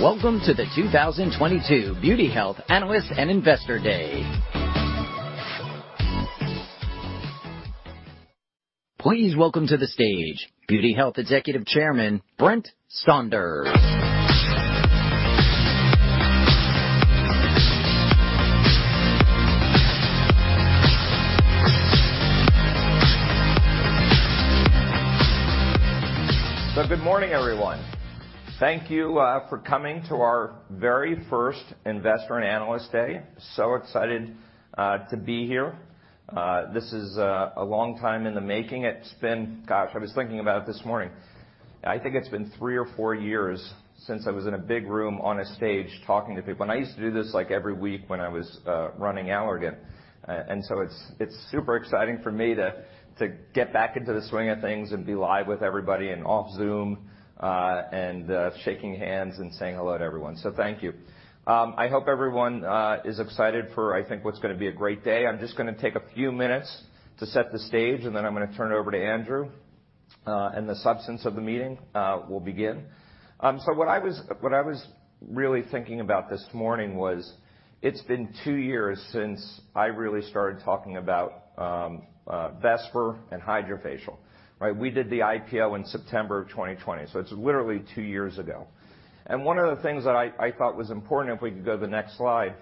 Welcome to the 2022 Beauty Health Analyst and Investor Day. Please welcome to the stage Beauty Health Executive Chairman, Brent Saunders. Good morning, everyone. Thank you for coming to our very first Investor and Analyst Day. Excited to be here. This is a long time in the making. It's been... Gosh, I was thinking about it this morning. I think it's been three or four years since I was in a big room on a stage talking to people. I used to do this, like, every week when I was running Allergan. It's super exciting for me to get back into the swing of things and be live with everybody and off Zoom, and shaking hands and saying hello to everyone. Thank you. I hope everyone is excited for, I think, what's gonna be a great day. I'm just gonna take a few minutes to set the stage, and then I'm gonna turn it over to Andrew, and the substance of the meeting will begin. What I was really thinking about this morning was, it's been two years since I really started talking about Vesper and HydraFacial, right? We did the IPO in September of 2020, so it's literally two years ago. One of the things that I thought was important, if we could go to the next slide,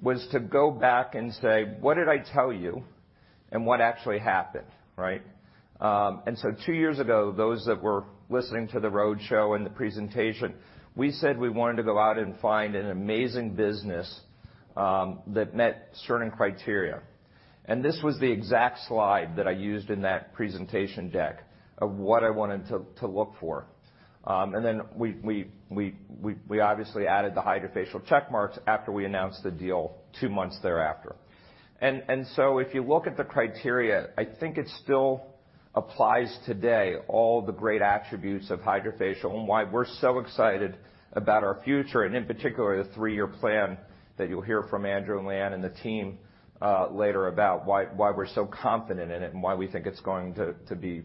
was to go back and say, "What did I tell you? And what actually happened?" Right? Two years ago, those that were listening to the roadshow and the presentation, we said we wanted to go out and find an amazing business that met certain criteria. This was the exact slide that I used in that presentation deck of what I wanted to look for. We obviously added the HydraFacial check marks after we announced the deal two months thereafter. If you look at the criteria, I think it still applies today, all the great attributes of HydraFacial and why we're so excited about our future, and in particular, the three year plan that you'll hear from Andrew and Liyuan and the team later about why we're so confident in it and why we think it's going to be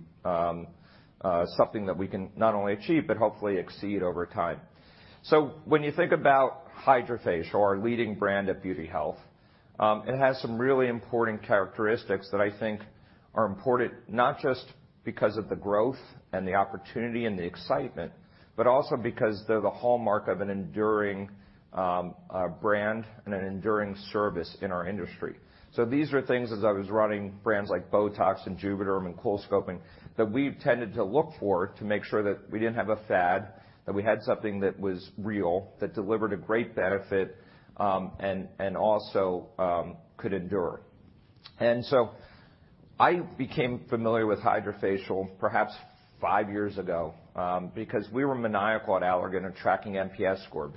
something that we can not only achieve, but hopefully exceed over time. When you think about HydraFacial, our leading brand at The Beauty Health Company, it has some really important characteristics that I think are important, not just because of the growth and the opportunity and the excitement, but also because they're the hallmark of an enduring brand and an enduring service in our industry. These are things, as I was running brands like BOTOX and JUVÉDERM and CoolSculpting, that we tended to look for to make sure that we didn't have a fad, that we had something that was real, that delivered a great benefit, and also could endure. I became familiar with HydraFacial perhaps five years ago, because we were maniacal at Allergan in tracking NPS score,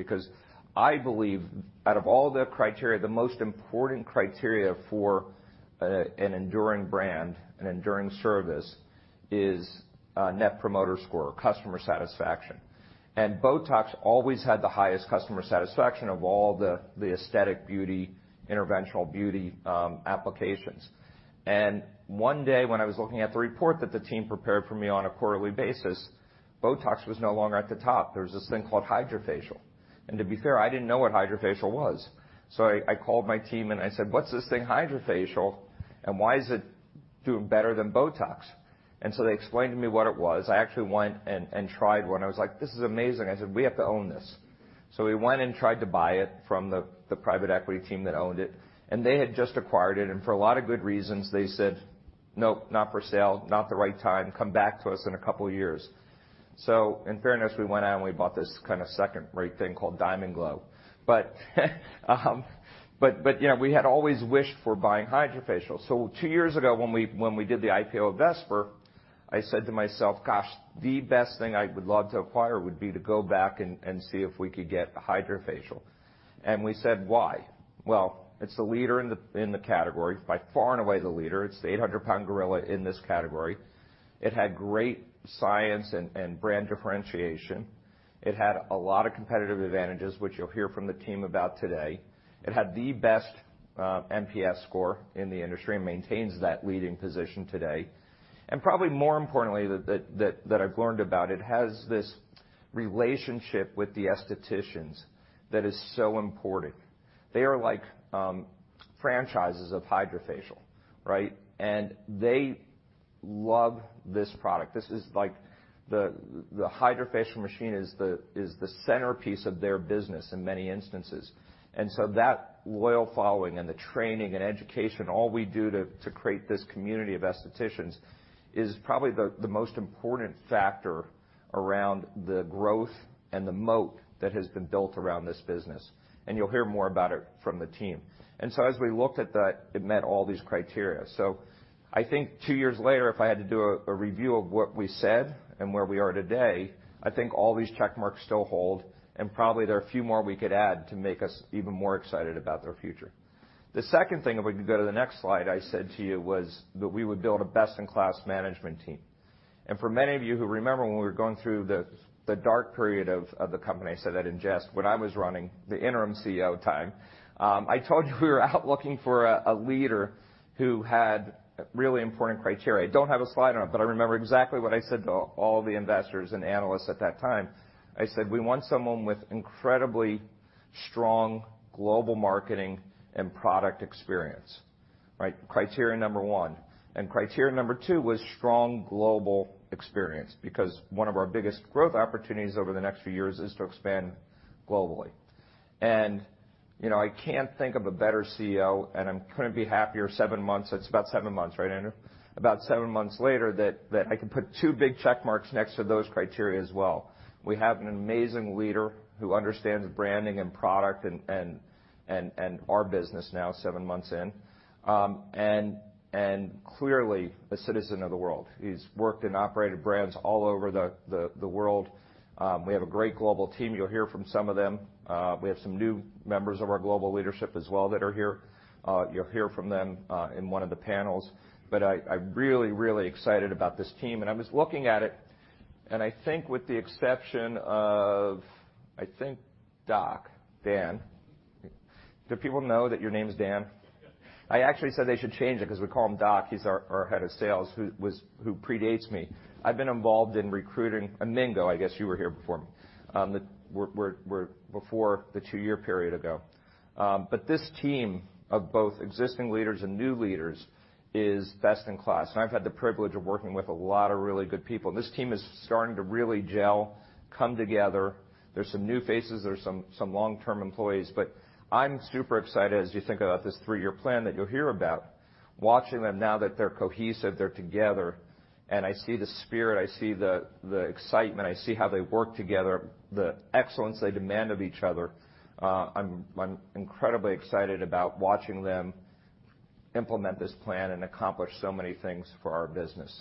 because I believe out of all the criteria, the most important criteria for an enduring brand, an enduring service is net promoter score, customer satisfaction. BOTOX always had the highest customer satisfaction of all the aesthetic beauty, interventional beauty applications. One day, when I was looking at the report that the team prepared for me on a quarterly basis, BOTOX was no longer at the top. There was this thing called HydraFacial. To be fair, I didn't know what HydraFacial was. I called my team and I said, "What's this thing, HydraFacial? And why is it doing better than BOTOX?" They explained to me what it was. I actually went and tried one. I was like, "This is amazing." I said, "We have to own this." We went and tried to buy it from the private equity team that owned it, and they had just acquired it. For a lot of good reasons, they said, "Nope, not for sale, not the right time. Come back to us in a couple of years." In fairness, we went out, and we bought this kind of second-rate thing called DiamondGlow. You know, we had always wished for buying HydraFacial. Two years ago, when we did the IPO of Vesper, I said to myself, "Gosh, the best thing I would love to acquire would be to go back and see if we could get HydraFacial." We said, "Why?" Well, it's the leader in the category. By far and away, the leader. It's the 800-pound gorilla in this category. It had great science and brand differentiation. It had a lot of competitive advantages, which you'll hear from the team about today. It had the best NPS score in the industry and maintains that leading position today. Probably more importantly, that I've learned about, it has this relationship with the aestheticians that is so important. They are like franchises of HydraFacial, right? They love this product. This is like the HydraFacial machine is the centerpiece of their business in many instances. That loyal following and the training and education, all we do to create this community of aestheticians is probably the most important factor around the growth and the moat that has been built around this business. You'll hear more about it from the team. As we looked at that, it met all these criteria. I think two years later, if I had to do a review of what we said and where we are today, I think all these check marks still hold, and probably there are a few more we could add to make us even more excited about their future. The second thing, if we could go to the next slide, I said to you was that we would build a best-in-class management team. For many of you who remember when we were going through the dark period of the company, so that in jest, when I was running the interim CEO time, I told you we were out looking for a leader who had really important criteria. Don't have a slide on it, but I remember exactly what I said to all the investors and analysts at that time. I said, "We want someone with incredibly strong global marketing and product experience, right? Criterion number one. Criterion number two was strong global experience, because one of our biggest growth opportunities over the next few years is to expand globally. You know, I can't think of a better CEO, and I couldn't be happier seven months, it's about seven months, right, Andrew Stanleick? About seven months later that I can put two big check marks next to those criteria as well. We have an amazing leader who understands branding and product and our business now seven months in, and clearly a citizen of the world. He's worked and operated brands all over the world. We have a great global team. You'll hear from some of them. We have some new members of our global leadership as well that are here. You'll hear from them in one of the panels. I'm really, really excited about this team. I'm just looking at it, and I think with the exception of, I think Doc, Dan. Do people know that your name is Dan? Yes. I actually said they should change it 'cause we call him Doc. He's our Head of Sales who predates me. I've been involved in recruiting. Mingo, I guess you were here before me. They were before the two-year period ago. This team of both existing leaders and new leaders is best in class. I've had the privilege of working with a lot of really good people. This team is starting to really gel, come together. There's some new faces, there's some long-term employees, but I'm super excited as you think about this three-year plan that you'll hear about, watching them now that they're cohesive, they're together, and I see the spirit, I see the excitement, I see how they work together, the excellence they demand of each other. I'm incredibly excited about watching them implement this plan and accomplish so many things for our business.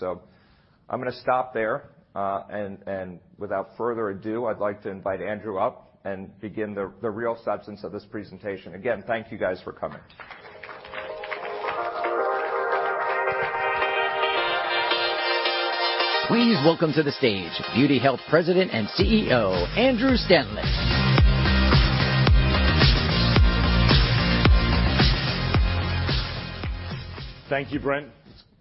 I'm gonna stop there, and without further ado, I'd like to invite Andrew up and begin the real substance of this presentation. Again, thank you guys for coming. Please welcome to the stage Beauty Health President and CEO, Andrew Stanleick. Thank you, Brent.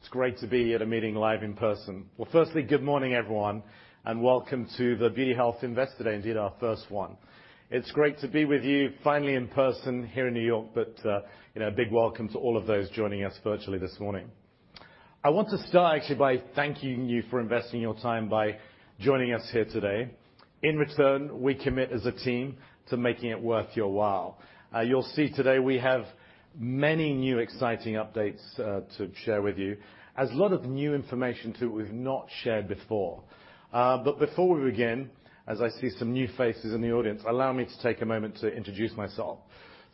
It's great to be at a meeting live in person. Well, firstly, good morning, everyone, and welcome to the Beauty Health Investor Day, indeed our first one. It's great to be with you finally in person here in New York, but, you know, a big welcome to all of those joining us virtually this morning. I want to start actually by thanking you for investing your time by joining us here today. In return, we commit as a team to making it worth your while. You'll see today we have many new exciting updates to share with you. Also a lot of new information too we've not shared before. But before we begin, as I see some new faces in the audience, allow me to take a moment to introduce myself.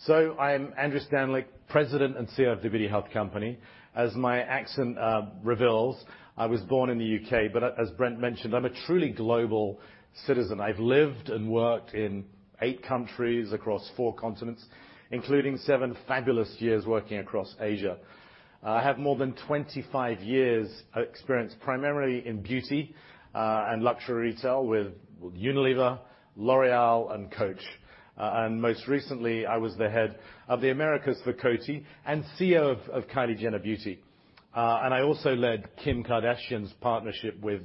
I'm Andrew Stanleick, President and CEO of The Beauty Health Company. As my accent reveals, I was born in the UK, but as Brent mentioned, I'm a truly global citizen. I've lived and worked in eight countries across four continents, including seven fabulous years working across Asia. I have more than 25 years experience, primarily in beauty and luxury retail with Unilever, L'Oréal and Coach. And most recently, I was the head of the Americas for Coty and CEO of Kylie Jenner Beauty. And I also led Kim Kardashian's partnership with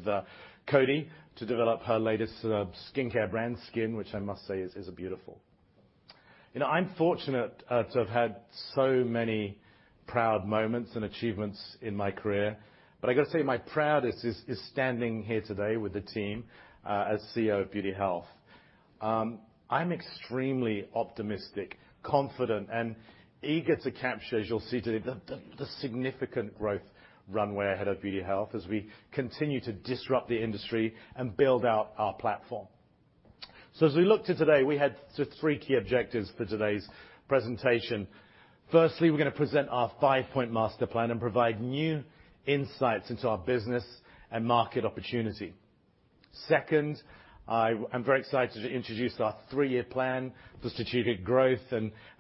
Coty to develop her latest skincare brand, SKKN, which I must say is beautiful. You know, I'm fortunate to have had so many proud moments and achievements in my career, but I got to say, my proudest is standing here today with the team as CEO of Beauty Health. I'm extremely optimistic, confident, and eager to capture, as you'll see today, the significant growth runway ahead of Beauty Health as we continue to disrupt the industry and build out our platform. As we look to today, we had sort of three key objectives for today's presentation. Firstly, we're gonna present our five-point master plan and provide new insights into our business and market opportunity. Second, I'm very excited to introduce our three-year plan for strategic growth.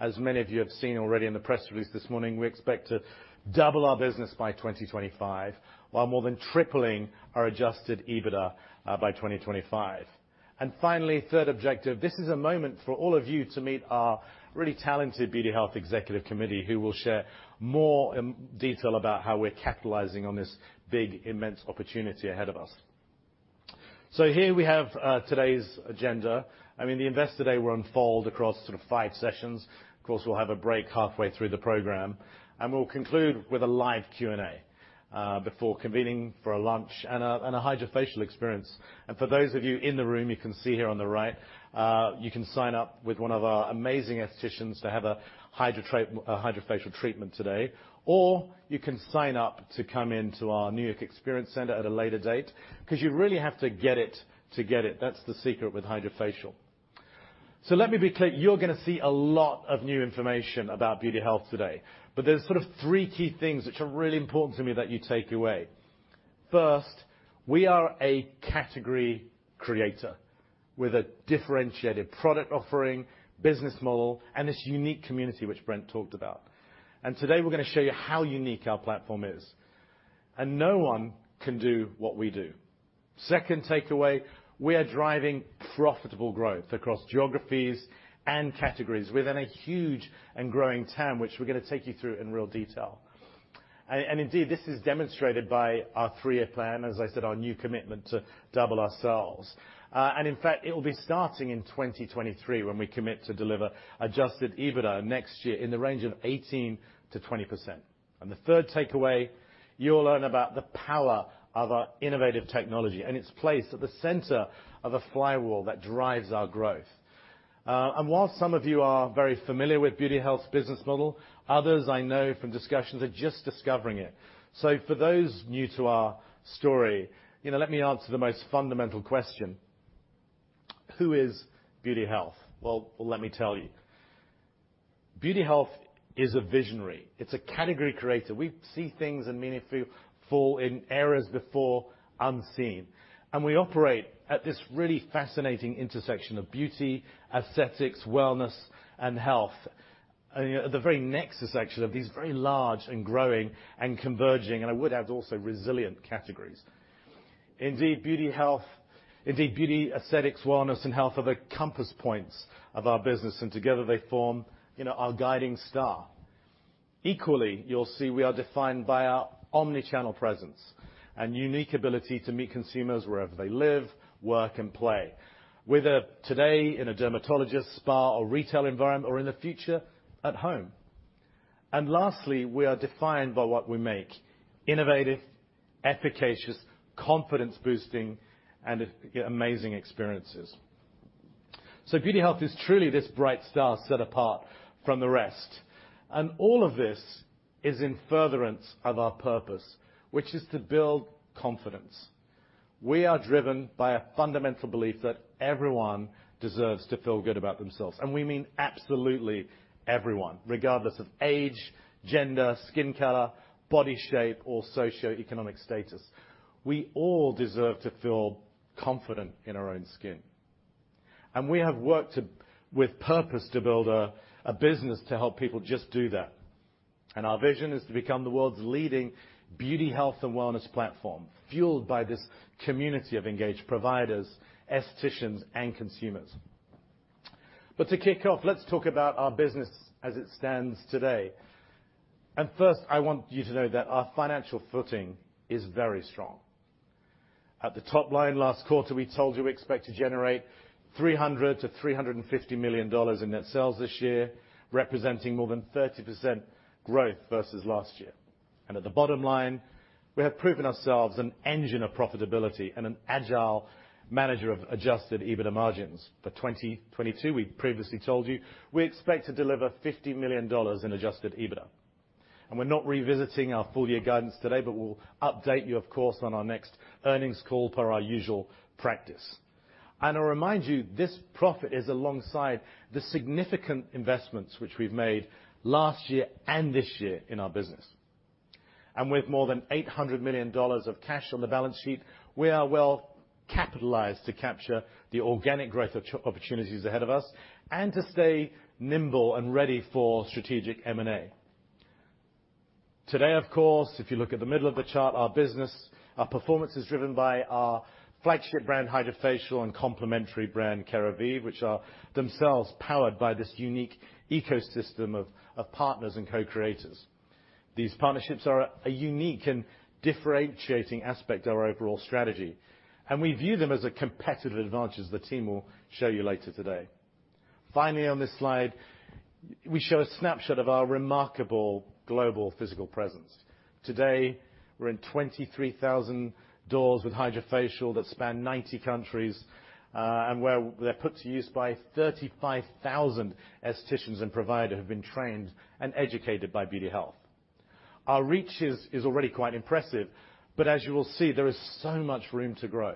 As many of you have seen already in the press release this morning, we expect to double our business by 2025, while more than tripling our adjusted EBITDA by 2025. Finally, third objective, this is a moment for all of you to meet our really talented Beauty Health executive committee, who will share more in detail about how we're capitalizing on this big, immense opportunity ahead of us. Here we have today's agenda. I mean, the Investor Day will unfold across sort of five sessions. Of course, we'll have a break halfway through the program, and we'll conclude with a live Q&A before convening for a lunch and a HydraFacial experience. For those of you in the room, you can see here on the right, you can sign up with one of our amazing aestheticians to have a HydraFacial treatment today. Or you can sign up to come into our New York Experience Center at a later date because you really have to get it to get it. That's the secret with HydraFacial. Let me be clear, you're gonna see a lot of new information about Beauty Health today. There's sort of three key things which are really important to me that you take away. First, we are a category creator with a differentiated product offering, business model, and this unique community which Brent talked about. Today, we're gonna show you how unique our platform is. No one can do what we do. Second takeaway, we are driving profitable growth across geographies and categories within a huge and growing TAM, which we're gonna take you through in real detail. Indeed, this is demonstrated by our three-year plan, as I said, our new commitment to double our sales. In fact, it'll be starting in 2023 when we commit to deliver Adjusted EBITDA next year in the range of 18%-20%. The third takeaway, you'll learn about the power of our innovative technology and its place at the center of a flywheel that drives our growth. While some of you are very familiar with Beauty Health's business model, others I know from discussions are just discovering it. For those new to our story, you know, let me answer the most fundamental question, who is Beauty Health? Well, let me tell you. Beauty Health is a visionary. It's a category creator. We see things and make it through fully in areas before unseen. We operate at this really fascinating intersection of beauty, aesthetics, wellness, and health. You know, at the very nexus section of these very large and growing and converging, and I would add also resilient categories. Indeed, Beauty Health, aesthetics, wellness, and health are the compass points of our business, and together they form, you know, our guiding star. Equally, you'll see we are defined by our omni-channel presence and unique ability to meet consumers wherever they live, work, and play, whether today in a dermatologist, spa, or retail environment, or in the future, at home. Lastly, we are defined by what we make, innovative, efficacious, confidence-boosting, and amazing experiences. Beauty Health is truly this bright star set apart from the rest. All of this is in furtherance of our purpose, which is to build confidence. We are driven by a fundamental belief that everyone deserves to feel good about themselves. We mean absolutely everyone, regardless of age, gender, skin color, body shape, or socioeconomic status. We all deserve to feel confident in our own skin. We have worked with purpose to build a business to help people just do that. Our vision is to become the world's leading beauty health and wellness platform, fueled by this community of engaged providers, aestheticians, and consumers. To kick off, let's talk about our business as it stands today. First, I want you to know that our financial footing is very strong. At the top line last quarter, we told you we expect to generate $300 million-$350 million in net sales this year, representing more than 30% growth versus last year. At the bottom line, we have proven ourselves an engine of profitability and an agile manager of adjusted EBITDA margins. For 2022, we previously told you we expect to deliver $50 million in adjusted EBITDA. We're not revisiting our full year guidance today, but we'll update you, of course, on our next earnings call per our usual practice. I remind you, this profit is alongside the significant investments which we've made last year and this year in our business. With more than $800 million of cash on the balance sheet, we are well capitalized to capture the organic growth of opportunities ahead of us and to stay nimble and ready for strategic M&A. Today, of course, if you look at the middle of the chart, our business, our performance is driven by our flagship brand, HydraFacial, and complementary brand, Keravive, which are themselves powered by this unique ecosystem of partners and co-creators. These partnerships are a unique and differentiating aspect of our overall strategy, and we view them as a competitive advantage as the team will show you later today. Finally, on this slide, we show a snapshot of our remarkable global physical presence. Today, we're in 23,000 doors with HydraFacial that span 90 countries, and where they're put to use by 35,000 aestheticians and provider who've been trained and educated by Beauty Health. Our reach is already quite impressive, but as you will see, there is so much room to grow.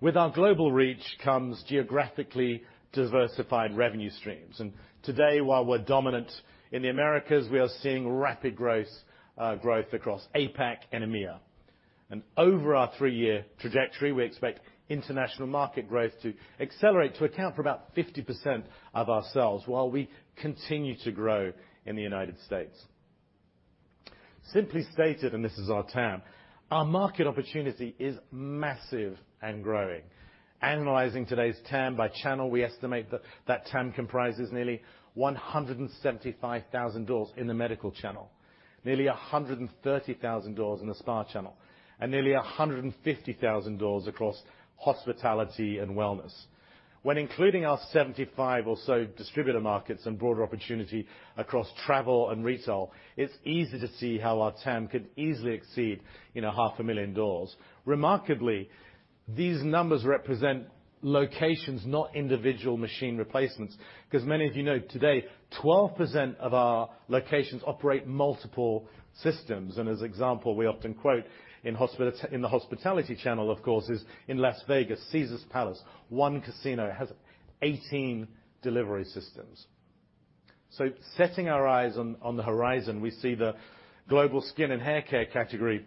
With our global reach comes geographically diversified revenue streams. Today, while we're dominant in the Americas, we are seeing rapid gross growth across APAC and EMEA. Over our three-year trajectory, we expect international market growth to accelerate to account for about 50% of our sales while we continue to grow in the United States. Simply stated, and this is our TAM, our market opportunity is massive and growing. Analyzing today's TAM by channel, we estimate that TAM comprises nearly 175,000 doors in the medical channel, nearly 130,000 doors in the spa channel, and nearly 150,000 doors across hospitality and wellness. When including our 75 or so distributor markets and broader opportunity across travel and retail, it's easy to see how our TAM could easily exceed, you know, 500,000 doors. Remarkably, these numbers represent locations, not individual machine replacements, because many of you know today, 12% of our locations operate multiple systems. As example, we often quote in the hospitality channel, of course, is in Las Vegas, Caesars Palace. One casino has 18 delivery systems. Setting our eyes on the horizon, we see the global skin and hair care category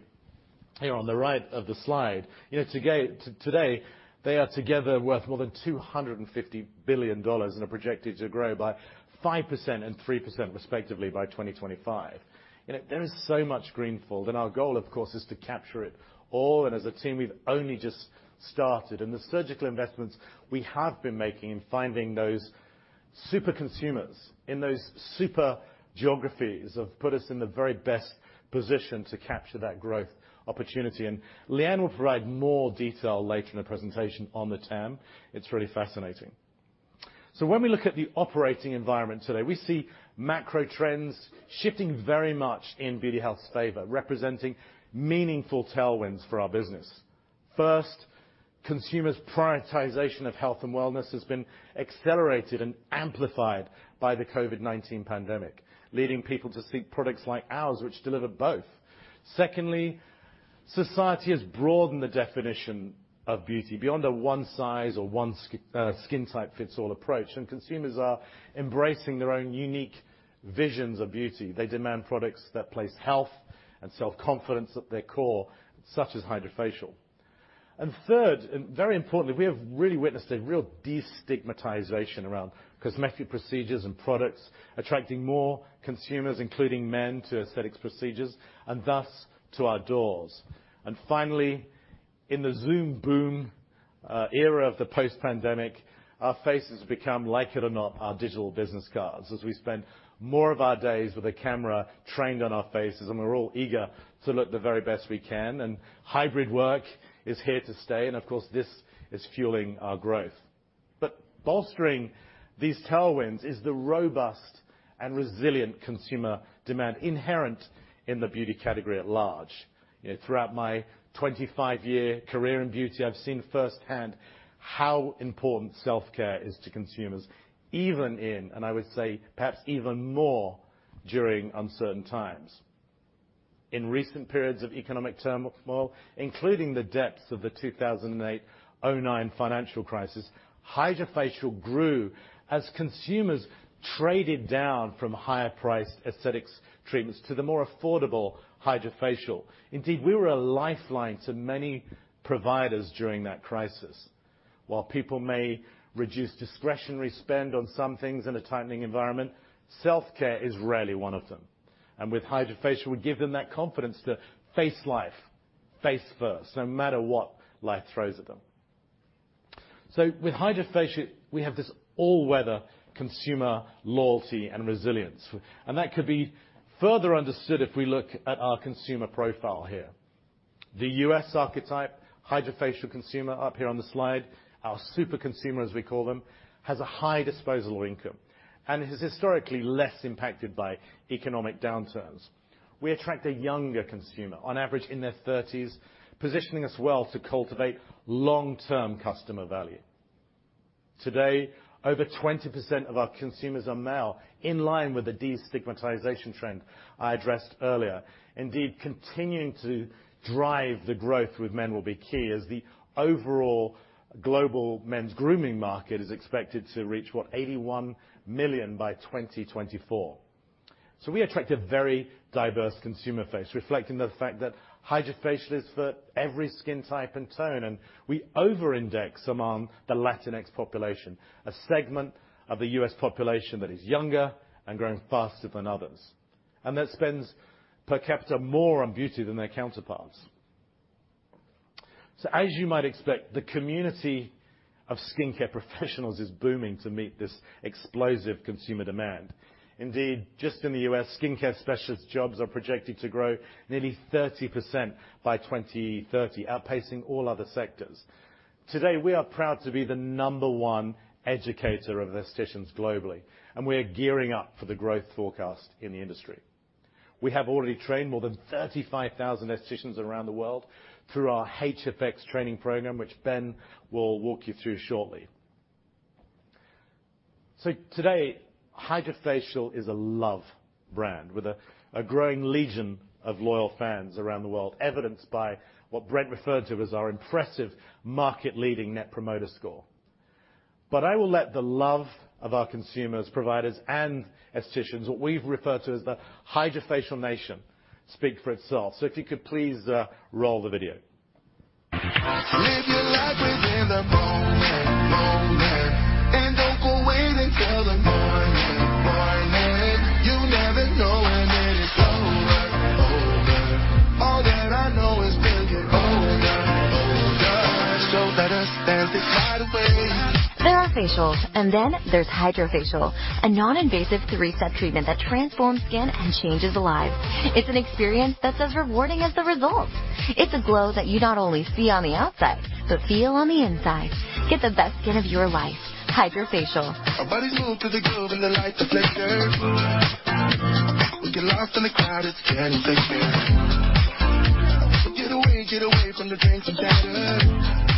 here on the right of the slide. You know, today they are together worth more than $250 billion and are projected to grow by 5% and 3% respectively by 2025. You know, there is so much greenfield, and our goal, of course, is to capture it all. As a team, we've only just started. The surgical investments we have been making in finding those super consumers in those super geographies have put us in the very best position to capture that growth opportunity, and Liyuan will provide more detail later in the presentation on the term. It's really fascinating. When we look at the operating environment today, we see macro trends shifting very much in Beauty Health's favor, representing meaningful tailwinds for our business. First, consumers' prioritization of health and wellness has been accelerated and amplified by the COVID-19 pandemic, leading people to seek products like ours which deliver both. Secondly, society has broadened the definition of beauty beyond a one size or one skin type fits all approach, and consumers are embracing their own unique visions of beauty. They demand products that place health and self-confidence at their core, such as HydraFacial. Third, and very importantly, we have really witnessed a real destigmatization around cosmetic procedures and products, attracting more consumers, including men, to aesthetics procedures, and thus to our doors. Finally, in the Zoom boom era of the post-pandemic, our faces become, like it or not, our digital business cards, as we spend more of our days with a camera trained on our faces, and we're all eager to look the very best we can, and hybrid work is here to stay, and of course, this is fueling our growth. Bolstering these tailwinds is the robust and resilient consumer demand inherent in the beauty category at large. You know, throughout my 25-year career in beauty, I've seen firsthand how important self-care is to consumers, even in, and I would say perhaps even more during uncertain times. In recent periods of economic turmoil, including the depths of the 2008/09 financial crisis, HydraFacial grew as consumers traded down from higher priced aesthetics treatments to the more affordable HydraFacial. Indeed, we were a lifeline to many providers during that crisis. While people may reduce discretionary spend on some things in a tightening environment, self-care is rarely one of them. With HydraFacial, we give them that confidence to face life face first, no matter what life throws at them. With HydraFacial, we have this all-weather consumer loyalty and resilience. That could be further understood if we look at our consumer profile here. The U.S. archetype HydraFacial consumer up here on the slide, our super consumer, as we call them, has a high disposable income, and it is historically less impacted by economic downturns. We attract a younger consumer, on average in their thirties, positioning us well to cultivate long-term customer value. Today, over 20% of our consumers are male, in line with the destigmatization trend I addressed earlier. Indeed, continuing to drive the growth with men will be key, as the overall global men's grooming market is expected to reach $81 million by 2024. We attract a very diverse consumer base, reflecting the fact that HydraFacial is for every skin type and tone, and we over-index among the Latinx population, a segment of the US population that is younger and growing faster than others, and that spends per capita more on beauty than their counterparts. As you might expect, the community of skincare professionals is booming to meet this explosive consumer demand. Indeed, just in the US, skincare specialist jobs are projected to grow nearly 30% by 2030, outpacing all other sectors. Today, we are proud to be the number one educator of aestheticians globally, and we are gearing up for the growth forecast in the industry. We have already trained more than 35,000 aestheticians around the world through our HFX training program, which Ben will walk you through shortly. Today, HydraFacial is a love brand with a growing legion of loyal fans around the world, evidenced by what Brent referred to as our impressive market-leading net promoter score. I will let the love of our consumers, providers, and aestheticians, what we've referred to as the HydraFacial Nation, speak for itself. If you could please, roll the video. Live your life within the moment. Don't go waiting till the morning. You'll never know when it is over. All that I know is take it or die, healthy or die. Let us dance the night away. There are facials, and then there's HydraFacial, a non-invasive three-step treatment that transforms skin and changes lives. It's an experience that's as rewarding as the results. It's a glow that you not only see on the outside, but feel on the inside. Get the best skin of your life. HydraFacial. Our bodies move to the groove and the lights are flickering. We get lost in the crowd, it's getting thicker. Get away, get away from the things that shatter. Had a sad word, but it doesn't matter.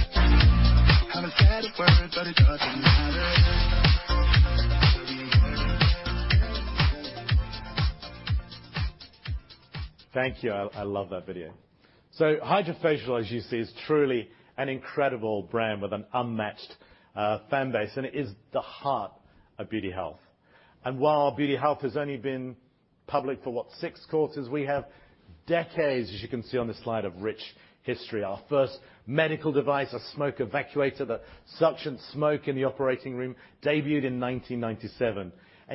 Thank you. I love that video. HydraFacial, as you see, is truly an incredible brand with an unmatched fan base, and it is the heart of Beauty Health. While Beauty Health has only been public for, what, six quarters, we have decades, as you can see on this slide, of rich history. Our first medical device, a smoke evacuator that suctioned smoke in the operating room, debuted in 1997.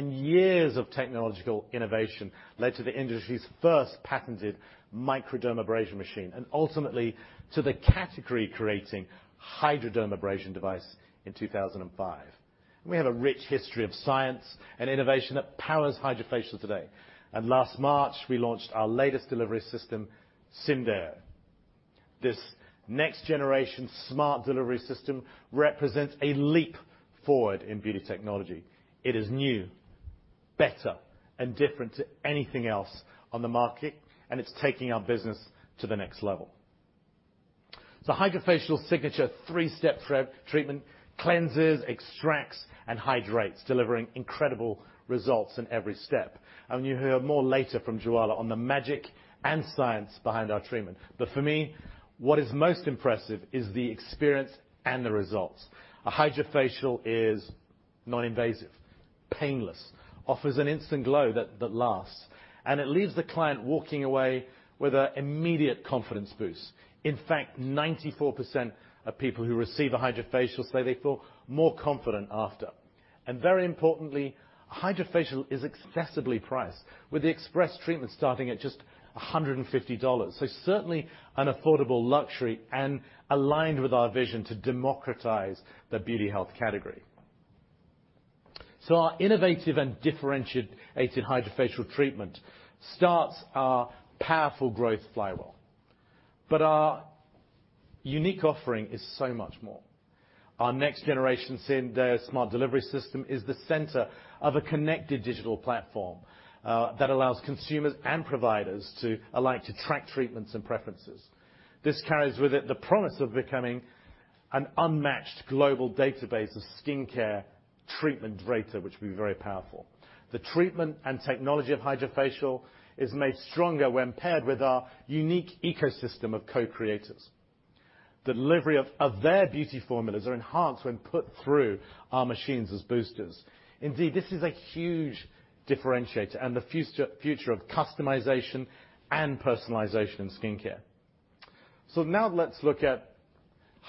Years of technological innovation led to the industry's first patented microdermabrasion machine, and ultimately to the category creating hydrodermabrasion device in 2005. We have a rich history of science and innovation that powers HydraFacial today. Last March, we launched our latest delivery system, Syndeo. This next generation smart delivery system represents a leap forward in beauty technology. It is new, better, and different to anything else on the market, and it's taking our business to the next level. The HydraFacial signature three-step treatment cleanses, extracts, and hydrates, delivering incredible results in every step. You hear more later from Jwala on the magic and science behind our treatment. For me, what is most impressive is the experience and the results. A HydraFacial is non-invasive, painless, offers an instant glow that lasts, and it leaves the client walking away with an immediate confidence boost. In fact, 94% of people who receive a HydraFacial say they feel more confident after. Very importantly, HydraFacial is accessibly priced, with the express treatment starting at just $150. Certainly an affordable luxury and aligned with our vision to democratize the Beauty Health category. Our innovative and differentiated HydraFacial treatment starts our powerful growth flywheel. Our unique offering is so much more. Our next generation Syndeo smart delivery system is the center of a connected digital platform that allows consumers and providers alike to track treatments and preferences. This carries with it the promise of becoming an unmatched global database of skincare treatment data, which will be very powerful. The treatment and technology of HydraFacial is made stronger when paired with our unique ecosystem of co-creators. Delivery of their beauty formulas are enhanced when put through our machines as boosters. Indeed, this is a huge differentiator and the future of customization and personalization in skincare. Now let's look at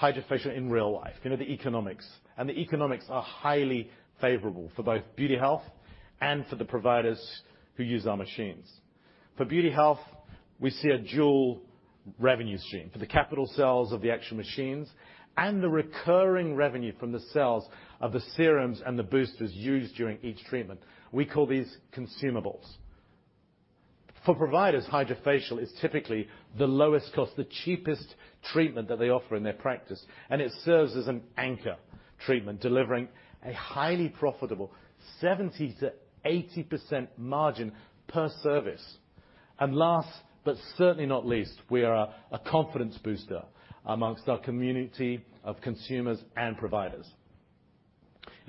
HydraFacial in real life, you know, the economics. The economics are highly favorable for both Beauty Health and for the providers who use our machines. For Beauty Health, we see a dual revenue stream, for the capital sales of the actual machines and the recurring revenue from the sales of the serums and the boosters used during each treatment. We call these consumables. For providers, HydraFacial is typically the lowest cost, the cheapest treatment that they offer in their practice, and it serves as an anchor treatment, delivering a highly profitable 70%-80% margin per service. Last, but certainly not least, we are a confidence booster amongst our community of consumers and providers.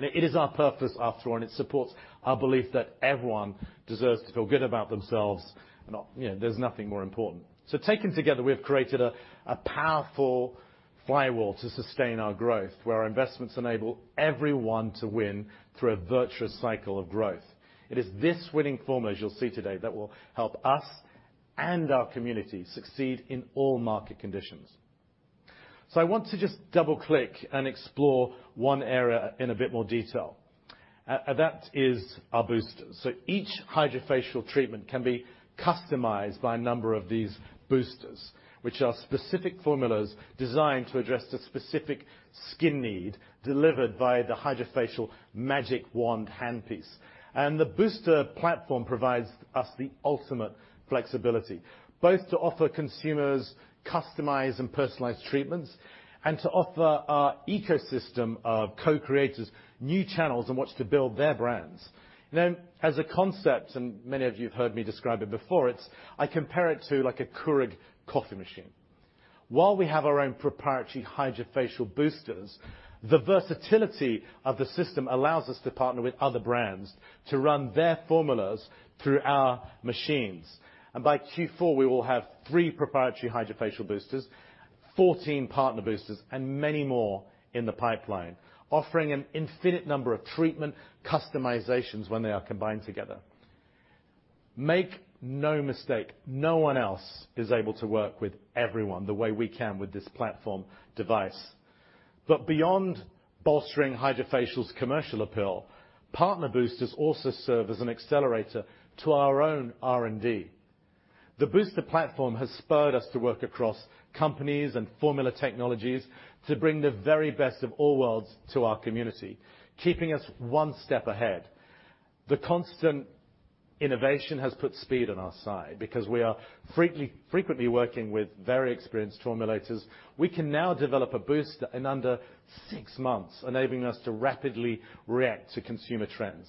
It is our purpose after all, and it supports our belief that everyone deserves to feel good about themselves. And, you know, there's nothing more important. Taken together, we have created a powerful flywheel to sustain our growth, where our investments enable everyone to win through a virtuous cycle of growth. It is this winning formula, as you'll see today, that will help us and our community succeed in all market conditions. I want to just double-click and explore one area in a bit more detail. That is our boosters. Each HydraFacial treatment can be customized by a number of these boosters, which are specific formulas designed to address the specific skin need delivered by the HydraFacial magic wand handpiece. The booster platform provides us the ultimate flexibility, both to offer consumers customized and personalized treatments, and to offer our ecosystem of co-creators new channels in which to build their brands. As a concept, and many of you have heard me describe it before, it's, I compare it to like a Keurig coffee machine. While we have our own proprietary HydraFacial boosters, the versatility of the system allows us to partner with other brands to run their formulas through our machines. By Q4, we will have three proprietary HydraFacial boosters, 14 partner boosters, and many more in the pipeline, offering an infinite number of treatment customizations when they are combined together. Make no mistake, no one else is able to work with everyone the way we can with this platform device. Beyond bolstering HydraFacial's commercial appeal, partner boosters also serve as an accelerator to our own R&D. The booster platform has spurred us to work across companies and formula technologies to bring the very best of all worlds to our community, keeping us one step ahead. The constant innovation has put speed on our side. Because we are frequently working with very experienced formulators, we can now develop a booster in under six months, enabling us to rapidly react to consumer trends.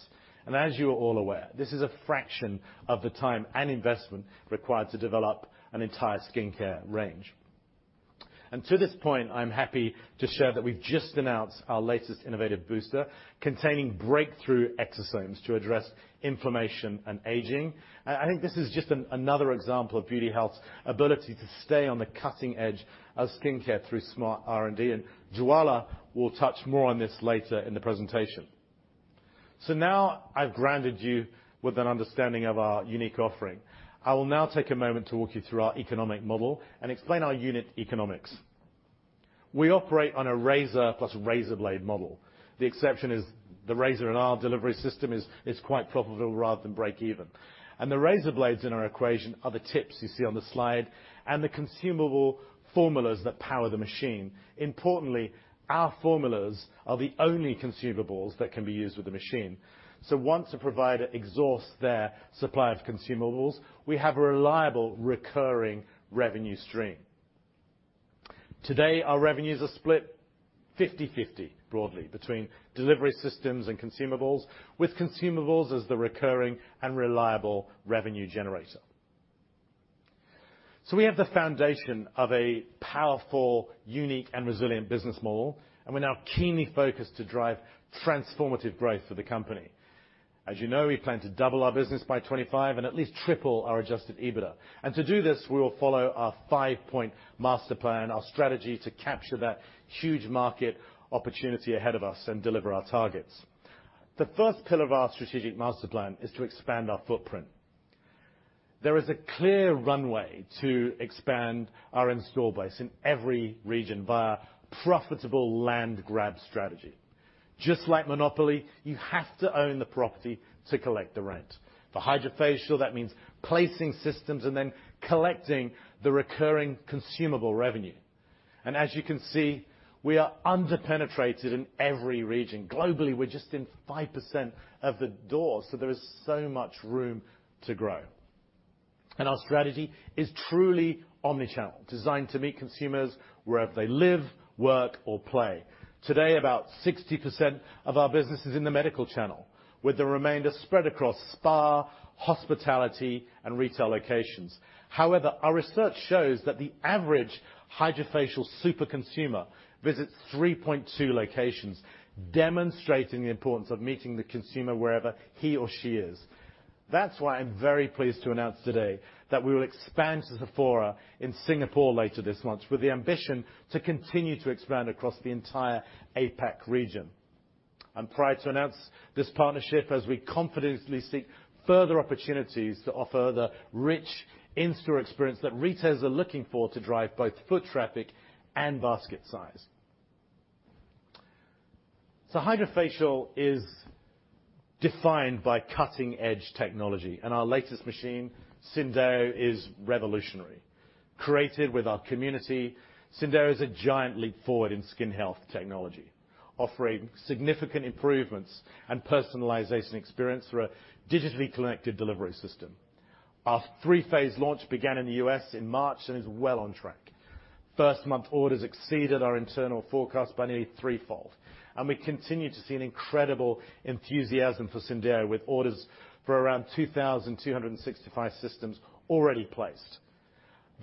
As you are all aware, this is a fraction of the time and investment required to develop an entire skincare range. To this point, I'm happy to share that we've just announced our latest innovative booster containing breakthrough exosomes to address inflammation and aging. I think this is just another example of Beauty Health's ability to stay on the cutting edge of skincare through smart R&D, and Dr. Jwala Karnik will touch more on this later in the presentation. Now I've grounded you with an understanding of our unique offering. I will now take a moment to walk you through our economic model and explain our unit economics. We operate on a razor plus razor blade model. The exception is the razor in our delivery system is quite profitable rather than break even. The razor blades in our equation are the tips you see on the slide, and the consumable formulas that power the machine. Importantly, our formulas are the only consumables that can be used with the machine. Once a provider exhausts their supply of consumables, we have a reliable recurring revenue stream. Today, our revenues are split 50/50 broadly between delivery systems and consumables, with consumables as the recurring and reliable revenue generator. We have the foundation of a powerful, unique and resilient business model, and we're now keenly focused to drive transformative growth for the company. As you know, we plan to double our business by 25 and at least triple our adjusted EBITDA. To do this, we will follow our five-point master plan, our strategy to capture that huge market opportunity ahead of us and deliver our targets. The first pillar of our strategic master plan is to expand our footprint. There is a clear runway to expand our install base in every region via profitable land grab strategy. Just like Monopoly, you have to own the property to collect the rent. For HydraFacial, that means placing systems and then collecting the recurring consumable revenue. As you can see, we are under-penetrated in every region. Globally, we're just in 5% of the doors, so there is so much room to grow. Our strategy is truly omni-channel, designed to meet consumers wherever they live, work or play. Today, about 60% of our business is in the medical channel, with the remainder spread across spa, hospitality and retail locations. However, our research shows that the average HydraFacial super consumer visits 3.2 locations, demonstrating the importance of meeting the consumer wherever he or she is. That's why I'm very pleased to announce today that we will expand to Sephora in Singapore later this month with the ambition to continue to expand across the entire APAC region. I'm proud to announce this partnership as we confidently seek further opportunities to offer the rich in-store experience that retailers are looking for to drive both foot traffic and basket size. HydraFacial is defined by cutting-edge technology, and our latest machine, Syndeo, is revolutionary. Created with our community, Syndeo is a giant leap forward in skin technology, offering significant improvements and personalization experience through a digitally connected delivery system. Our 3-phase launch began in the U.S. in March and is well on track. First month orders exceeded our internal forecast by nearly threefold, and we continue to see an incredible enthusiasm for Syndeo with orders for around 2,265 systems already placed.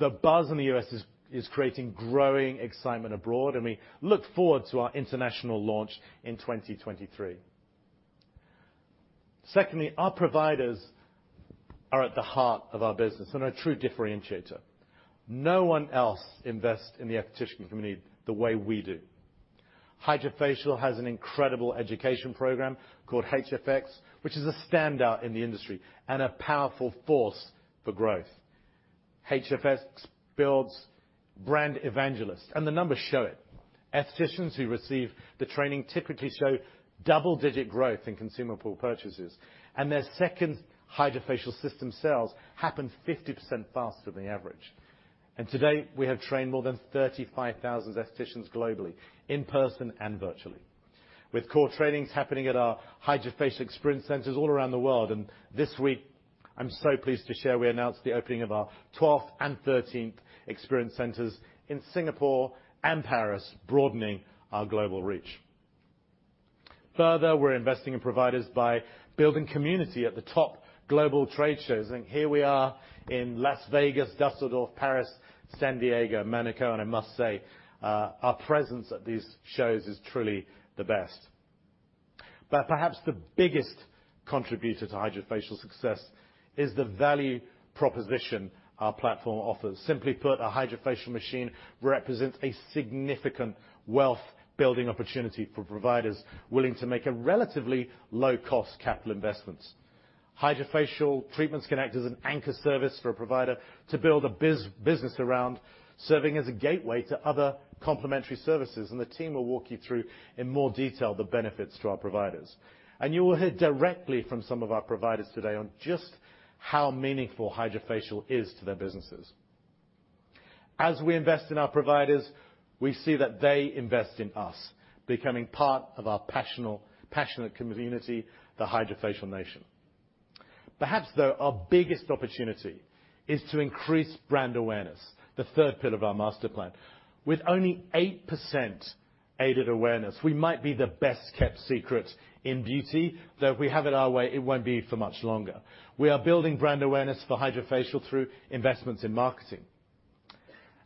The buzz in the U.S. is creating growing excitement abroad, and we look forward to our international launch in 2023. Secondly, our providers are at the heart of our business and are a true differentiator. No one else invests in the esthetician community the way we do. HydraFacial has an incredible education program called HFX, which is a standout in the industry and a powerful force for growth. HFX builds brand evangelists, and the numbers show it. Estheticians who receive the training typically show double-digit growth in consumable purchases, and their second HydraFacial system sales happen 50% faster than the average. Today, we have trained more than 35,000 estheticians globally, in person and virtually. With core trainings happening at our HydraFacial experience centers all around the world. This week, I'm so pleased to share we announced the opening of our 12th and 13th experience centers in Singapore and Paris, broadening our global reach. Further, we're investing in providers by building community at the top global trade shows. Here we are in Las Vegas, Düsseldorf, Paris, San Diego, Monaco, and I must say, our presence at these shows is truly the best. Perhaps the biggest contributor to HydraFacial's success is the value proposition our platform offers. Simply put, a HydraFacial machine represents a significant wealth-building opportunity for providers willing to make a relatively low-cost capital investments. HydraFacial treatments can act as an anchor service for a provider to build a business around, serving as a gateway to other complementary services, and the team will walk you through in more detail the benefits to our providers. You will hear directly from some of our providers today on just how meaningful HydraFacial is to their businesses. As we invest in our providers, we see that they invest in us, becoming part of our passionate community, the HydraFacial Nation. Perhaps, though, our biggest opportunity is to increase brand awareness, the third pillar of our master plan. With only 8% aided awareness, we might be the best-kept secret in beauty. Though if we have it our way, it won't be for much longer. We are building brand awareness for HydraFacial through investments in marketing.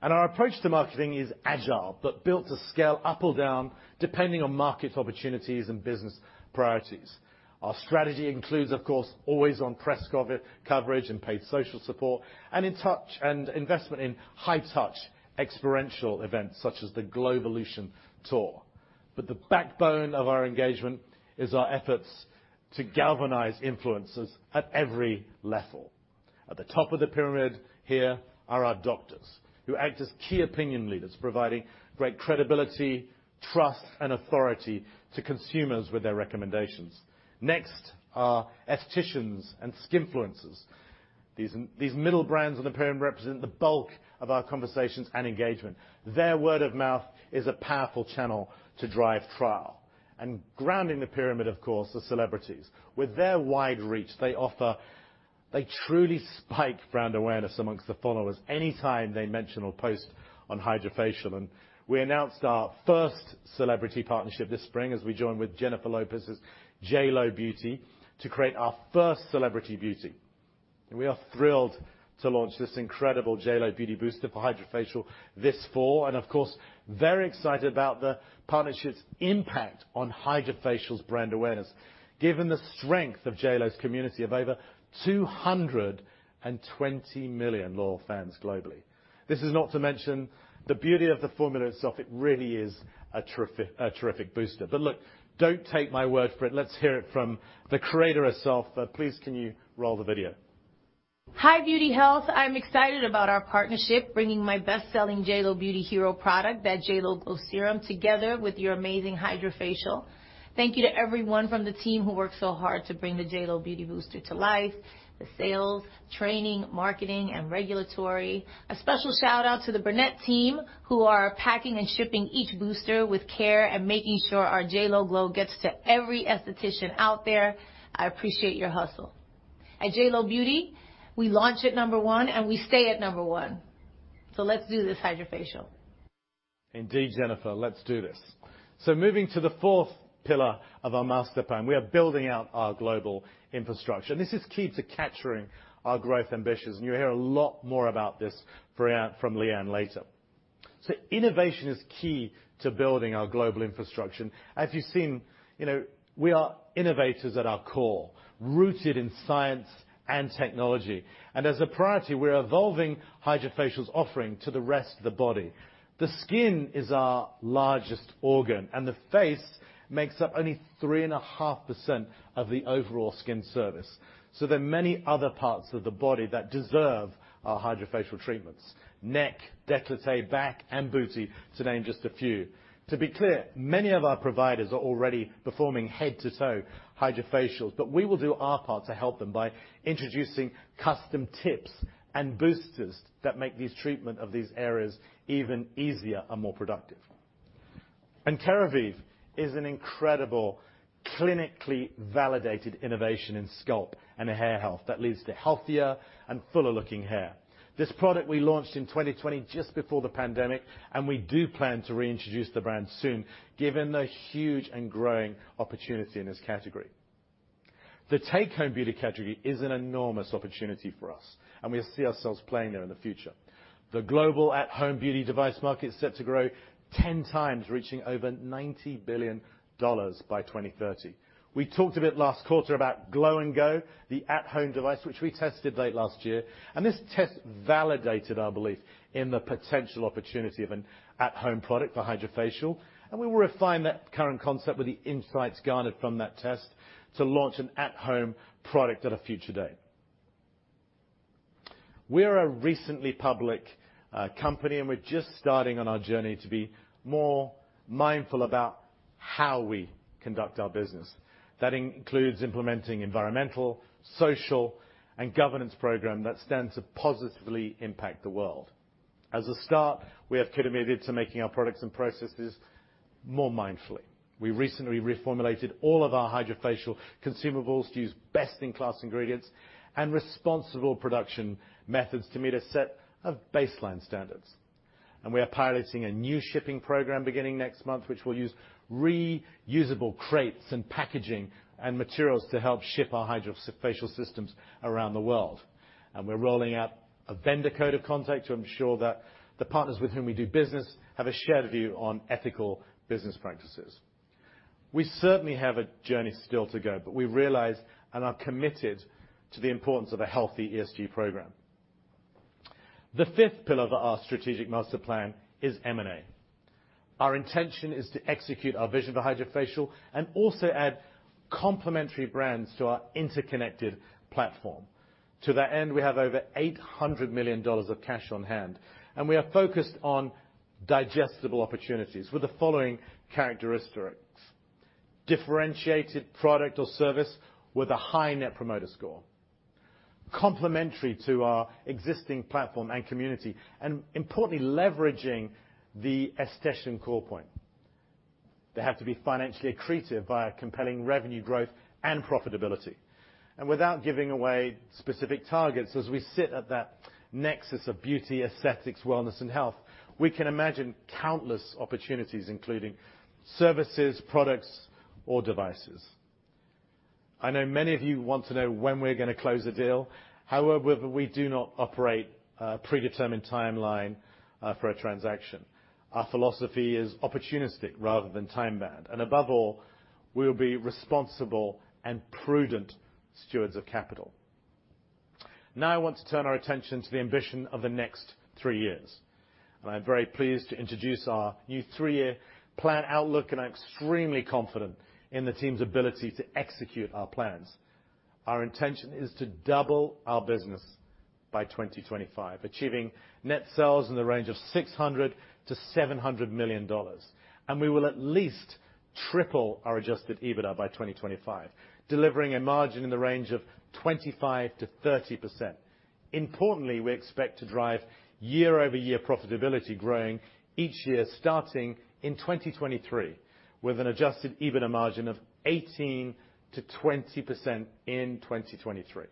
Our approach to marketing is agile but built to scale up or down depending on market opportunities and business priorities. Our strategy includes, of course, always-on press coverage and paid social support, and investment in high-touch experiential events such as the GLOWvolution Tour. The backbone of our engagement is our efforts to galvanize influencers at every level. At the top of the pyramid here are our doctors who act as key opinion leaders, providing great credibility, trust, and authority to consumers with their recommendations. Next are aestheticians and skinfluencers. These middle brands on the pyramid represent the bulk of our conversations and engagement. Their word of mouth is a powerful channel to drive trial. Grounding the pyramid, of course, are celebrities. With their wide reach, they offer. They truly spike brand awareness among the followers any time they mention or post on HydraFacial. We announced our first celebrity partnership this spring as we joined with Jennifer Lopez's JLo Beauty to create our first celebrity booster. We are thrilled to launch this incredible JLo Beauty booster for HydraFacial this fall, and of course, very excited about the partnership's impact on HydraFacial's brand awareness given the strength of JLo's community of over 220 million loyal fans globally. This is not to mention the beauty of the formula itself. It really is a terrific booster. Look, don't take my word for it. Let's hear it from the creator herself. Please, can you roll the video? Hi, Beauty Health. I'm excited about our partnership, bringing my best-selling JLo Beauty hero product, that JLo Glow Serum, together with your amazing HydraFacial. Thank you to everyone from the team who worked so hard to bring the JLo Beauty booster to life, the sales, training, marketing, and regulatory. A special shout-out to the Bernette team who are packing and shipping each booster with care and making sure our JLo Glow gets to every esthetician out there. I appreciate your hustle. At JLo Beauty, we launch at number one, and we stay at number one. Let's do this HydraFacial. Indeed, Jennifer, let's do this. Moving to the fourth pillar of our master plan, we are building out our global infrastructure. This is key to capturing our growth ambitions, and you'll hear a lot more about this from Liyuan later. Innovation is key to building our global infrastructure. As you've seen, you know, we are innovators at our core, rooted in science and technology. As a priority, we're evolving HydraFacial's offering to the rest of the body. The skin is our largest organ, and the face makes up only 3.5% of the overall skin surface. There are many other parts of the body that deserve our HydraFacial treatments. Neck, décolleté, back, and booty, to name just a few. To be clear, many of our providers are already performing head-to-toe HydraFacials, but we will do our part to help them by introducing custom tips and boosters that make these treatment of these areas even easier and more productive. Keravive is an incredible clinically validated innovation in scalp and hair that leads to ier and fuller looking hair. This product we launched in 2020 just before the pandemic, and we do plan to reintroduce the brand soon, given the huge and growing opportunity in this category. The take-home beauty category is an enormous opportunity for us, and we see ourselves playing there in the future. The global at-home beauty device market is set to grow 10 times, reaching over $90 billion by 2030. We talked a bit last quarter about Glow & Go, the at-home device which we tested late last year. This test validated our belief in the potential opportunity of an at-home product for HydraFacial, and we will refine that current concept with the insights garnered from that test to launch an at-home product at a future date. We're a recently public company, and we're just starting on our journey to be more mindful about how we conduct our business. That includes implementing environmental, social, and governance program that stands to positively impact the world. As a start, we have committed to making our products and processes more mindfully. We recently reformulated all of our HydraFacial consumables to use best-in-class ingredients and responsible production methods to meet a set of baseline standards. We are piloting a new shipping program beginning next month, which will use reusable crates and packaging and materials to help ship our HydraFacial systems around the world. We're rolling out a vendor code of conduct to ensure that the partners with whom we do business have a shared view on ethical business practices. We certainly have a journey still to go, but we realize and are committed to the importance of a y ESG program. The fifth pillar of our strategic master plan is M&A. Our intention is to execute our vision for HydraFacial and also add complementary brands to our interconnected platform. To that end, we have over $800 million of cash on hand, and we are focused on digestible opportunities with the following characteristics, differentiated product or service with a high net promoter score, complementary to our existing platform and community, and importantly, leveraging the aesthetic core point. They have to be financially accretive by a compelling revenue growth and profitability. Without giving away specific targets, as we sit at that nexus of beauty, aesthetics, wellness, and health, we can imagine countless opportunities, including services, products, or devices. I know many of you want to know when we're gonna close a deal. However, we do not operate a predetermined timeline, for a transaction. Our philosophy is opportunistic rather than time-bound. Above all, we will be responsible and prudent stewards of capital. Now I want to turn our attention to the ambition of the next three years. I'm very pleased to introduce our new three-year plan outlook, and I'm extremely confident in the team's ability to execute our plans. Our intention is to double our business by 2025, achieving net sales in the range of $600 million-$700 million. We will at least triple our adjusted EBITDA by 2025, delivering a margin in the range of 25%-30%. Importantly, we expect to drive year-over-year profitability growing each year starting in 2023, with an adjusted EBITDA margin of 18%-20% in 2023.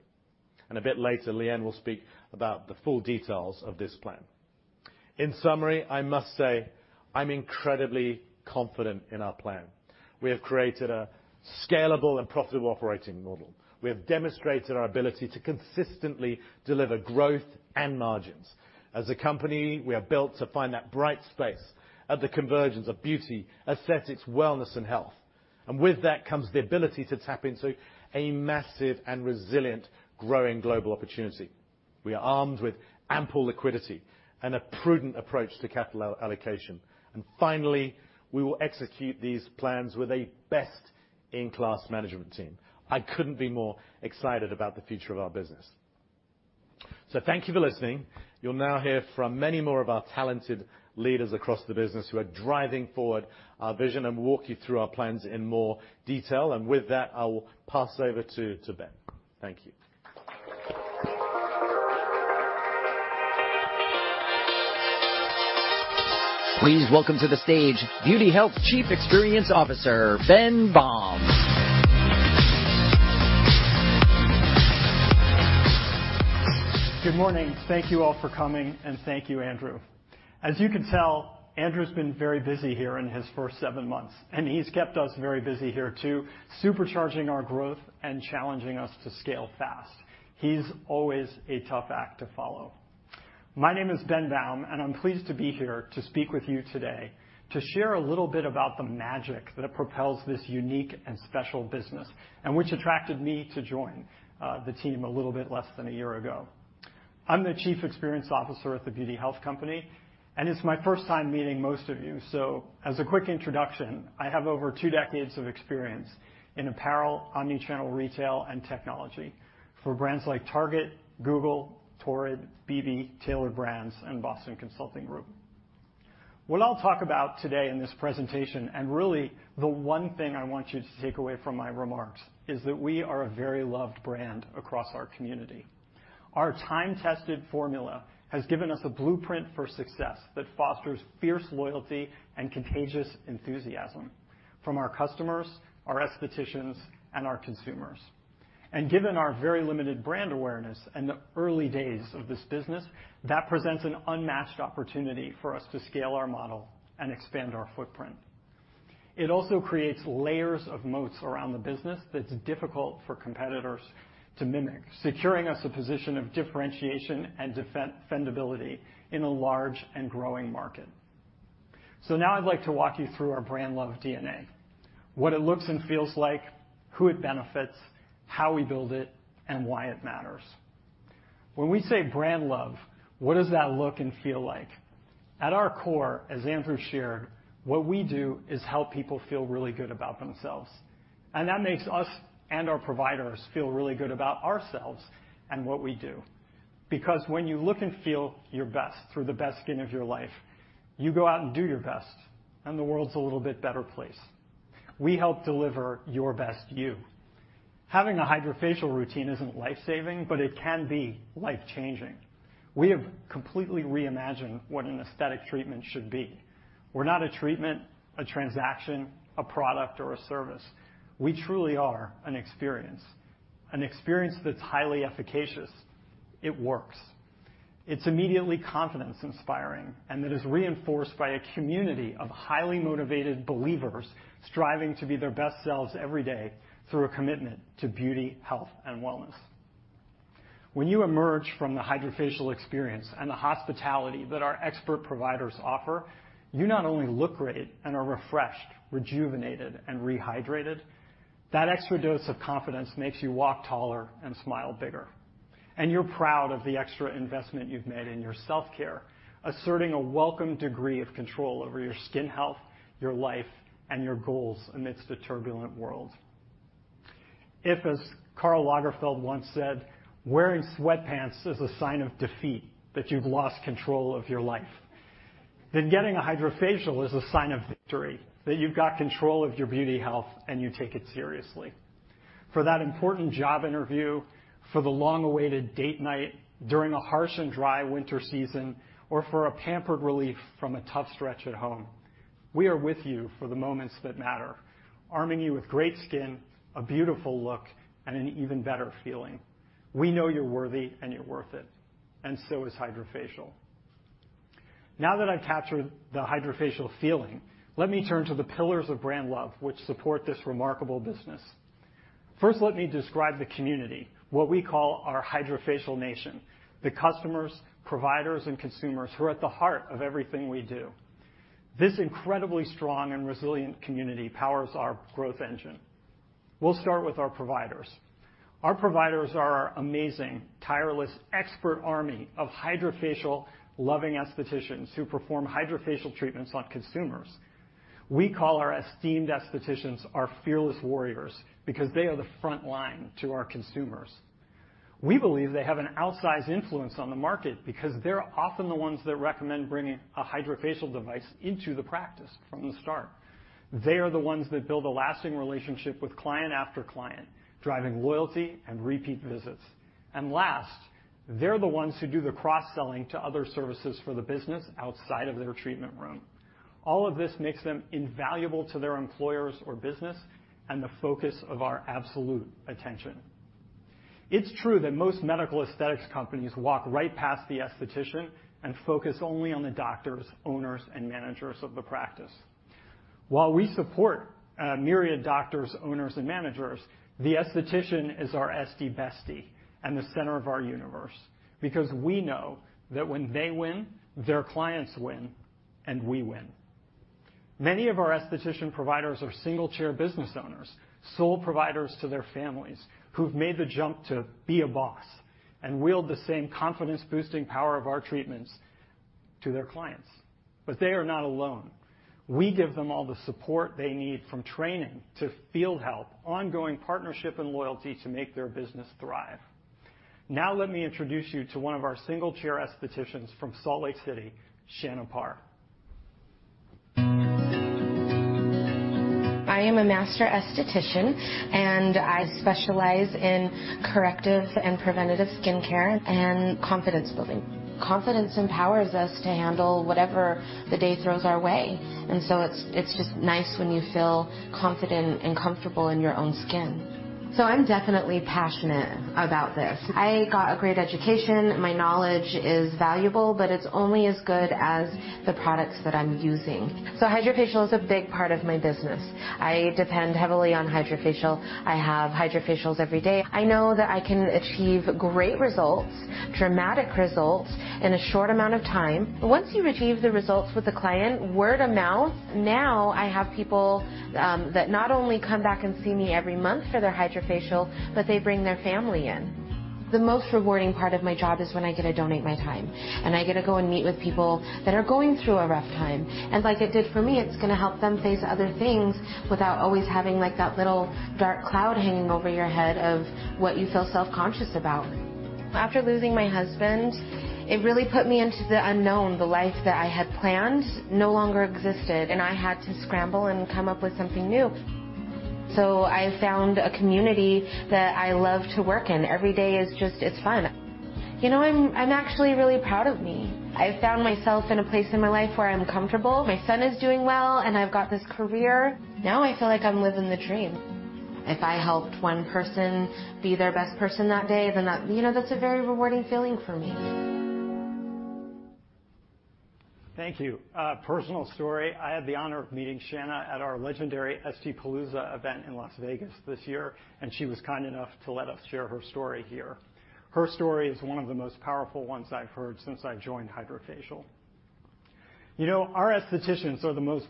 A bit later, Liyuan will speak about the full details of this plan. In summary, I must say I'm incredibly confident in our plan. We have created a scalable and profitable operating model. We have demonstrated our ability to consistently deliver growth and margins. As a company, we are built to find that bright space at the convergence of beauty, aesthetics, wellness and health. With that comes the ability to tap into a massive and resilient, growing global opportunity. We are armed with ample liquidity and a prudent approach to capital allocation. Finally, we will execute these plans with a best-in-class management team. I couldn't be more excited about the future of our business. Thank you for listening. You'll now hear from many more of our talented leaders across the business who are driving forward our vision and walk you through our plans in more detail. With that, I will pass over to Ben. Thank you. Please welcome to the stage Beauty Health Chief Experience Officer, Ben Baum. Good morning. Thank you all for coming, and thank you, Andrew. As you can tell, Andrew's been very busy here in his first seven months, and he's kept us very busy here too, supercharging our growth and challenging us to scale fast. He's always a tough act to follow. My name is Ben Baum, and I'm pleased to be here to speak with you today to share a little bit about the magic that propels this unique and special business, and which attracted me to join the team a little bit less than a year ago. I'm the Chief Experience Officer at The Beauty Health Company, and it's my first time meeting most of you. As a quick introduction, I have over two decades of experience in apparel, omni-channel, retail, and technology for brands like Target, Google, Torrid, eBay, Tailorbrands, and Boston Consulting Group. What I'll talk about today in this presentation, and really the one thing I want you to take away from my remarks, is that we are a very loved brand across our community. Our time-tested formula has given us a blueprint for success that fosters fierce loyalty and contagious enthusiasm from our customers, our aestheticians, and our consumers. Given our very limited brand awareness in the early days of this business, that presents an unmatched opportunity for us to scale our model and expand our footprint. It also creates layers of moats around the business that's difficult for competitors to mimic, securing us a position of differentiation and defendability in a large and growing market. Now I'd like to walk you through our brand love DNA, what it looks and feels like, who it benefits, how we build it, and why it matters. When we say brand love, what does that look and feel like? At our core, as Andrew shared, what we do is help people feel really good about themselves. That makes us and our providers feel really good about ourselves and what we do. Because when you look and feel your best through the best skin of your life, you go out and do your best, and the world's a little bit better place. We help deliver your best you. Having a HydraFacial routine isn't life-saving, but it can be life-changing. We have completely reimagined what an aesthetic treatment should be. We're not a treatment, a transaction, a product, or a service. We truly are an experience, an experience that's highly efficacious. It works. It's immediately confidence inspiring, and that is reinforced by a community of highly motivated believers striving to be their best selves every day through a commitment to beauty, health, and wellness. When you emerge from the HydraFacial experience and the hospitality that our expert providers offer, you not only look great and are refreshed, rejuvenated, and rehydrated. That extra dose of confidence makes you walk taller and smile bigger. You're proud of the extra investment you've made in your self-care, asserting a welcome degree of control over your skin, your life, and your goals amidst a turbulent world. If, as Karl Lagerfeld once said, "Wearing sweatpants is a sign of defeat, that you've lost control of your life," then getting a HydraFacial is a sign of victory, that you've got control of your beauty health, and you take it seriously. For that important job interview, for the long-awaited date night, during a harsh and dry winter season, or for a pampered relief from a tough stretch at home, we are with you for the moments that matter, arming you with great skin, a beautiful look, and an even better feeling. We know you're worthy and you're worth it, and so is HydraFacial. Now that I've captured the HydraFacial feeling, let me turn to the pillars of brand love, which support this remarkable business. First, let me describe the community, what we call our HydraFacial Nation, the customers, providers, and consumers who are at the heart of everything we do. This incredibly strong and resilient community powers our growth engine. We'll start with our providers. Our providers are our amazing, tireless expert army of HydraFacial-loving aestheticians who perform HydraFacial treatments on consumers. We call our esteemed aestheticians our fearless warriors because they are the front line to our consumers. We believe they have an outsized influence on the market because they're often the ones that recommend bringing a HydraFacial device into the practice from the start. They are the ones that build a lasting relationship with client after client, driving loyalty and repeat visits. Last, they're the ones who do the cross-selling to other services for the business outside of their treatment room. All of this makes them invaluable to their employers or business and the focus of our absolute attention. It's true that most medical aesthetics companies walk right past the aesthetician and focus only on the doctors, owners, and managers of the practice. While we support myriad doctors, owners, and managers, the aesthetician is our Estie Bestie and the center of our universe, because we know that when they win, their clients win, and we win. Many of our aesthetician providers are single-chair business owners, sole providers to their families who've made the jump to be a boss and wield the same confidence-boosting power of our treatments to their clients. They are not alone. We give them all the support they need from training to field help, ongoing partnership, and loyalty to make their business thrive. Now, let me introduce you to one of our single-chair aestheticians from Salt Lake City, Shana Parr. I am a master aesthetician, and I specialize in corrective and preventative skincare and confidence building. Confidence empowers us to handle whatever the day throws our way, and it's just nice when you feel confident and comfortable in your own skin. I'm definitely passionate about this. I got a great education. My knowledge is valuable, but it's only as good as the products that I'm using. HydraFacial is a big part of my business. I depend heavily on HydraFacial. I have HydraFacials every day. I know that I can achieve great results, dramatic results in a short amount of time. Once you achieve the results with the client, word of mouth, now I have people that not only come back and see me every month for their HydraFacial, but they bring their family in. The most rewarding part of my job is when I get to donate my time and I get to go and meet with people that are going through a rough time. Like it did for me, it's gonna help them face other things without always having like that little dark cloud hanging over your head of what you feel self-conscious about. After losing my husband, it really put me into the unknown. The life that I had planned no longer existed, and I had to scramble and come up with something new. I found a community that I love to work in. Every day is just, it's fun. You know, I'm actually really proud of me. I've found myself in a place in my life where I'm comfortable, my son is doing well, and I've got this career. Now I feel like I'm living the dream. If I helped one person be their best person that day, then that, you know, that's a very rewarding feeling for me. Thank you. A personal story. I had the honor of meeting Shana at our legendary Estie Palooza event in Las Vegas this year, and she was kind enough to let us share her story here. Her story is one of the most powerful ones I've heard since I joined HydraFacial. You know, our aestheticians are the most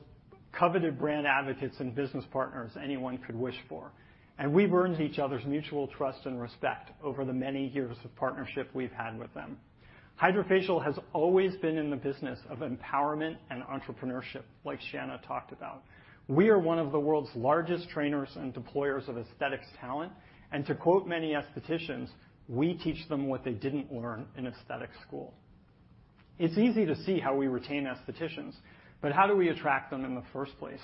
coveted brand advocates and business partners anyone could wish for, and we've earned each other's mutual trust and respect over the many years of partnership we've had with them. HydraFacial has always been in the business of empowerment and entrepreneurship, like Shana talked about. We are one of the world's largest trainers and deployers of aesthetics talent. To quote many aestheticians, we teach them what they didn't learn in aesthetic school. It's easy to see how we retain aestheticians, but how do we attract them in the first place?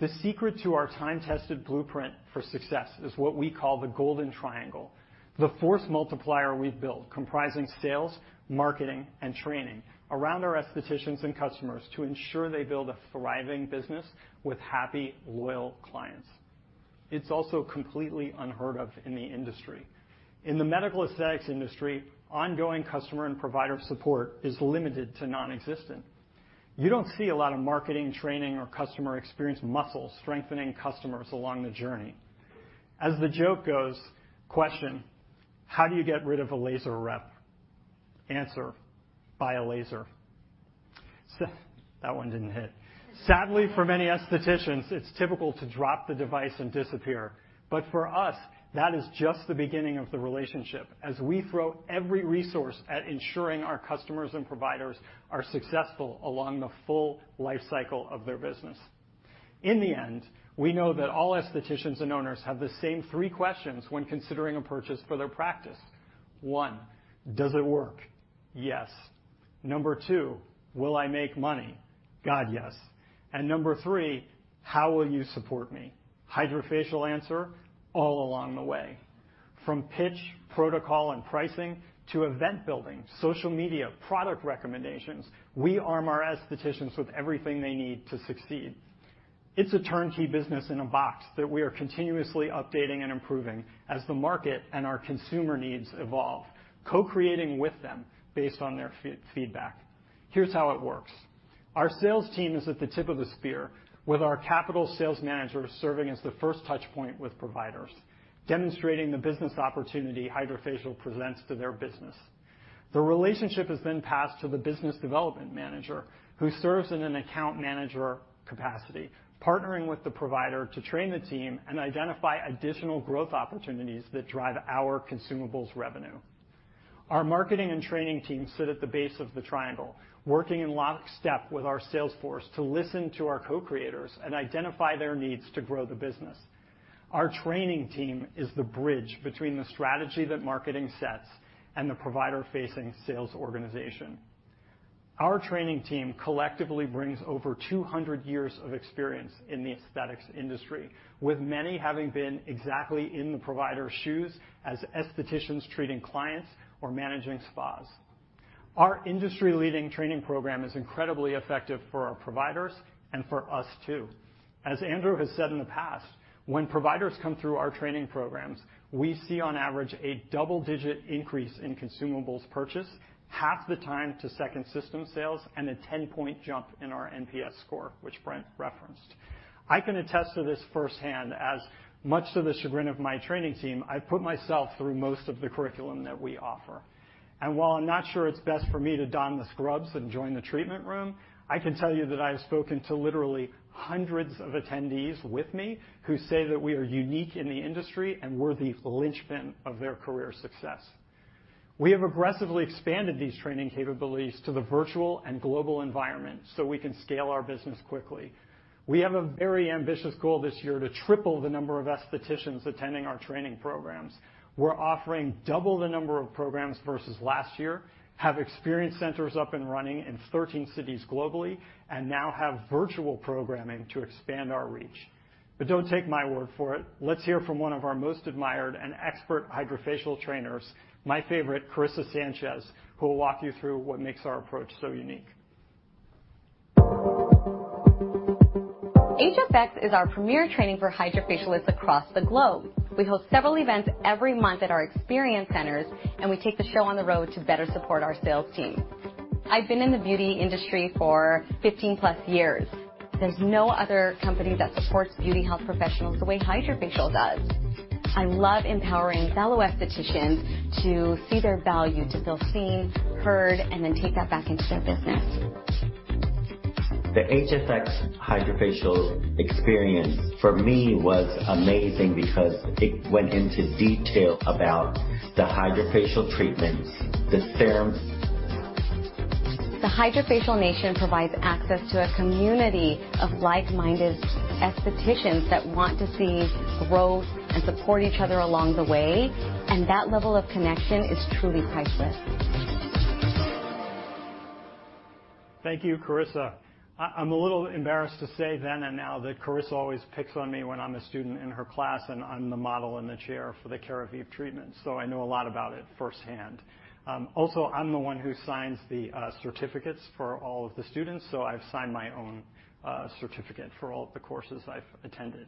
The secret to our time-tested blueprint for success is what we call the golden triangle. The force multiplier we've built comprising sales, marketing, and training around our aestheticians and customers to ensure they build a thriving business with happy, loyal clients. It's also completely unheard of in the industry. In the medical aesthetics industry, ongoing customer and provider support is limited to non-existent. You don't see a lot of marketing, training or customer experience muscle strengthening customers along the journey. As the joke goes, question, How do you get rid of a laser rep? Answer, Buy a laser. That one didn't hit. Sadly, for many aestheticians, it's typical to drop the device and disappear. For us, that is just the beginning of the relationship as we throw every resource at ensuring our customers and providers are successful along the full life cycle of their business. In the end, we know that all aestheticians and owners have the same three questions when considering a purchase for their practice. One, does it work? Yes. Number two, will I make money? God, yes. Number three, how will you support me? HydraFacial answer, all along the way. From pitch, protocol, and pricing to event building, social media, product recommendations, we arm our aestheticians with everything they need to succeed. It's a turn-key business in a box that we are continuously updating and improving as the market and our consumer needs evolve, co-creating with them based on their feedback. Here's how it works. Our sales team is at the tip of the spear with our capital sales managers serving as the first touch point with providers, demonstrating the business opportunity HydraFacial presents to their business. The relationship is then passed to the business development manager, who serves in an account manager capacity, partnering with the provider to train the team and identify additional growth opportunities that drive our consumables revenue. Our marketing and training team sit at the base of the triangle, working in lockstep with our sales force to listen to our co-creators and identify their needs to grow the business. Our training team is the bridge between the strategy that marketing sets and the provider-facing sales organization. Our training team collectively brings over 200 years of experience in the aesthetics industry, with many having been exactly in the provider's shoes as aestheticians treating clients or managing spas. Our industry-leading training program is incredibly effective for our providers and for us too. As Andrew has said in the past, when providers come through our training programs, we see on average a double-digit increase in consumables purchase, half the time to second system sales, and a 10-point jump in our NPS score, which Brent refenced. I can attest to this firsthand as, much to the chagrin of my training team, I put myself through most of the curriculum that we offer. While I'm not sure it's best for me to don the scrubs and join the treatment room, I can tell you that I have spoken to literally hundreds of attendees with me who say that we are unique in the industry and we're the linchpin of their career success. We have aggressively expanded these training capabilities to the virtual and global environment so we can scale our business quickly. We have a very ambitious goal this year to triple the number of aestheticians attending our training programs. We're offering double the number of programs versus last year, have experience centers up and running in 13 cities globally, and now have virtual programming to expand our reach. Don't take my word for it. Let's hear from one of our most admired and expert HydraFacial trainers, my favorite, Carissa Sanchez, who will walk you through what makes our approach so unique. HFX is our premier training for HydraFacialists across the globe. We host several events every month at our experience centers, and we take the show on the road to better support our sales team. I've been in the beauty industry for 15+ years. There's no other company that supports beauty health professionals the way HydraFacial does. I love empowering fellow aestheticians to see their value, to feel seen, heard, and then take that back into their business. The HFX HydraFacial experience for me was amazing because it went into detail about the HydraFacial treatments, the serums. The HydraFacial Nation provides access to a community of like-minded aestheticians that want to see growth and support each other along the way, and that level of connection is truly priceless. Thank you, Carissa. I'm a little embarrassed to say then and now that Carissa always picks on me when I'm a student in her class, and I'm the model in the chair for the Keravive treatment, so I know a lot about it firsthand. Also, I'm the one who signs the certificates for all of the students, so I've signed my own certificate for all of the courses I've attended.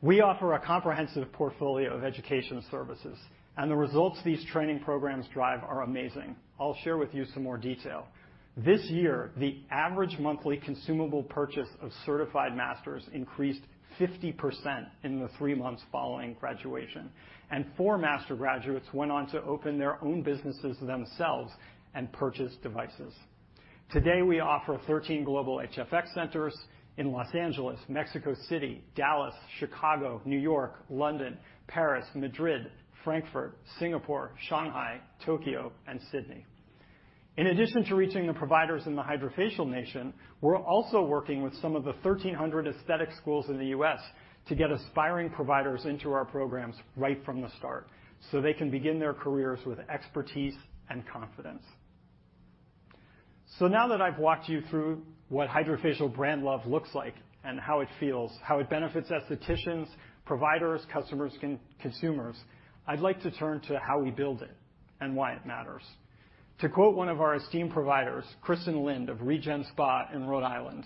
We offer a comprehensive portfolio of education services, and the results these training programs drive are amazing. I'll share with you some more detail. This year, the average monthly consumable purchase of certified masters increased 50% in the three months following graduation, and four master graduates went on to open their own businesses themselves and purchase devices. Today, we offer 13 global HFX centers in Los Angeles, Mexico City, Dallas, Chicago, New York, London, Paris, Madrid, Frankfurt, Singapore, Shanghai, Tokyo, and Sydney. In addition to reaching the providers in the HydraFacial Nation, we're also working with some of the 1,300 aesthetic schools in the U.S. to get aspiring providers into our programs right from the start, so they can begin their careers with expertise and confidence. Now that I've walked you through what HydraFacial brand love looks like and how it feels, how it benefits aestheticians, providers, customers, consumers, I'd like to turn to how we build it and why it matters. To quote one of our esteemed providers, Kristen Lind of ReGen Medical in Rhode Island,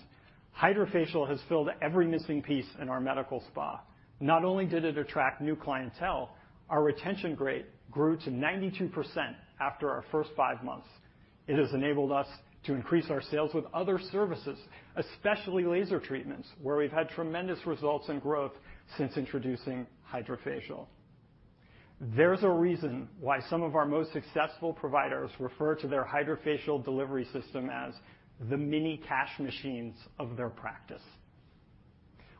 "HydraFacial has filled every missing piece in our medical spa. Not only did it attract new clientele, our retention rate grew to 92% after our first five months. It has enabled us to increase our sales with other services, especially laser treatments, where we've had tremendous results and growth since introducing HydraFacial." There's a reason why some of our most successful providers refer to their HydraFacial delivery system as the mini cash machines of their practice.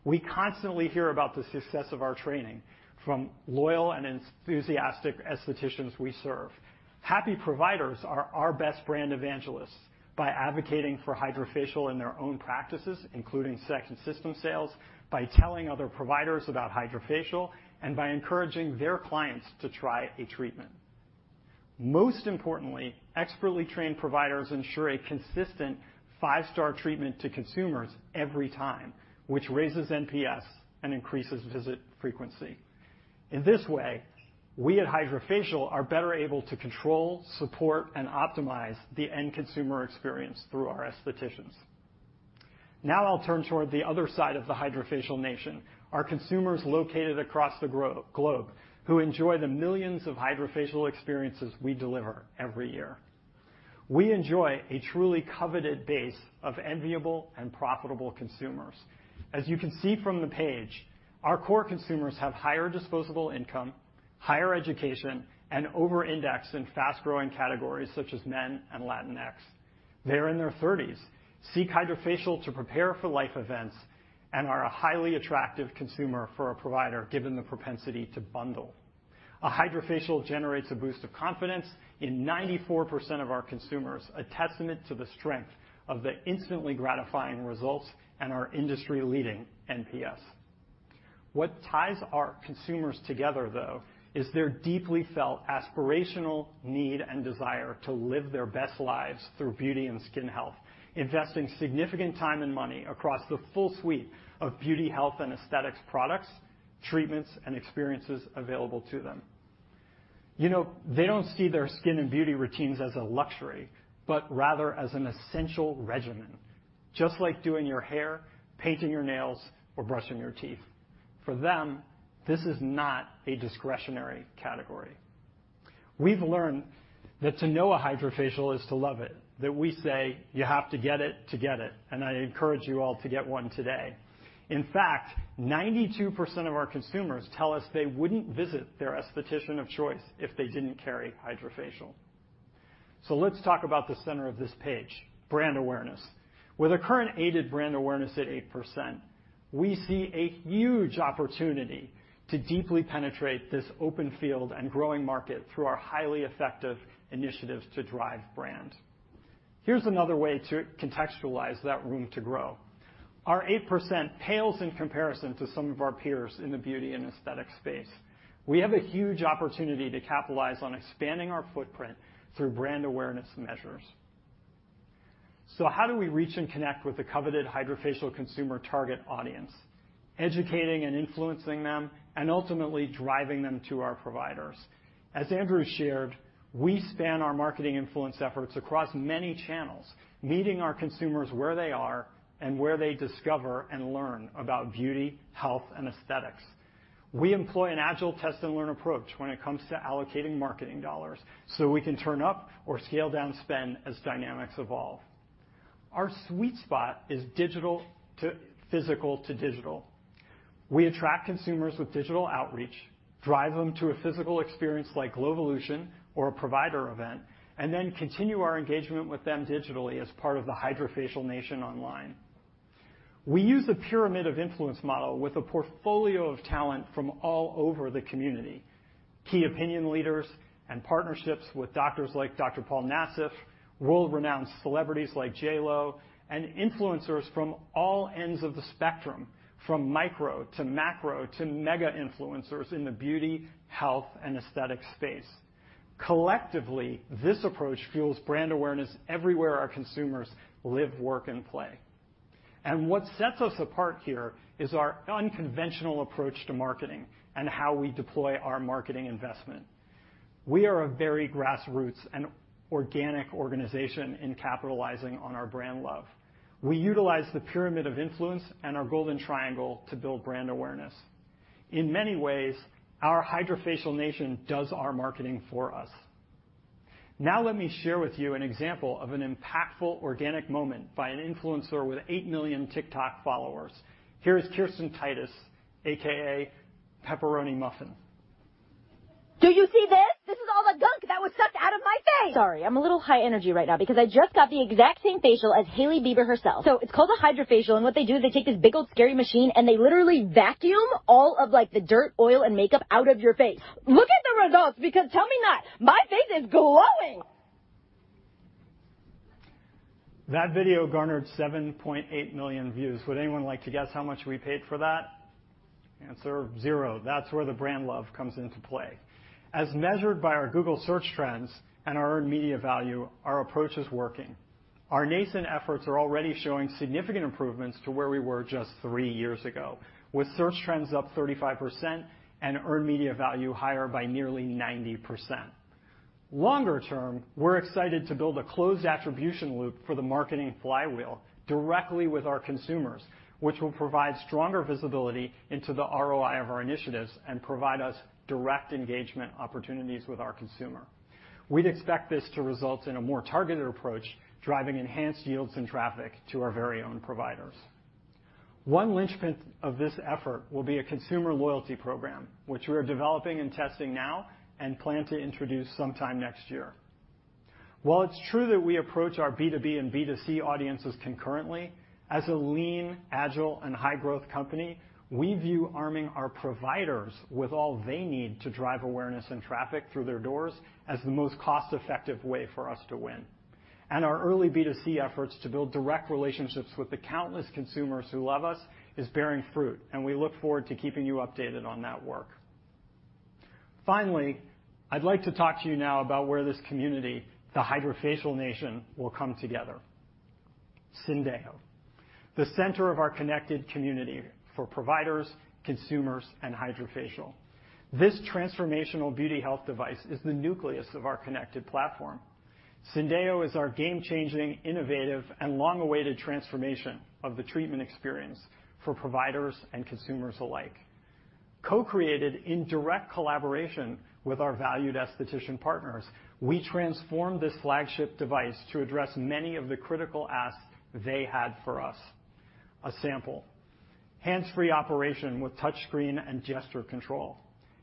We constantly hear about the success of our training from loyal and enthusiastic aestheticians we serve. Happy providers are our best brand evangelists by advocating for HydraFacial in their own practices, including second system sales, by telling other providers about HydraFacial, and by encouraging their clients to try a treatment. Most importantly, expertly trained providers ensure a consistent five-star treatment to consumers every time, which raises NPS and increases visit frequency. In this way, we at HydraFacial are better able to control, support, and optimize the end consumer experience through our aestheticians. Now I'll turn toward the other side of the HydraFacial Nation, our consumers located across the globe, who enjoy the millions of HydraFacial experiences we deliver every year. We enjoy a truly coveted base of enviable and profitable consumers. As you can see from the page, our core consumers have higher disposable income, higher education, and over-index in fast-growing categories such as men and Latinx. They're in their thirties, seek HydraFacial to prepare for life events, and are a highly attractive consumer for a provider, given the propensity to bundle. A HydraFacial generates a boost of confidence in 94% of our consumers, a testament to the strength of the instantly gratifying results and our industry-leading NPS. What ties our consumers together, though, is their deeply felt aspirational need and desire to live their best lives through beauty and skin health , investing significant time and money across the full suite of beauty, health, and aesthetics products, treatments, and experiences available to them. You know, they don't see their skin and beauty routines as a luxury, but rather as an essential regimen, just like doing your hair, painting your nails, or brushing your teeth. For them, this is not a discretionary category. We've learned that to know a HydraFacial is to love it, that we say you have to get it to get it, and I encourage you all to get one today. In fact, 92% of our consumers tell us they wouldn't visit their esthetician of choice if they didn't carry HydraFacial. Let's talk about the center of this page, brand awareness. With a current aided brand awareness at 8%, we see a huge opportunity to deeply penetrate this open field and growing market through our highly effective initiatives to drive brand. Here's another way to contextualize that room to grow. Our 8% pales in comparison to some of our peers in the beauty and aesthetic space. We have a huge opportunity to capitalize on expanding our footprint through brand awareness measures. How do we reach and connect with the coveted HydraFacial consumer target audience, educating and influencing them, and ultimately driving them to our providers? As Andrew shared, we span our marketing influence efforts across many channels, meeting our consumers where they are and where they discover and learn about beauty, health, and aesthetics. We employ an agile test-and-learn approach when it comes to allocating marketing dollars, so we can turn up or scale down spend as dynamics evolve. Our sweet spot is digital to physical to digital. We attract consumers with digital outreach, drive them to a physical experience like GLOWvolution or a provider event, and then continue our engagement with them digitally as part of the HydraFacial Nation online. We use a pyramid of influence model with a portfolio of talent from all over the community, key opinion leaders and partnerships with doctors like Dr. Paul Nassif, world-renowned celebrities like JLo, and influencers from all ends of the spectrum, from micro to macro to mega influencers in the beauty, health and aesthetic space. Collectively, this approach fuels brand awareness everywhere our consumers live, work, and play. What sets us apart here is our unconventional approach to marketing and how we deploy our marketing investment. We are a very grassroots and organic organization in capitalizing on our brand love. We utilize the pyramid of influence and our golden triangle to build brand awareness. In many ways, our HydraFacial Nation does our marketing for us. Now let me share with you an example of an impactful organic moment by an influencer with 8 million TikTok followers. Here's Kirsten Titus, AKA pepperonimuffin Do you see this? This is all the gunk that was sucked out of my face. Sorry, I'm a little high energy right now because I just got the exact same facial as Hailey Bieber herself. It's called a HydraFacial, and what they do, they take this big old scary machine, and they literally vacuum all of, like, the dirt, oil, and makeup out of your face. Look at the results because tell me not, my face is glowing. That video garnered 7.8 million views. Would anyone like to guess how much we paid for that? Answer, $0. That's where the brand love comes into play. As measured by our Google search trends and our earned media value, our approach is working. Our nascent efforts are already showing significant improvements to where we were just three years ago, with search trends up 35% and earned media value higher by nearly 90%. Longer term, we're excited to build a closed attribution loop for the marketing flywheel directly with our consumers, which will provide stronger visibility into the ROI of our initiatives and provide us direct engagement opportunities with our consumer. We'd expect this to result in a more targeted approach, driving enhanced yields and traffic to our very own providers. One linchpin of this effort will be a consumer loyalty program, which we are developing and testing now and plan to introduce sometime next year. While it's true that we approach our B2B and B2C audiences concurrently, as a lean, agile, and high-growth company, we view arming our providers with all they need to drive awareness and traffic through their doors as the most cost-effective way for us to win. Our early B2C efforts to build direct relationships with the countless consumers who love us is bearing fruit, and we look forward to keeping you updated on that work. Finally, I'd like to talk to you now about where this community, the HydraFacial Nation, will come together. Syndeo, the center of our connected community for providers, consumers, and HydraFacial. This transformational Beauty Health device is the nucleus of our connected platform. Syndeo is our game-changing, innovative, and long-awaited transformation of the treatment experience for providers and consumers alike. Co-created in direct collaboration with our valued esthetician partners, we transformed this flagship device to address many of the critical asks they had for us. For example, hands-free operation with touch screen and gesture control.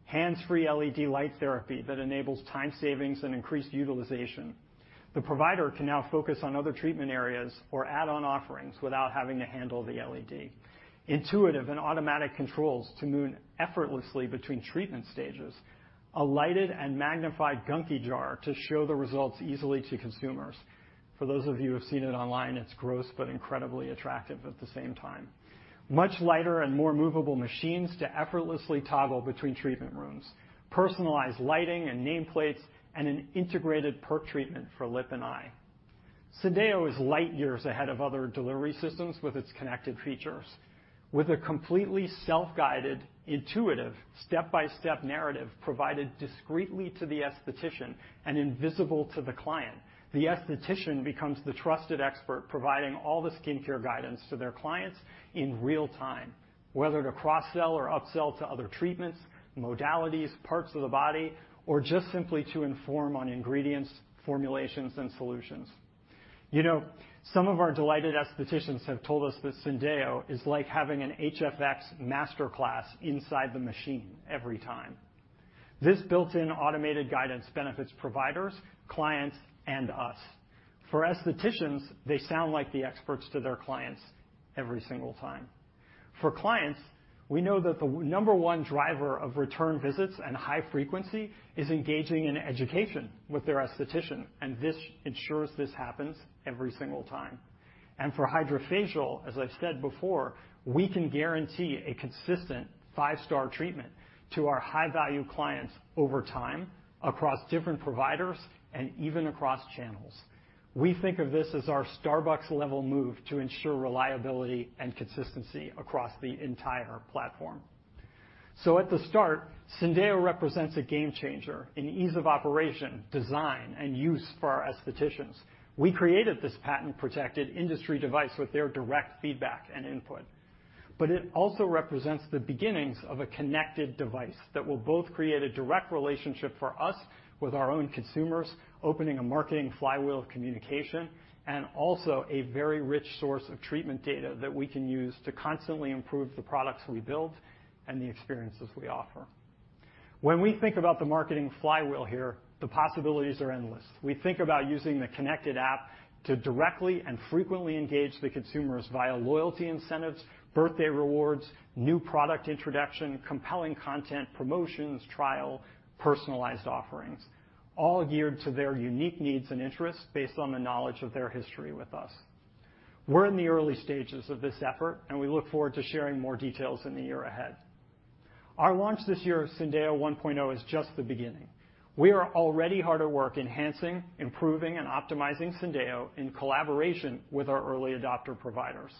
Hands-free LED light therapy that enables time savings and increased utilization. The provider can now focus on other treatment areas or add-on offerings without having to handle the LED. Intuitive and automatic controls to move effortlessly between treatment stages. A lighted and magnified gunky jar to show the results easily to consumers. For those of you who've seen it online, it's gross but incredibly attractive at the same time. Much lighter and more movable machines to effortlessly toggle between treatment rooms, personalized lighting and nameplates, and an integrated Perk treatment for lip and eye. Syndeo is light years ahead of other delivery systems with its connected features. With a completely self-guided, intuitive, step-by-step narrative provided discreetly to the esthetician and invisible to the client, the esthetician becomes the trusted expert, providing all the skincare guidance to their clients in real time, whether to cross-sell or upsell to other treatments, modalities, parts of the body, or just simply to inform on ingredients, formulations, and solutions. You know, some of our delighted estheticians have told us that Syndeo is like having an HFX master class inside the machine every time. This built-in automated guidance benefits providers, clients, and us. For estheticians, they sound like the experts to their clients every single time. For clients, we know that the number one driver of return visits and high frequency is engaging in education with their esthetician, and this ensures this happens every single time. For HydraFacial, as I've said before, we can guarantee a consistent five-star treatment to our high-value clients over time, across different providers, and even across channels. We think of this as our Starbucks-level move to ensure reliability and consistency across the entire platform. At the start, Syndeo represents a game changer in ease of operation, design, and use for our estheticians. We created this patent-protected industry device with their direct feedback and input. It also represents the beginnings of a connected device that will both create a direct relationship for us with our own consumers, opening a marketing flywheel of communication, and also a very rich source of treatment data that we can use to constantly improve the products we build and the experiences we offer. When we think about the marketing flywheel here, the possibilities are endless. We think about using the connected app to directly and frequently engage the consumers via loyalty incentives, birthday rewards, new product introduction, compelling content, promotions, trial, personalized offerings, all geared to their unique needs and interests based on the knowledge of their history with us. We're in the early stages of this effort, and we look forward to sharing more details in the year ahead. Our launch this year of Syndeo 1.0 is just the beginning. We are already hard at work enhancing, improving, and optimizing Syndeo in collaboration with our early adopter providers.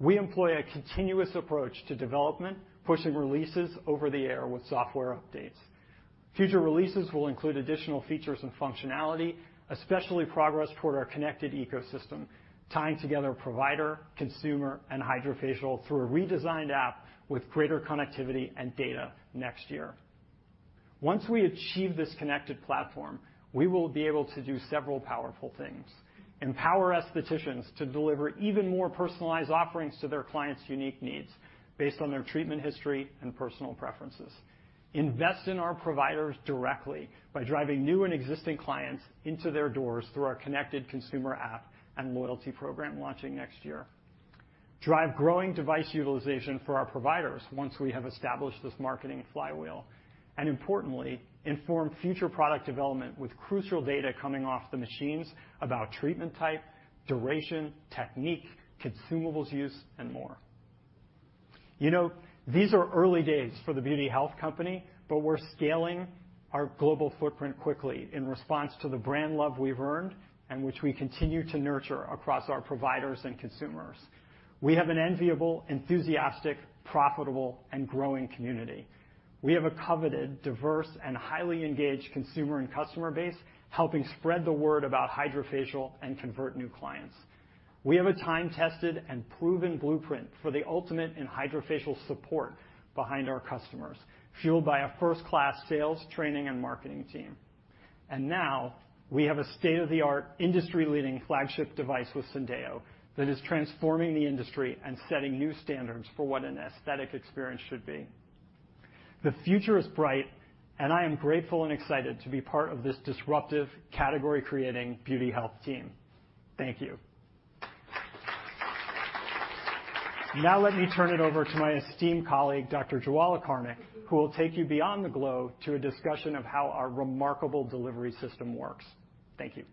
We employ a continuous approach to development, pushing releases over the air with software updates. Future releases will include additional features and functionality, especially progress toward our connected ecosystem, tying together provider, consumer, and HydraFacial through a redesigned app with greater connectivity and data next year. Once we achieve this connected platform, we will be able to do several powerful things, empower estheticians to deliver even more personalized offerings to their clients' unique needs based on their treatment history and personal preferences, invest in our providers directly by driving new and existing clients into their doors through our connected consumer app and loyalty program launching next year, drive growing device utilization for our providers once we have established this marketing flywheel, and importantly, inform future product development with crucial data coming off the machines about treatment type, duration, technique, consumables use, and more. You know, these are early days for The Beauty Health Company, but we're scaling our global footprint quickly in response to the brand love we've earned and which we continue to nurture across our providers and consumers. We have an enviable, enthusiastic, profitable, and growing community. We have a coveted, diverse, and highly engaged consumer and customer base, helping spread the word about HydraFacial and convert new clients. We have a time-tested and proven blueprint for the ultimate in HydraFacial support behind our customers, fueled by a first-class sales, training, and marketing team. Now we have a state-of-the-art, industry-leading flagship device with Syndeo that is transforming the industry and setting new standards for what an aesthetic experience should be. The future is bright, and I am grateful and excited to be part of this disruptive, category-creating Beauty Health team. Thank you. Now let me turn it over to my esteemed colleague, Dr. Jwala Karnik, who will take you beyond the glow to a discussion of how our remarkable delivery system works. Thank you.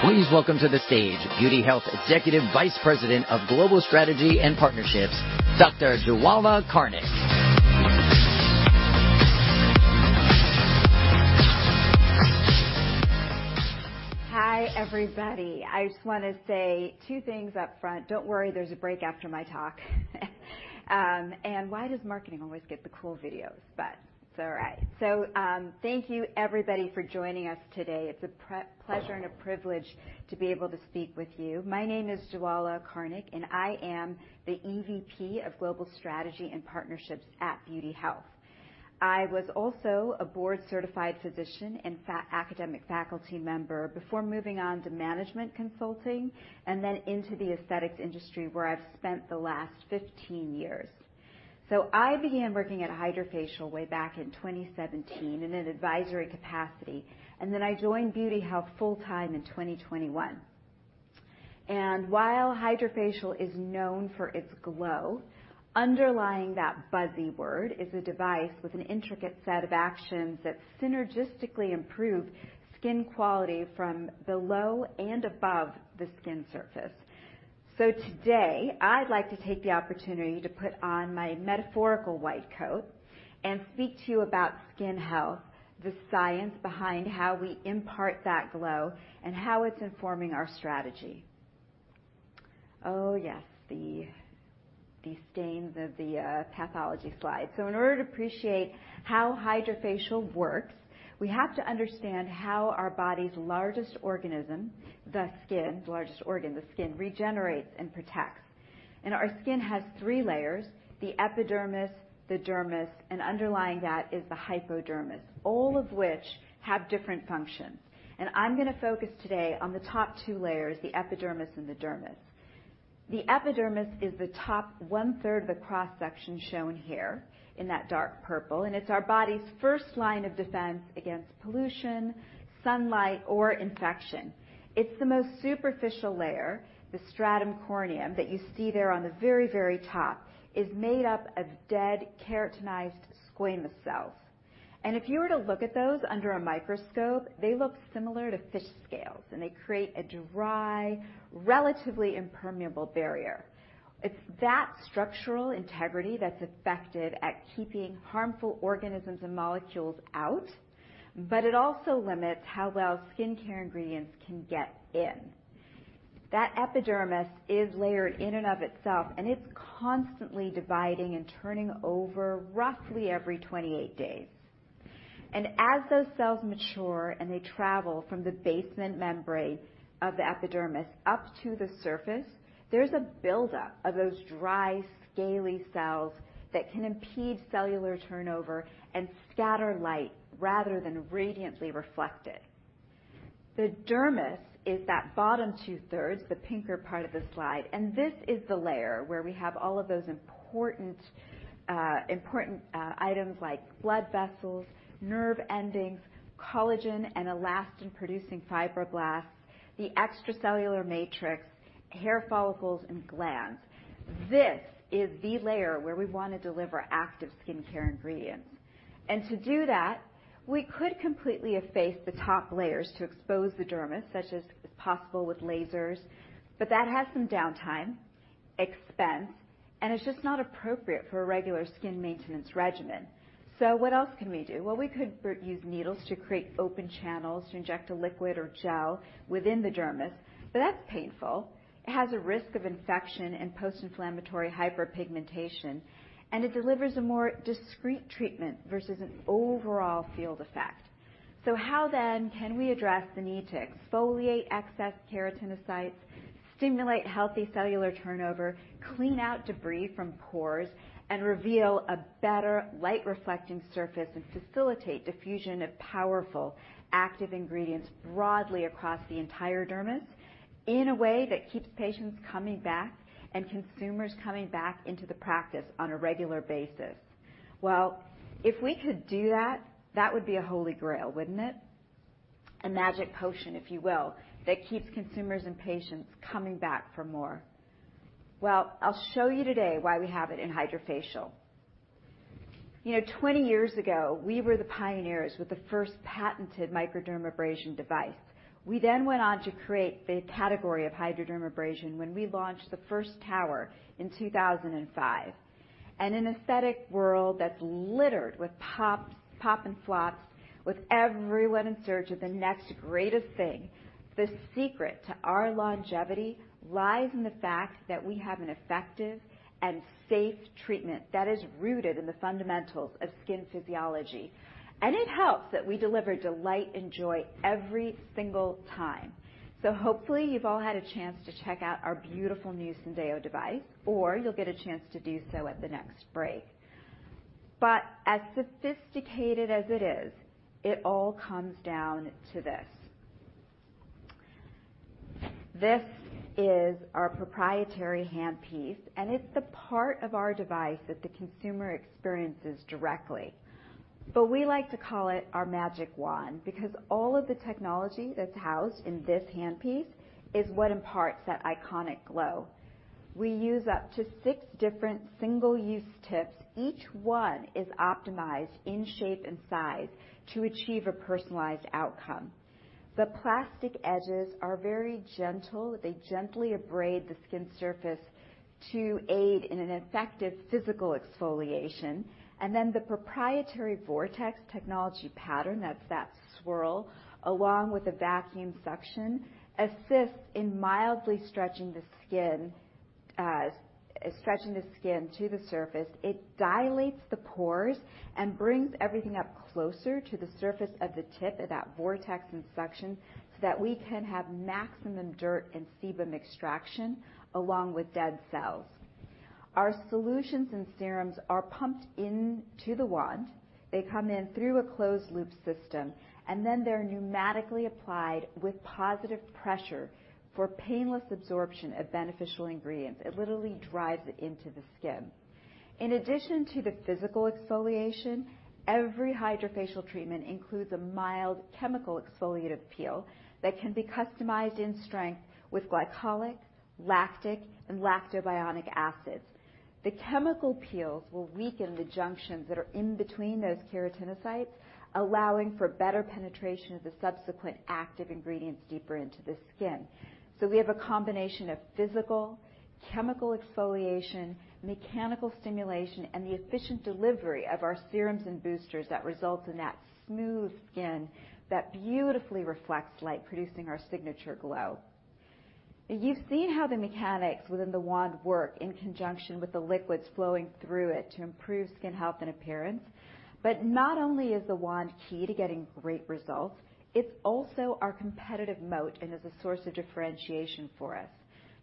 Please welcome to the stage The Beauty Health Company Executive Vice President of Global Strategy and Partnerships, Dr. Jwala Karnik. Hi, everybody. I just wanna say two things up front. Don't worry, there's a break after my talk. Why does marketing always get the cool videos? It's all right. Thank you everybody for joining us today. It's a pleasure and a privilege to be able to speak with you. My name is Jwala Karnik, and I am the EVP of Global Strategy and Partnerships at Beauty Health. I was also a board-certified physician and academic faculty member before moving on to management consulting and then into the aesthetics industry, where I've spent the last 15 years. I began working at HydraFacial way back in 2017 in an advisory capacity, and then I joined Beauty Health full-time in 2021. While HydraFacial is known for its glow, underlying that buzzy word is a device with an intricate set of actions that synergistically improve skin quality from below and above the skin surface. Today, I'd like to take the opportunity to put on my metaphorical white coat and speak to you about skin, the science behind how we impart that glow, and how it's informing our strategy. Oh, yes, the stains of the pathology slide. In order to appreciate how HydraFacial works, we have to understand how our body's largest organism, the skin, the largest organ regenerates and protects. Our skin has three layers, the epidermis, the dermis, and underlying that is the hypodermis, all of which have different functions. I'm gonna focus today on the top two layers, the epidermis and the dermis. The epidermis is the top one-third of the cross-section shown here in that dark purple, and it's our body's first line of defense against pollution, sunlight, or infection. It's the most superficial layer. The stratum corneum that you see there on the very, very top is made up of dead keratinized squamous cells. If you were to look at those under a microscope, they look similar to fish scales, and they create a dry, relatively impermeable barrier. It's that structural integrity that's effective at keeping harmful organisms and molecules out, but it also limits how well skincare ingredients can get in. That epidermis is layered in and of itself, and it's constantly dividing and turning over roughly every 28 days. As those cells mature and they travel from the basement membrane of the epidermis up to the surface, there's a buildup of those dry, scaly cells that can impede cellular turnover and scatter light rather than radiantly reflect it. The dermis is that bottom two-thirds, the pinker part of the slide, and this is the layer where we have all of those important items like blood vessels, nerve endings, collagen and elastin-producing fibroblasts, the extracellular matrix, hair follicles, and glands. This is the layer where we wanna deliver active skincare ingredients. To do that, we could completely efface the top layers to expose the dermis, such as is possible with lasers, but that has some downtime, expense, and it's just not appropriate for a regular skin maintenance regimen. What else can we do? Well, we could use needles to create open channels to inject a liquid or gel within the dermis, but that's painful. It has a risk of infection and post-inflammatory hyperpigmentation, and it delivers a more discrete treatment versus an overall field effect. How then can we address the need to exfoliate excess keratinocytes, stimulate healthy cellular turnover, clean out debris from pores, and reveal a better light-reflecting surface and facilitate diffusion of powerful active ingredients broadly across the entire dermis in a way that keeps patients coming back and consumers coming back into the practice on a regular basis? Well, if we could do that would be a holy grail, wouldn't it? A magic potion, if you will, that keeps consumers and patients coming back for more. Well, I'll show you today why we have it in HydraFacial. You know, 20 years ago, we were the pioneers with the first patented microdermabrasion device. We then went on to create the category of hydrodermabrasion when we launched the first tower in 2005. In an aesthetic world that's littered with pops, pop and flops, with everyone in search of the next greatest thing, the secret to our longevity lies in the fact that we have an effective and safe treatment that is rooted in the fundamentals of skin physiology, and it helps that we deliver delight and joy every single time. Hopefully you've all had a chance to check out our beautiful new Syndeo device, or you'll get a chance to do so at the next break. As sophisticated as it is, it all comes down to this. This is our proprietary handpiece, and it's the part of our device that the consumer experiences directly. We like to call it our magic wand because all of the technology that's housed in this handpiece is what imparts that iconic glow. We use up to six different single-use tips. Each one is optimized in shape and size to achieve a personalized outcome. The plastic edges are very gentle. They gently abrade the skin surface to aid in an effective physical exfoliation. Then the proprietary vortex technology pattern, that's that swirl, along with a vacuum suction, assists in mildly stretching the skin to the surface. It dilates the pores and brings everything up closer to the surface of the tip of that vortex and suction, so that we can have maximum dirt and sebum extraction along with dead cells. Our solutions and serums are pumped into the wand. They come in through a closed loop system, and then they're pneumatically applied with positive pressure for painless absorption of beneficial ingredients. It literally drives it into the skin. In addition to the physical exfoliation, every HydraFacial treatment includes a mild chemical exfoliative peel that can be customized in strength with glycolic, lactic, and lactobionic acids. The chemical peels will weaken the junctions that are in between those keratinocytes, allowing for better penetration of the subsequent active ingredients deeper into the skin. We have a combination of physical, chemical exfoliation, mechanical stimulation, and the efficient delivery of our serums and boosters that results in that smooth skin that beautifully reflects light producing our signature glow. You've seen how the mechanics within the wand work in conjunction with the liquids flowing through it to improve skin and appearance. Not only is the wand key to getting great results, it's also our competitive moat and is a source of differentiation for us.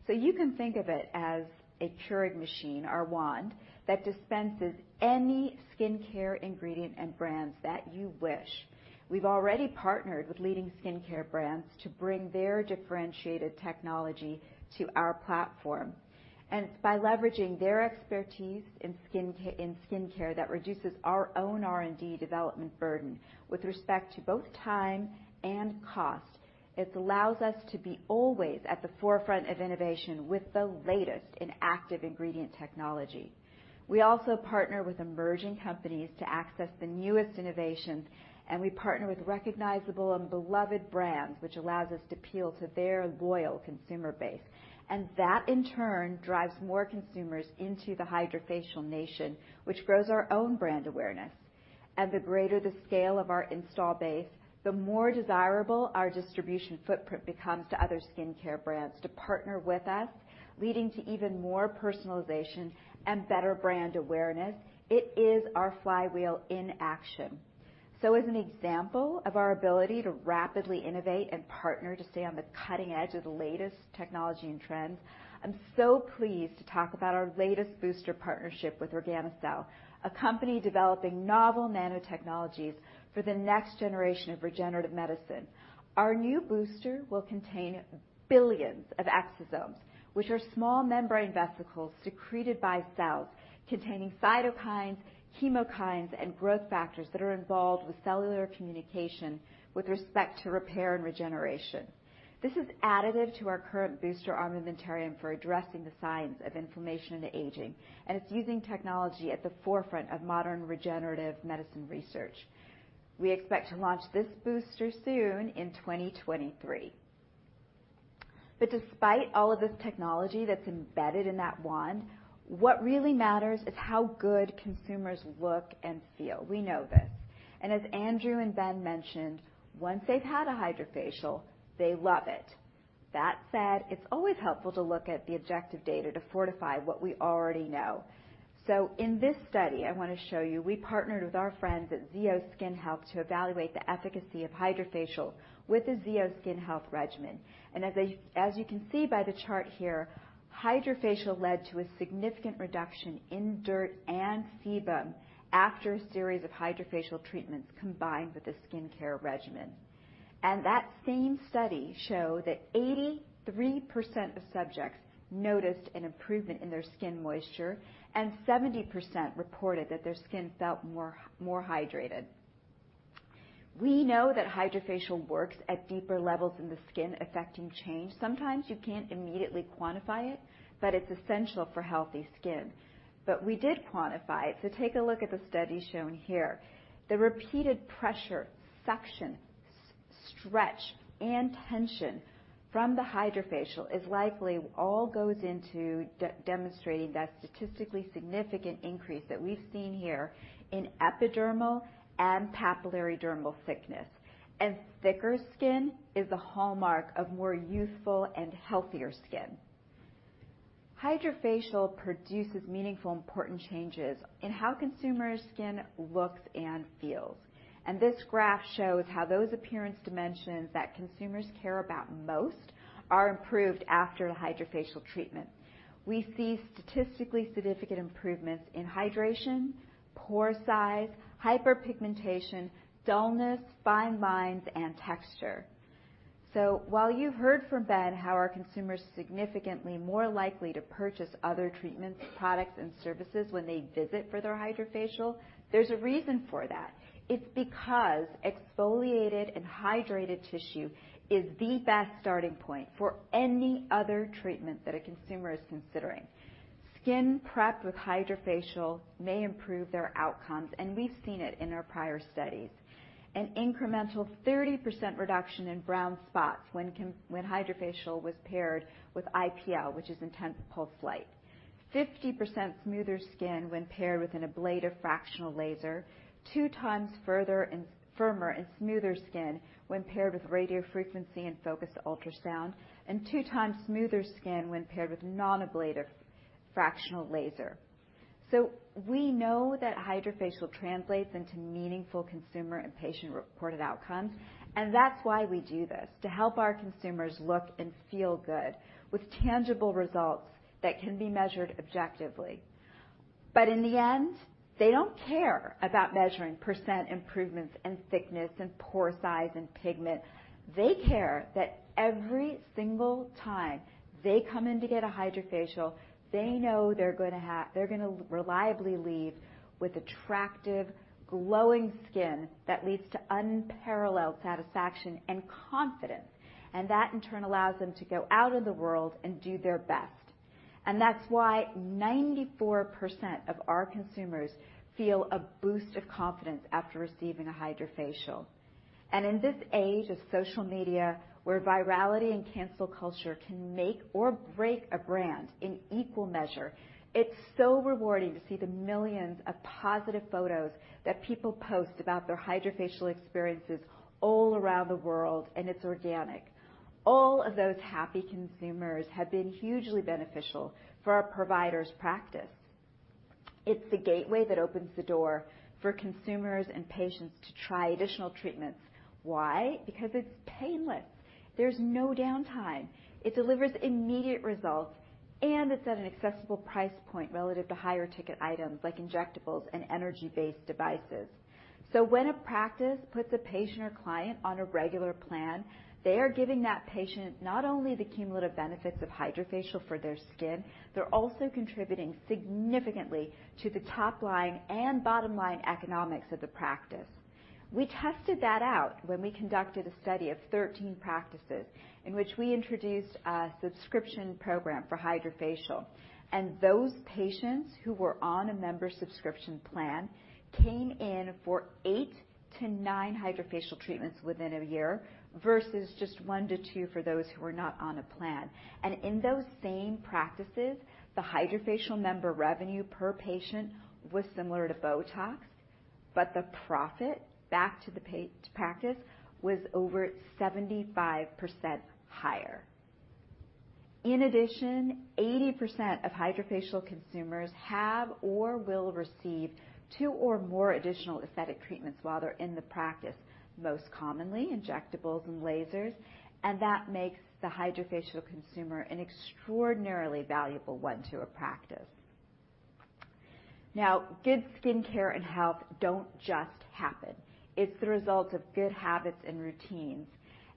You can think of it as a Keurig machine, our wand, that dispenses any skincare ingredient and brands that you wish. We've already partnered with leading skincare brands to bring their differentiated technology to our platform. It's by leveraging their expertise in skincare that reduces our own R&D development burden with respect to both time and cost. It allows us to be always at the forefront of innovation with the latest in active ingredient technology. We also partner with emerging companies to access the newest innovations, and we partner with recognizable and beloved brands, which allows us to appeal to their loyal consumer base. That, in turn, drives more consumers into the HydraFacial Nation, which grows our own brand awareness. The greater the scale of our install base, the more desirable our distribution footprint becomes to other skincare brands to partner with us, leading to even more personalization and better brand awareness. It is our flywheel in action. As an example of our ability to rapidly innovate and partner to stay on the cutting edge of the latest technology and trends, I'm so pleased to talk about our latest booster partnership with Organicell, a company developing novel nanotechnologies for the next generation of regenerative medicine. Our new booster will contain billions of exosomes, which are small membrane vesicles secreted by cells containing cytokines, chemokines, and growth factors that are involved with cellular communication with respect to repair and regeneration. This is additive to our current booster armamentarium for addressing the signs of inflammation and aging, and it's using technology at the forefront of modern regenerative medicine research. We expect to launch this booster soon in 2023. Despite all of this technology that's embedded in that wand, what really matters is how good consumers look and feel. We know this. As Andrew and Ben mentioned, once they've had a HydraFacial, they love it. That said, it's always helpful to look at the objective data to fortify what we already know. In this study, I wanna show you, we partnered with our friends at ZO Skin Health to evaluate the efficacy of HydraFacial with the ZO Skin Health regimen. As you can see by the chart here, HydraFacial led to a significant reduction in dirt and sebum after a series of HydraFacial treatments combined with a skincare regimen. That same study show that 83% of subjects noticed an improvement in their skin moisture, and 70% reported that their skin felt more hydrated. We know that HydraFacial works at deeper levels in the skin affecting change. Sometimes you can't immediately quantify it, but it's essential for y skin. We did quantify it, so take a look at the study shown here. The repeated pressure, suction, stretch, and tension from the HydraFacial is likely all goes into demonstrating that statistically significant increase that we've seen here in epidermal and papillary dermal thickness. Thicker skin is a hallmark of more youthful and healthier skin. HydraFacial produces meaningful, important changes in how consumers' skin looks and feels. This graph shows how those appearance dimensions that consumers care about most are improved after a HydraFacial treatment. We see statistically significant improvements in hydration, pore size, hyperpigmentation, dullness, fine lines, and texture. While you heard from Ben how our consumers significantly more likely to purchase other treatments, products, and services when they visit for their HydraFacial, there's a reason for that. It's because exfoliated and hydrated tissue is the best starting point for any other treatment that a consumer is considering. Skin prepped with HydraFacial may improve their outcomes, and we've seen it in our prior studies. An incremental 30% reduction in brown spots when HydraFacial was paired with IPL, which is intense pulsed light. 50% smoother skin when paired with an ablative fractional laser. Two times firmer and smoother skin when paired with radiofrequency and focused ultrasound. Two times smoother skin when paired with non-ablative fractional laser. We know that HydraFacial translates into meaningful consumer and patient-reported outcomes, and that's why we do this, to help our consumers look and feel good with tangible results that can be measured objectively. In the end, they don't care about measuring % improvements in thickness, in pore size, in pigment. They care that every single time they come in to get a HydraFacial, they know they're gonna reliably leave with attractive, glowing skin that leads to unparalleled satisfaction and confidence, and that in turn allows them to go out in the world and do their best. That's why 94% of our consumers feel a boost of confidence after receiving a HydraFacial. In this age of social media, where virality and cancel culture can make or break a brand in equal measure, it's so rewarding to see the millions of positive photos that people post about their HydraFacial experiences all around the world, and it's organic. All of those happy consumers have been hugely beneficial for our provider's practice. It's the gateway that opens the door for consumers and patients to try additional treatments. Why? Because it's painless. There's no downtime. It delivers immediate results, and it's at an accessible price point relative to higher-ticket items like injectables and energy-based devices. When a practice puts a patient or client on a regular plan, they are giving that patient not only the cumulative benefits of HydraFacial for their skin, they're also contributing significantly to the top line and bottom line economics of the practice. We tested that out when we conducted a study of 13 practices in which we introduced a subscription program for HydraFacial, and those patients who were on a member subscription plan came in for eight to nine HydraFacial treatments within a year versus just one to two for those who are not on a plan. In those same practices, the HydraFacial member revenue per patient was similar to BOTOX, but the profit back to the practice was over 75% higher. In addition, 80% of HydraFacial consumers have or will receive two or more additional aesthetic treatments while they're in the practice, most commonly injectables and lasers, and that makes the HydraFacial consumer an extraordinarily valuable one to a practice. Now, good skincare and don't just happen. It's the result of good habits and routines,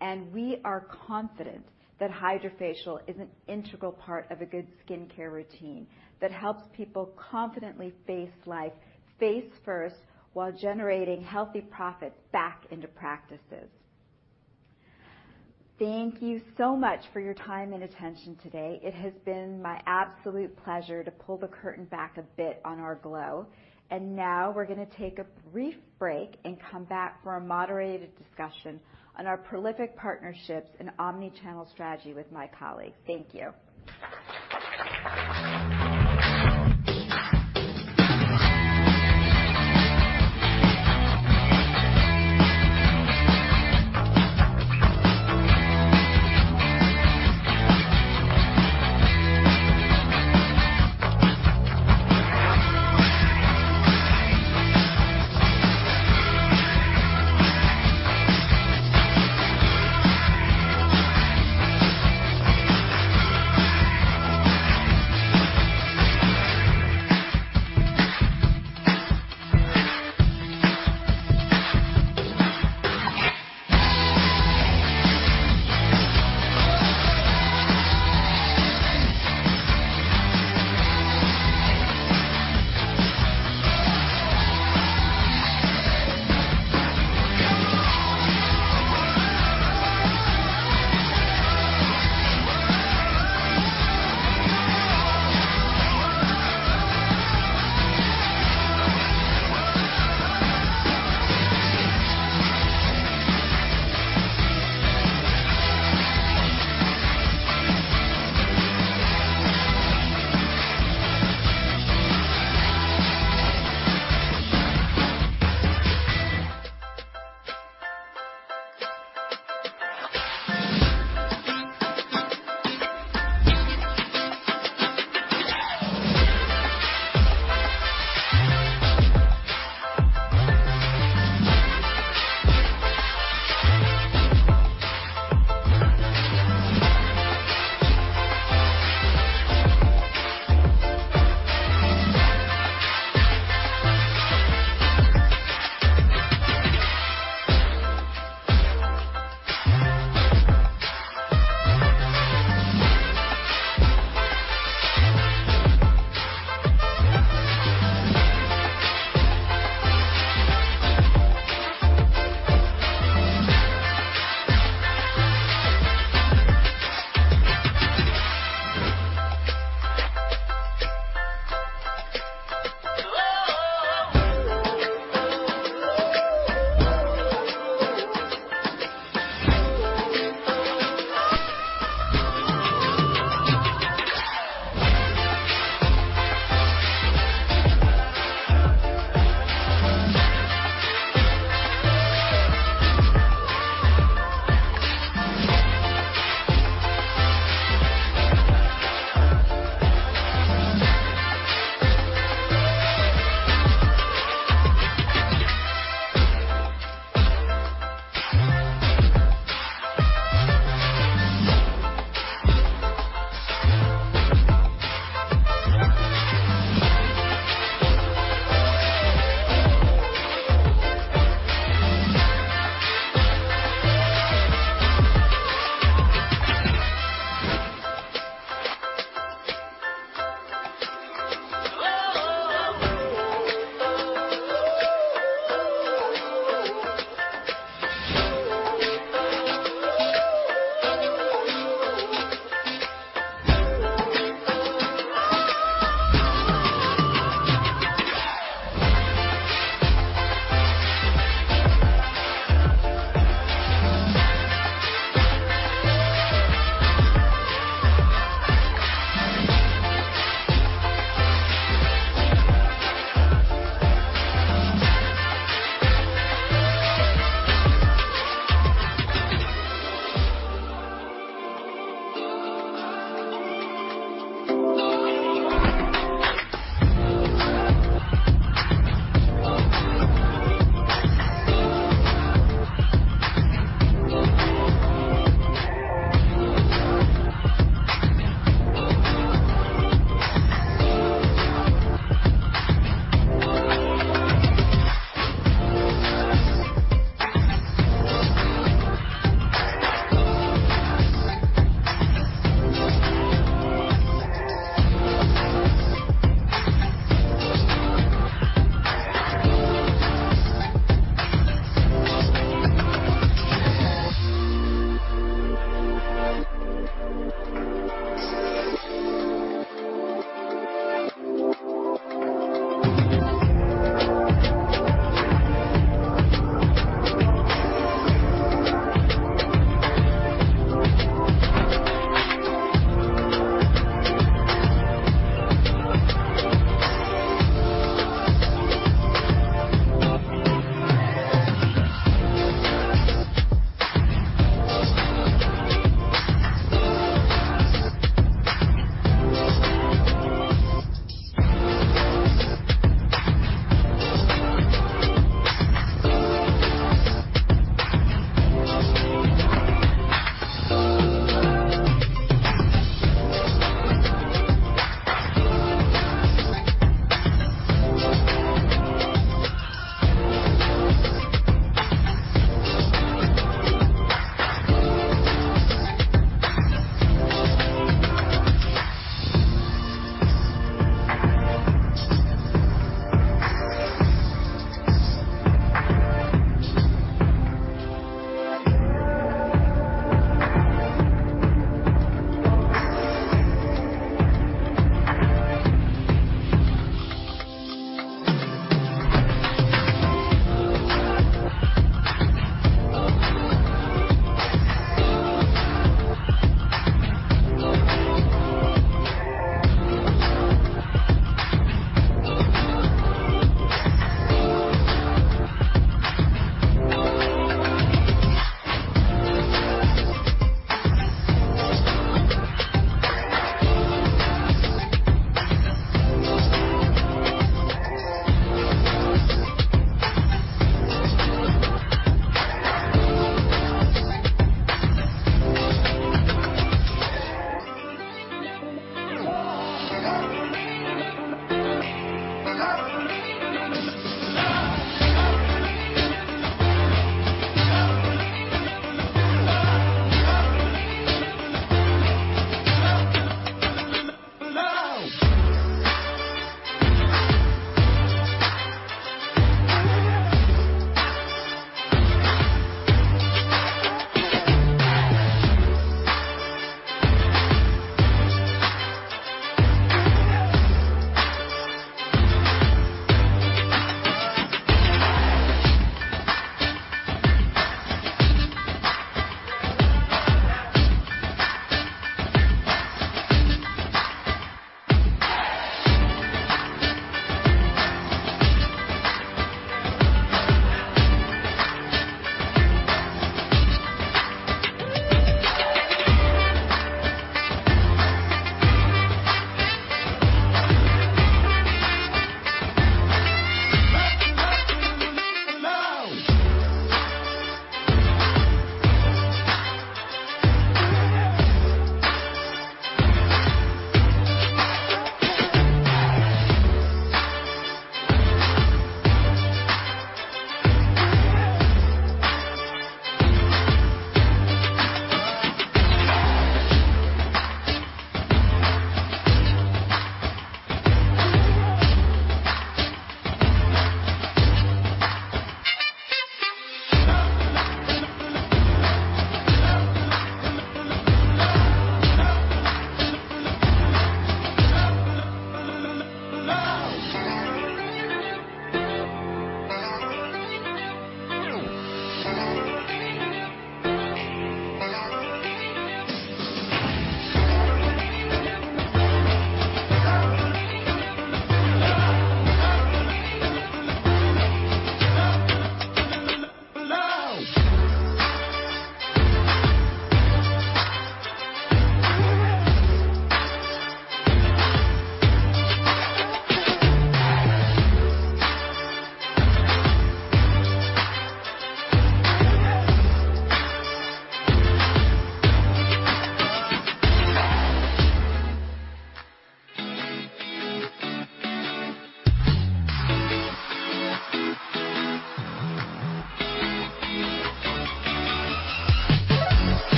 and we are confident that HydraFacial is an integral part of a good skincare routine that helps people confidently face life face first while generating y profits back into practices. Thank you so much for your time and attention today. It has been my absolute pleasure to pull the curtain back a bit on our glow. Now we're gonna take a brief break and come back for a moderated discussion on our prolific partnerships and omni-channel strategy with my colleague. Thank you.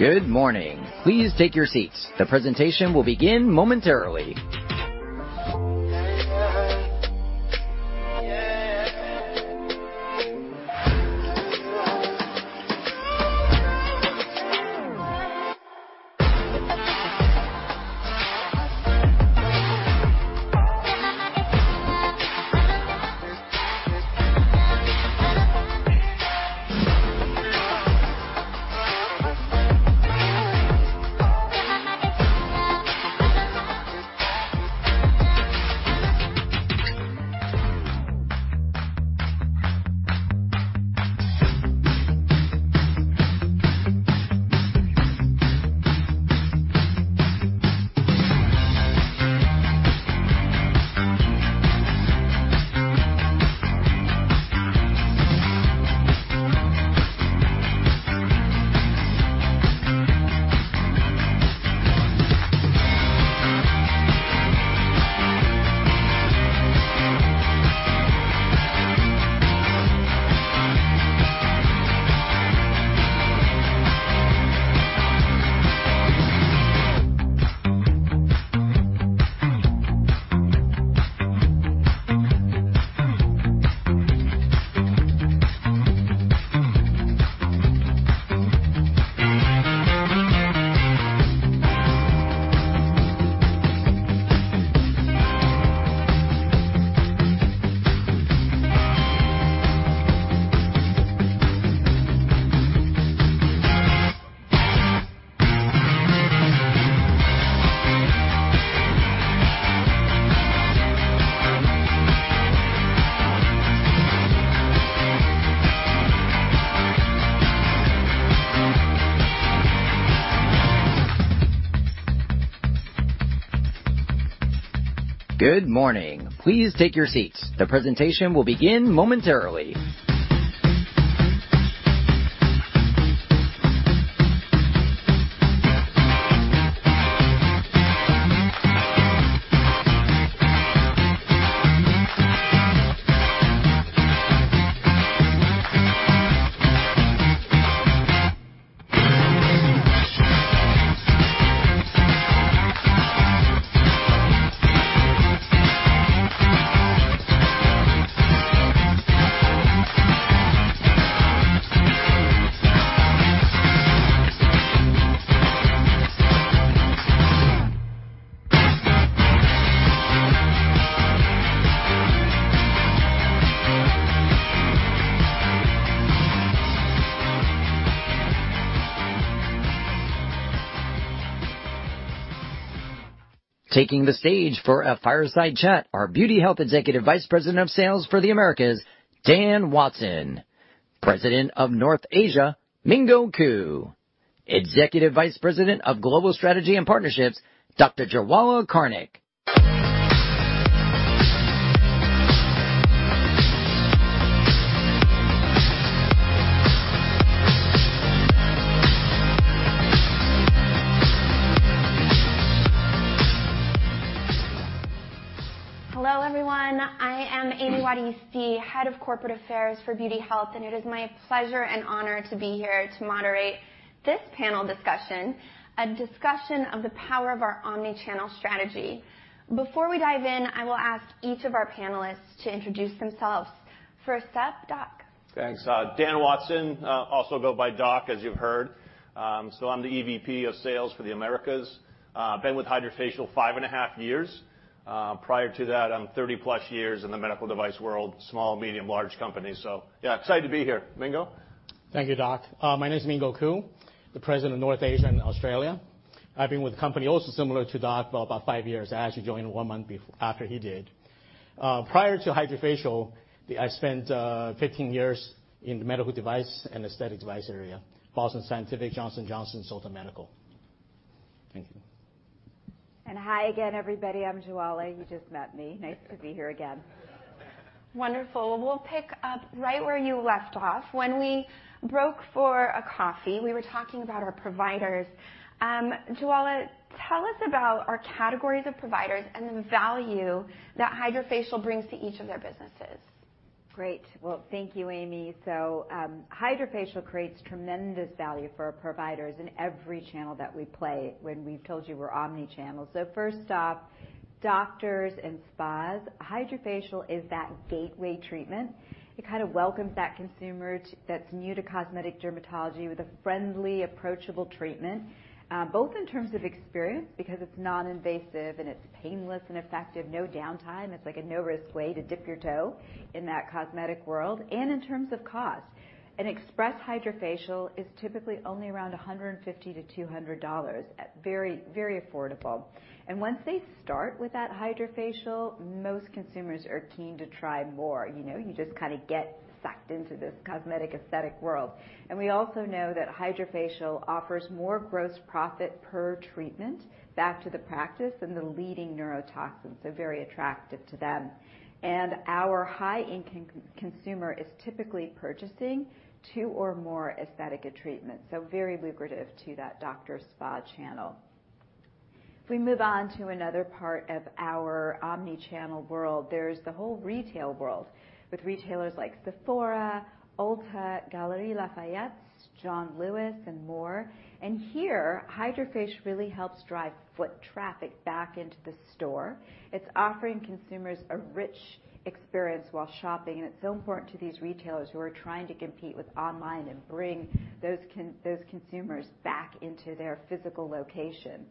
Good morning. Please take your seats. The presentation will begin momentarily. Taking the stage for a fireside chat, our Beauty Health Executive Vice President of Sales for the Americas, Dan Watson. President of North Asia, Mingo Ku. Executive Vice President of Global Strategy and Partnerships, Dr. Jwala Karnik. Hello, everyone. I am Amy Juaristi, Head of Corporate Affairs for The Beauty Health Company, and it is my pleasure and honor to be here to moderate this panel discussion, a discussion of the power of our omni-channel strategy. Before we dive in, I will ask each of our panelists to introduce themselves. First up, Doc. Thanks. Dan Watson, also go by Doc, as you've heard. I'm the EVP of Sales for the Americas. Been with HydraFacial five and a half years. Prior to that, I'm 30+ years in the medical device world, small, medium, large companies. Yeah, excited to be here. Mingo. Thank you, Doc. My name is Mingo Ku, the President of North Asia and Australia. I've been with the company also similar to Doc, for about five years. I actually joined one month after he did. Prior to HydraFacial, I spent 15 years in the medical device and aesthetic device area, Boston Scientific, Johnson & Johnson, Solta Medical. Thank you. Hi again, everybody. I'm Jwala. You just met me. Nice to be here again. Wonderful. We'll pick up right where you left off. When we broke for a coffee, we were talking about our providers. Jwala, tell us about our categories of providers and the value that HydraFacial brings to each of their businesses. Great. Well, thank you, Amy. HydraFacial creates tremendous value for our providers in every channel that we play when we've told you we're omni-channel. First off, doctors and spas. HydraFacial is that gateway treatment. It kind of welcomes that consumer that's new to cosmetic dermatology with a friendly, approachable treatment, both in terms of experience because it's non-invasive, and it's painless and effective, no downtime. It's like a no-risk way to dip your toe in that cosmetic world. In terms of cost, an express HydraFacial is typically only around $150-$200, very, very affordable. Once they start with that HydraFacial, most consumers are keen to try more. You know, you just kind of get sucked into this cosmetic aesthetic world. We also know that HydraFacial offers more gross profit per treatment back to the practice than the leading neurotoxins, so very attractive to them. Our high-income consumer is typically purchasing two or more aesthetic treatments, so very lucrative to that doctor spa channel. If we move on to another part of our omni-channel world, there's the whole retail world with retailers like Sephora, Ulta, Galeries Lafayette, John Lewis, and more. Here, HydraFacial really helps drive foot traffic back into the store. It's offering consumers a rich experience while shopping, and it's so important to these retailers who are trying to compete with online and bring those consumers back into their physical location.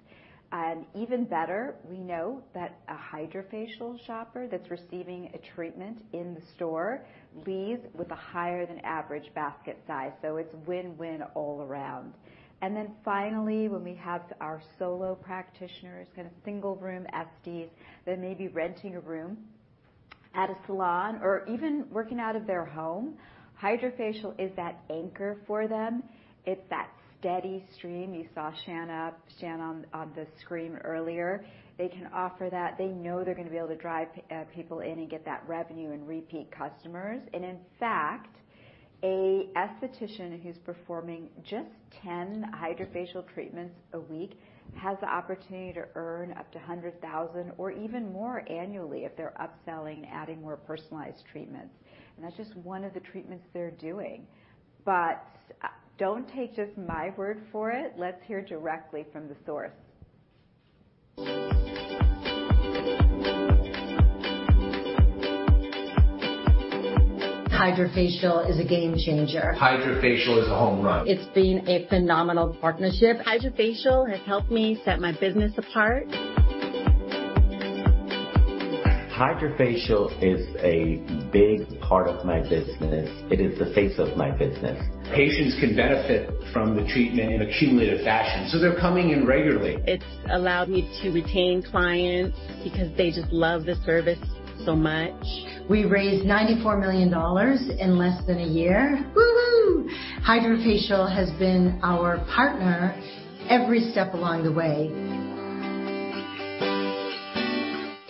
Even better, we know that a HydraFacial shopper that's receiving a treatment in the store leaves with a higher than average basket size. It's win-win all around. Finally, when we have our solo practitioners, kind of single-room aesthetics that may be renting a room at a salon or even working out of their home, HydraFacial is that anchor for them. It's that steady stream. You saw Shana, Shan on the screen earlier. They can offer that. They know they're gonna be able to drive people in and get that revenue and repeat customers. In fact, an esthetician who's performing just 10 HydraFacial treatments a week has the opportunity to earn up to $100,000 or even more annually if they're upselling, adding more personalized treatments. That's just one of the treatments they're doing. Don't take just my word for it. Let's hear directly from the source. HydraFacial is a game changer. HydraFacial is a home run. It's been a phenomenal partnership. HydraFacial has helped me set my business apart. HydraFacial is a big part of my business. It is the face of my business. Patients can benefit from the treatment in a cumulative fashion, so they're coming in regularly. It's allowed me to retain clients because they just love the service so much. We raised $94 million in less than a year. Woo-woo. HydraFacial has been our partner every step along the way.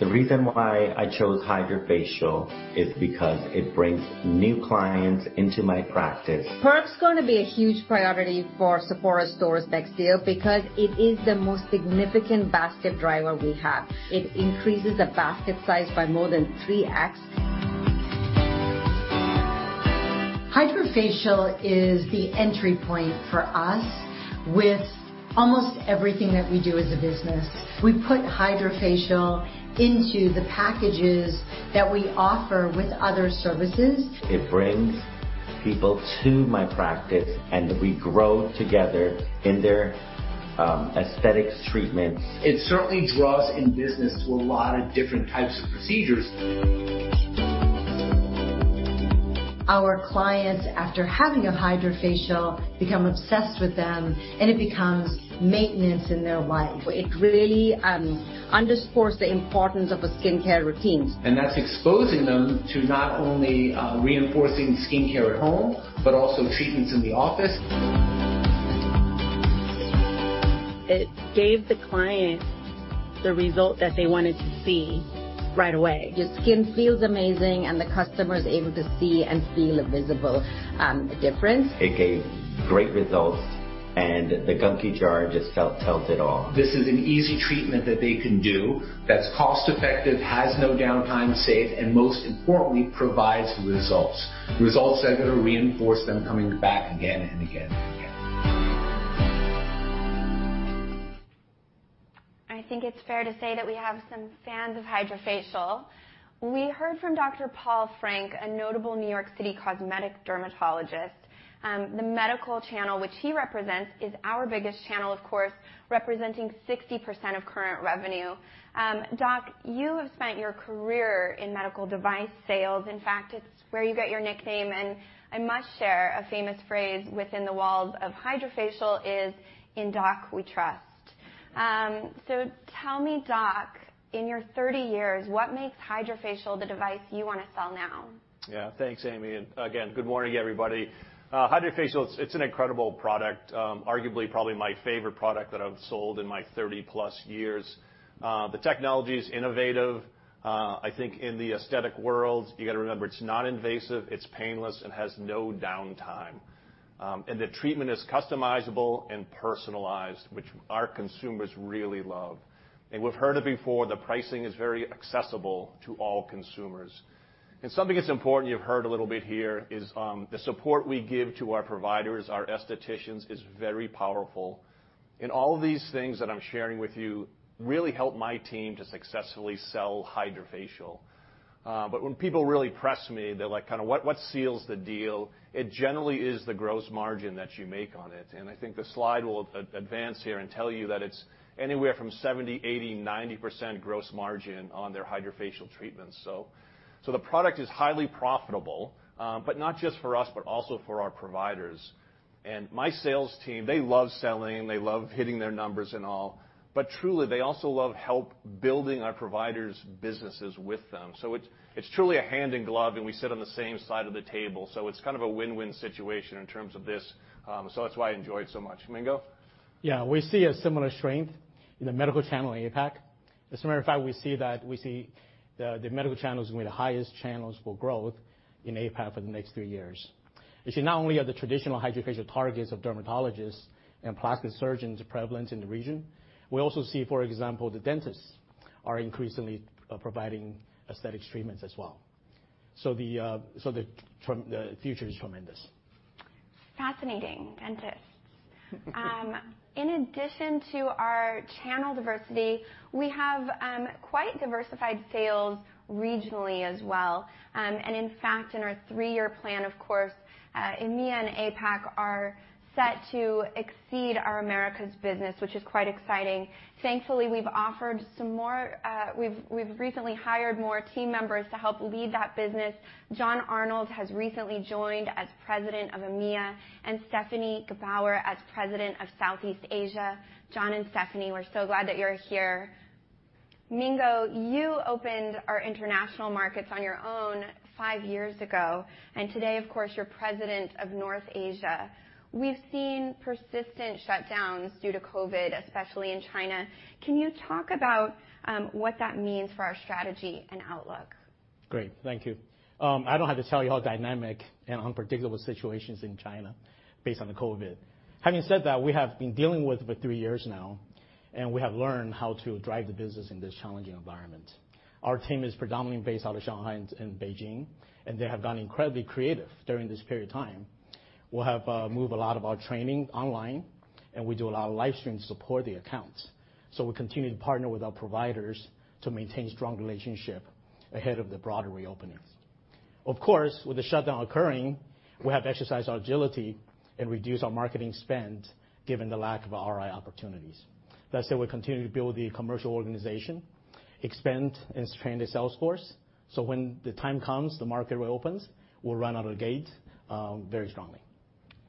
The reason why I chose HydraFacial is because it brings new clients into my practice. Perk's gonna be a huge priority for Sephora stores next year because it is the most significant basket driver we have. It increases the basket size by more than 3x. HydraFacial is the entry point for us with almost everything that we do as a business. We put HydraFacial into the packages that we offer with other services. It brings people to my practice, and we grow together in their aesthetics treatments. It certainly draws in business to a lot of different types of procedures. Our clients, after having a HydraFacial, become obsessed with them, and it becomes maintenance in their life. It really underscores the importance of a skincare routine. That's exposing them to not only reinforcing skincare at home but also treatments in the office. It gave the client the result that they wanted to see right away. The skin feels amazing, and the customer is able to see and feel a visible difference. It gave great results, and helps it all. This is an easy treatment that they can do that's cost-effective, has no downtime, safe, and most importantly, provides results that are gonna reinforce them coming back again and again and again. I think it's fair to say that we have some fans of HydraFacial. We heard from Dr. Paul Frank, a notable New York City cosmetic dermatologist. The medical channel, which he represents, is our biggest channel of course, representing 60% of current revenue. Doc, you have spent your career in medical device sales. In fact, it's where you get your nickname, and I must share a famous phrase within the walls of HydraFacial is, "In Doc we trust." Tell me, Doc, in your 30 years, what makes HydraFacial the device you wanna sell now? Yeah. Thanks, Amy. Again, good morning, everybody. HydraFacial, it's an incredible product, arguably probably my favorite product that I've sold in my 30-plus years. The technology is innovative. I think in the aesthetic world, you gotta remember it's non-invasive, it's painless and has no downtime. The treatment is customizable and personalized, which our consumers really love. We've heard it before, the pricing is very accessible to all consumers. Something that's important you've heard a little bit here is the support we give to our providers, our aestheticians, is very powerful. In all of these things that I'm sharing with you really help my team to successfully sell HydraFacial. But when people really press me, they're like, kinda, "What seals the deal?" It generally is the gross margin that you make on it. I think the slide will advance here and tell you that it's anywhere from 70%-90% gross margin on their HydraFacial treatments. The product is highly profitable, but not just for us, but also for our providers. My sales team, they love selling, they love hitting their numbers and all, but truly, they also love help building our providers' businesses with them. It's truly a hand in glove, and we sit on the same side of the table, so it's kind of a win-win situation in terms of this. That's why I enjoy it so much. Mingo? Yeah. We see a similar strength in the medical channel in APAC. As a matter of fact, we see the medical channels being the highest channels for growth in APAC for the next three years. You see, not only are the traditional HydraFacial targets of dermatologists and plastic surgeons prevalent in the region, we also see, for example, the dentists are increasingly providing aesthetic treatments as well. The future is tremendous. Fascinating, dentists. In addition to our channel diversity, we have quite diversified sales regionally as well. In fact, in our three-year plan, of course, EMEA and APAC are set to exceed our Americas business, which is quite exciting. Thankfully, we've recently hired more team members to help lead that business. Jon Arnold has recently joined as president of EMEA, and Stefanie Gebauer as president of Southeast Asia. Jon and Stefanie, we're so glad that you're here. Mingo, you opened our international markets on your own five years ago, and today, of course, you're president of North Asia. We've seen persistent shutdowns due to COVID, especially in China. Can you talk about what that means for our strategy and outlook? Great. Thank you. I don't have to tell you how dynamic and unpredictable the situation is in China based on the COVID. Having said that, we have been dealing with it for three years now, and we have learned how to drive the business in this challenging environment. Our team is predominantly based out of Shanghai and Beijing, and they have gotten incredibly creative during this period of time. We have moved a lot of our training online, and we do a lot of livestreams to support the accounts. We continue to partner with our providers to maintain strong relationship ahead of the broader reopenings. Of course, with the shutdown occurring, we have exercised our agility and reduced our marketing spend given the lack of ROI opportunities. That said, we're continuing to build the commercial organization, expand and strengthen the sales force, so when the time comes, the market reopens, we'll run out of the gate very strongly.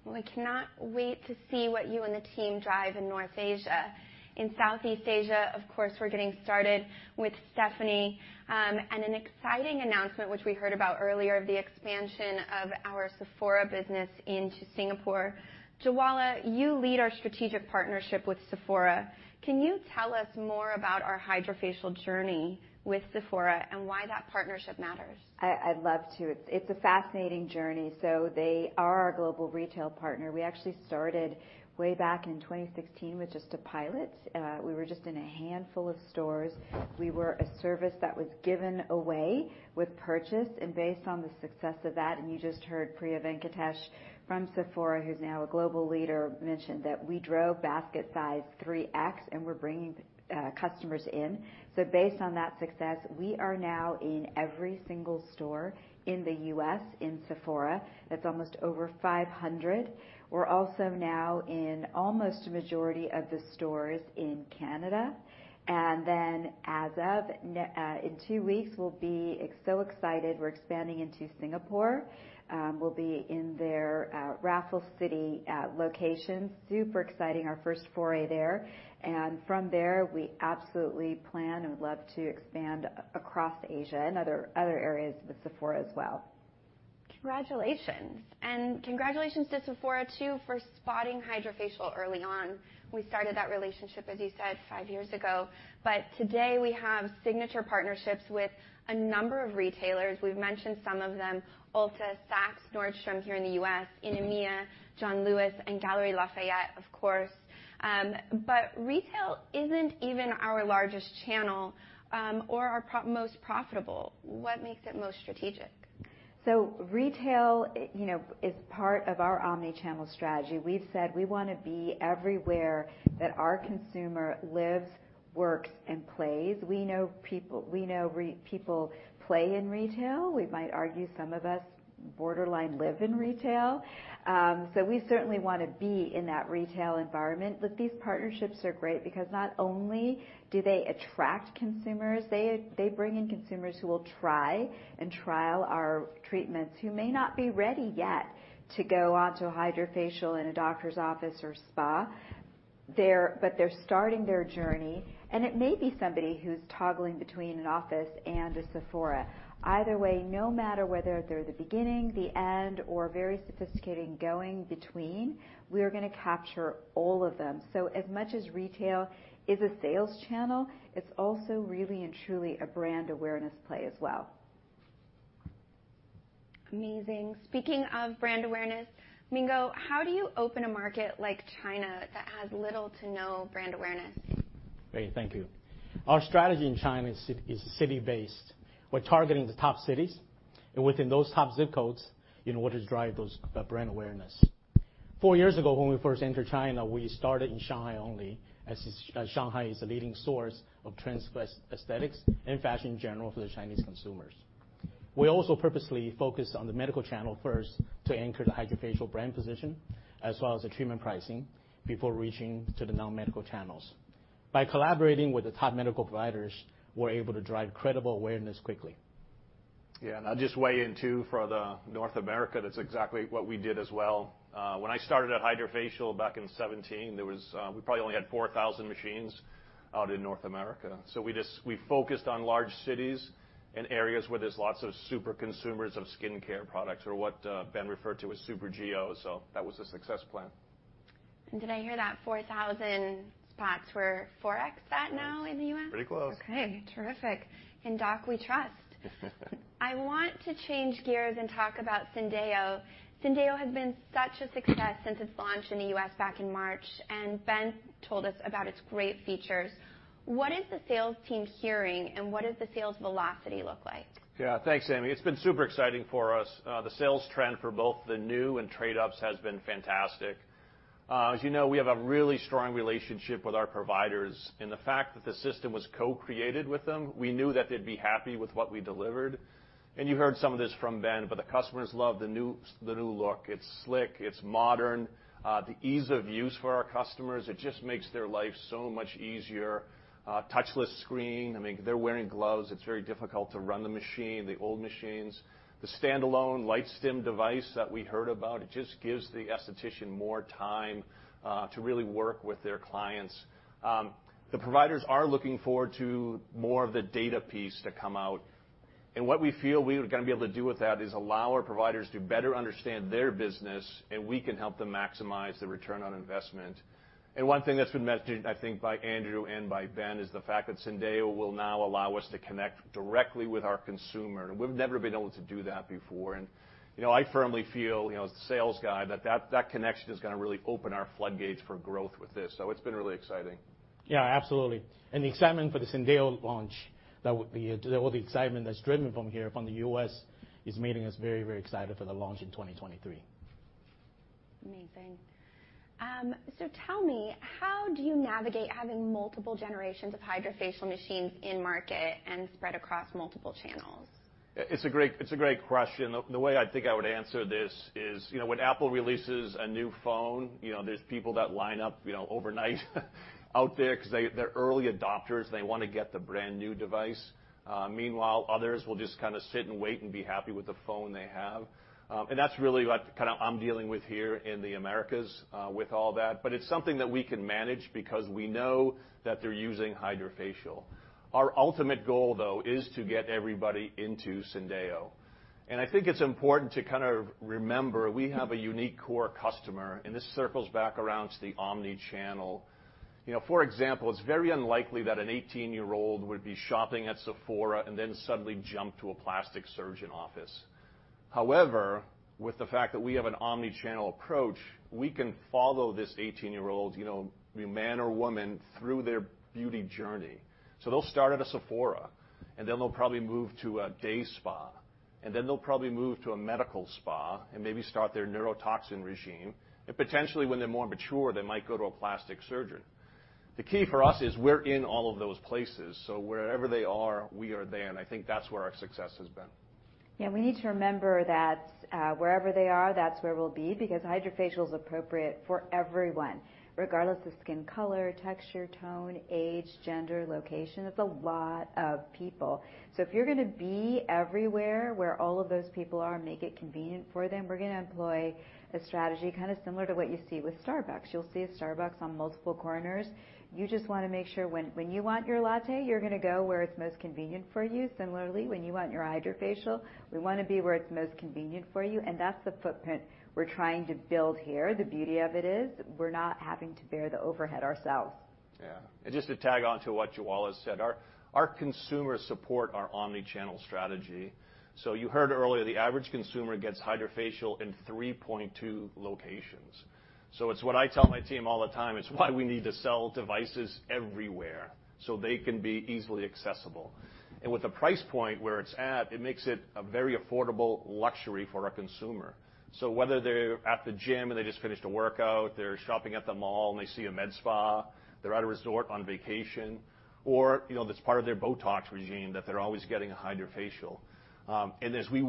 We cannot wait to see what you and the team drive in North Asia. In Southeast Asia, of course, we're getting started with Stefanie, and an exciting announcement which we heard about earlier, the expansion of our Sephora business into Singapore. Jwala, you lead our strategic partnership with Sephora. Can you tell us more about our HydraFacial journey with Sephora and why that partnership matters? I'd love to. It's a fascinating journey. They are our global retail partner. We actually started way back in 2016 with just a pilot. We were just in a handful of stores. We were a service that was given away with purchase. Based on the success of that, you just heard Priya Venkatesh from Sephora, who's now a global leader, mention that we drove basket size 3x, and we're bringing customers in. Based on that success, we are now in every single store in the U.S. in Sephora. That's almost over 500. We're also now in almost a majority of the stores in Canada. Then in two weeks, we'll be so excited. We're expanding into Singapore. We'll be in their Raffles City location. Super exciting, our first foray there. From there, we absolutely plan and would love to expand across Asia and other areas with Sephora as well. Congratulations. Congratulations to Sephora too for spotting HydraFacial early on. We started that relationship, as you said, five years ago. Today, we have signature partnerships with a number of retailers. We've mentioned some of them, Ulta, Saks, Nordstrom here in the US. In EMEA, John Lewis and Galeries Lafayette, of course. Retail isn't even our largest channel, or our most profitable. What makes it most strategic? Retail, you know, is part of our omni-channel strategy. We've said we wanna be everywhere that our consumer lives, works, and plays. We know people play in retail. We might argue some of us borderline live in retail. We certainly wanna be in that retail environment. These partnerships are great because not only do they attract consumers, they bring in consumers who will try and trial our treatments, who may not be ready yet to go onto a HydraFacial in a doctor's office or spa. But they're starting their journey, and it may be somebody who's toggling between an office and a Sephora. Either way, no matter whether they're the beginning, the end, or very sophisticated and going between, we're gonna capture all of them. As much as retail is a sales channel, it's also really and truly a brand awareness play as well. Amazing. Speaking of brand awareness, Mingo Ku, how do you open a market like China that has little to no brand awareness? Great. Thank you. Our strategy in China is tier-city based. We're targeting the top cities and within those top zip codes in order to drive those brand awareness. Four years ago, when we first entered China, we started in Shanghai only, as Shanghai is a leading source of trends plus aesthetics and fashion in general for the Chinese consumers. We also purposely focused on the medical channel first to anchor the HydraFacial brand position, as well as the treatment pricing, before reaching to the non-medical channels. By collaborating with the top medical providers, we're able to drive credible awareness quickly. Yeah. I'll just weigh in, too. For North America, that's exactly what we did as well. When I started at HydraFacial back in 2017, we probably only had 4,000 machines out in North America. So we focused on large cities and areas where there's lots of super consumers of skincare products or what Ben referred to as super geos. So that was the success plan. Did I hear that 4,000 spots? We're 4X that now in the U.S.? Pretty close. Okay, terrific. In Doc we trust. I want to change gears and talk about Syndeo. Syndeo has been such a success since its launch in the U.S. back in March, and Ben told us about its great features. What is the sales team hearing, and what does the sales velocity look like? Yeah. Thanks, Amy. It's been super exciting for us. The sales trend for both the new and trade ups has been fantastic. As you know, we have a really strong relationship with our providers, and the fact that the system was co-created with them, we knew that they'd be happy with what we delivered. You heard some of this from Ben, but the customers love the new look. It's slick. It's modern. The ease of use for our customers, it just makes their life so much easier. Touchless screen. I mean, if they're wearing gloves, it's very difficult to run the machine, the old machines. The standalone LightStim device that we heard about, it just gives the aesthetician more time to really work with their clients. The providers are looking forward to more of the data piece to come out, and what we feel we are gonna be able to do with that is allow our providers to better understand their business, and we can help them maximize the return on investment. One thing that's been mentioned, I think, by Andrew and by Ben is the fact that Syndeo will now allow us to connect directly with our consumer, and we've never been able to do that before. You know, I firmly feel, you know, as the sales guy that that connection is gonna really open our floodgates for growth with this. It's been really exciting. Yeah, absolutely. The excitement for the Syndeo launch, all the excitement that's driven from here from the US is making us very, very excited for the launch in 2023. Amazing. Tell me, how do you navigate having multiple generations of HydraFacial machines in market and spread across multiple channels? It's a great question. The way I think I would answer this is, you know, when Apple releases a new phone, you know, there's people that line up, you know, overnight out there 'cause they're early adopters. They wanna get the brand-new device. Meanwhile, others will just kinda sit and wait and be happy with the phone they have. That's really what kinda I'm dealing with here in the Americas with all that. It's something that we can manage because we know that they're using HydraFacial. Our ultimate goal, though, is to get everybody into Syndeo, and I think it's important to kind of remember, we have a unique core customer, and this circles back around to the omni-channel. You know, for example, it's very unlikely that an 18-year-old would be shopping at Sephora and then suddenly jump to a plastic surgeon office. However, with the fact that we have an omni-channel approach, we can follow this 18-year-old, you know, be man or woman, through their beauty journey. They'll start at a Sephora, and then they'll probably move to a day spa, and then they'll probably move to a medical spa and maybe start their neurotoxin regimen. And potentially, when they're more mature, they might go to a plastic surgeon. The key for us is we're in all of those places, so wherever they are, we are there, and I think that's where our success has been. Yeah, we need to remember that wherever they are, that's where we'll be because HydraFacial is appropriate for everyone, regardless of skin color, texture, tone, age, gender, location. It's a lot of people. If you're gonna be everywhere where all of those people are and make it convenient for them, we're gonna employ the strategy kinda similar to what you see with Starbucks. You'll see a Starbucks on multiple corners. You just wanna make sure when you want your latte, you're gonna go where it's most convenient for you. Similarly, when you want your HydraFacial, we wanna be where it's most convenient for you, and that's the footprint we're trying to build here. The beauty of it is we're not having to bear the overhead ourselves. Yeah. Just to tag on to whatJwala has said, our consumers support our omni-channel strategy. You heard earlier, the average consumer gets HydraFacial in 3.2 locations. It's what I tell my team all the time. It's why we need to sell devices everywhere, so they can be easily accessible. With the price point where it's at, it makes it a very affordable luxury for our consumer. Whether they're at the gym and they just finished a workout, they're shopping at the mall and they see a med spa, they're at a resort on vacation, or, you know, that's part of their Botox regimen, that they're always getting a HydraFacial. As we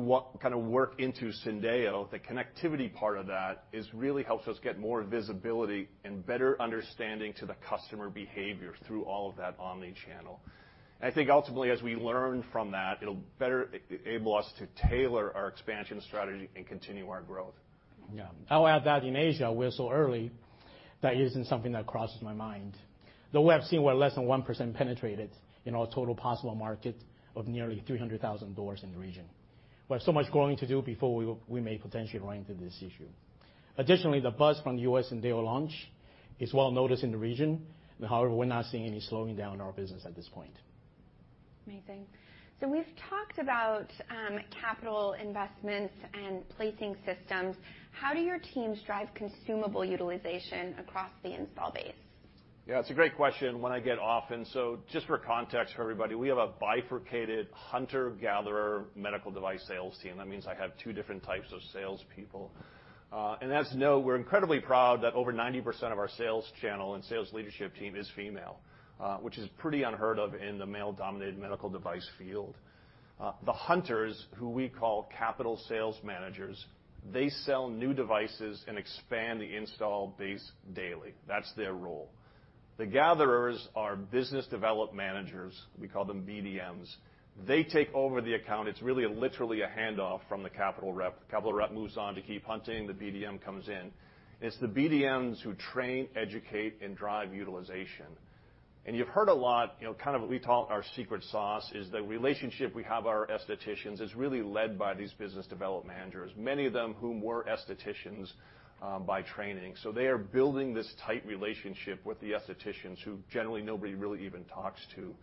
kinda work into Syndeo, the connectivity part of that is really helps us get more visibility and better understanding to the customer behavior through all of that omni-channel. I think ultimately, as we learn from that, it'll better enable us to tailor our expansion strategy and continue our growth. Yeah. I'll add that in Asia, we're so early that isn't something that crosses my mind, though we have seen we're less than 1% penetrated in our total possible market of nearly 300,000 doors in the region. We have so much growing to do before we may potentially run into this issue. Additionally, the buzz from the U.S. Syndeo launch is well noticed in the region, but however, we're not seeing any slowing down our business at this point. Amazing. We've talked about capital investments and placing systems. How do your teams drive consumable utilization across the install base? Yeah, it's a great question, one I get often. Just for context for everybody, we have a bifurcated hunter-gatherer medical device sales team. That means I have two different types of salespeople. And as you know, we're incredibly proud that over 90% of our sales channel and sales leadership team is female, which is pretty unheard of in the male-dominated medical device field. The hunters, who we call capital sales managers, they sell new devices and expand the install base daily. That's their role. The gatherers are business development managers. We call them BDMs. They take over the account. It's really literally a handoff from the capital rep. Capital rep moves on to keep hunting, the BDM comes in. It's the BDMs who train, educate, and drive utilization. You've heard a lot, you know, kind of what we call our secret sauce is the relationship we have with our estheticians is really led by these business development managers, many of them whom were estheticians by training. They are building this tight relationship with the estheticians who generally nobody really even talks to.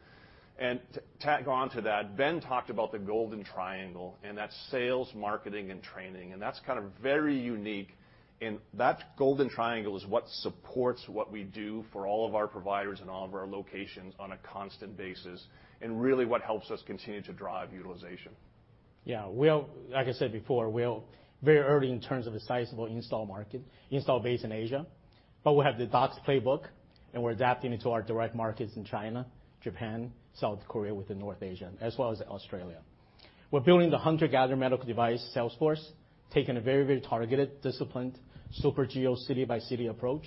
To tack on to that, Ben talked about the golden triangle, and that's sales, marketing, and training, and that's kind of very unique. That golden triangle is what supports what we do for all of our providers and all of our locations on a constant basis, and really what helps us continue to drive utilization. Yeah. Like I said before, we are very early in terms of the sizable install base in Asia, but we have Doc's playbook, and we're adapting it to our direct markets in China, Japan, South Korea within North Asia, as well as Australia. We're building the hunter-gatherer medical device sales force, taking a very, very targeted, disciplined, super geo city-by-city approach.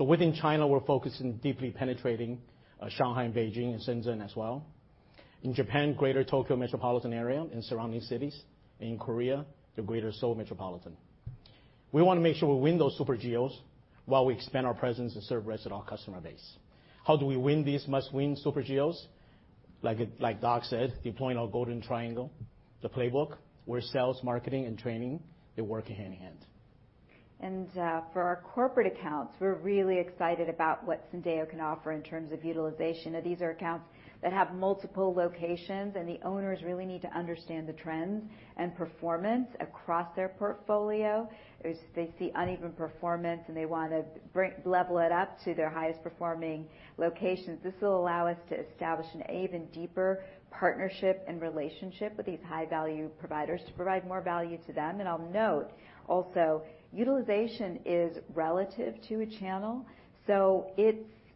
Within China, we're focusing deeply penetrating Shanghai, and Beijing, and Shenzhen as well. In Japan, Greater Tokyo Metropolitan Area and surrounding cities. In Korea, the Greater Seoul Metropolitan Area. We wanna make sure we win those super geos while we expand our presence and serve the rest of our customer base. How do we win these must-win super geos? Like Doc said, deploying our golden triangle, the playbook, where sales, marketing, and training, they work hand-in-hand. For our corporate accounts, we're really excited about what Syndeo can offer in terms of utilization. These are accounts that have multiple locations, and the owners really need to understand the trends and performance across their portfolio. If they see uneven performance and they wanna level it up to their highest performing locations, this will allow us to establish an even deeper partnership and relationship with these high-value providers to provide more value to them. I'll note also, utilization is relative to a channel, so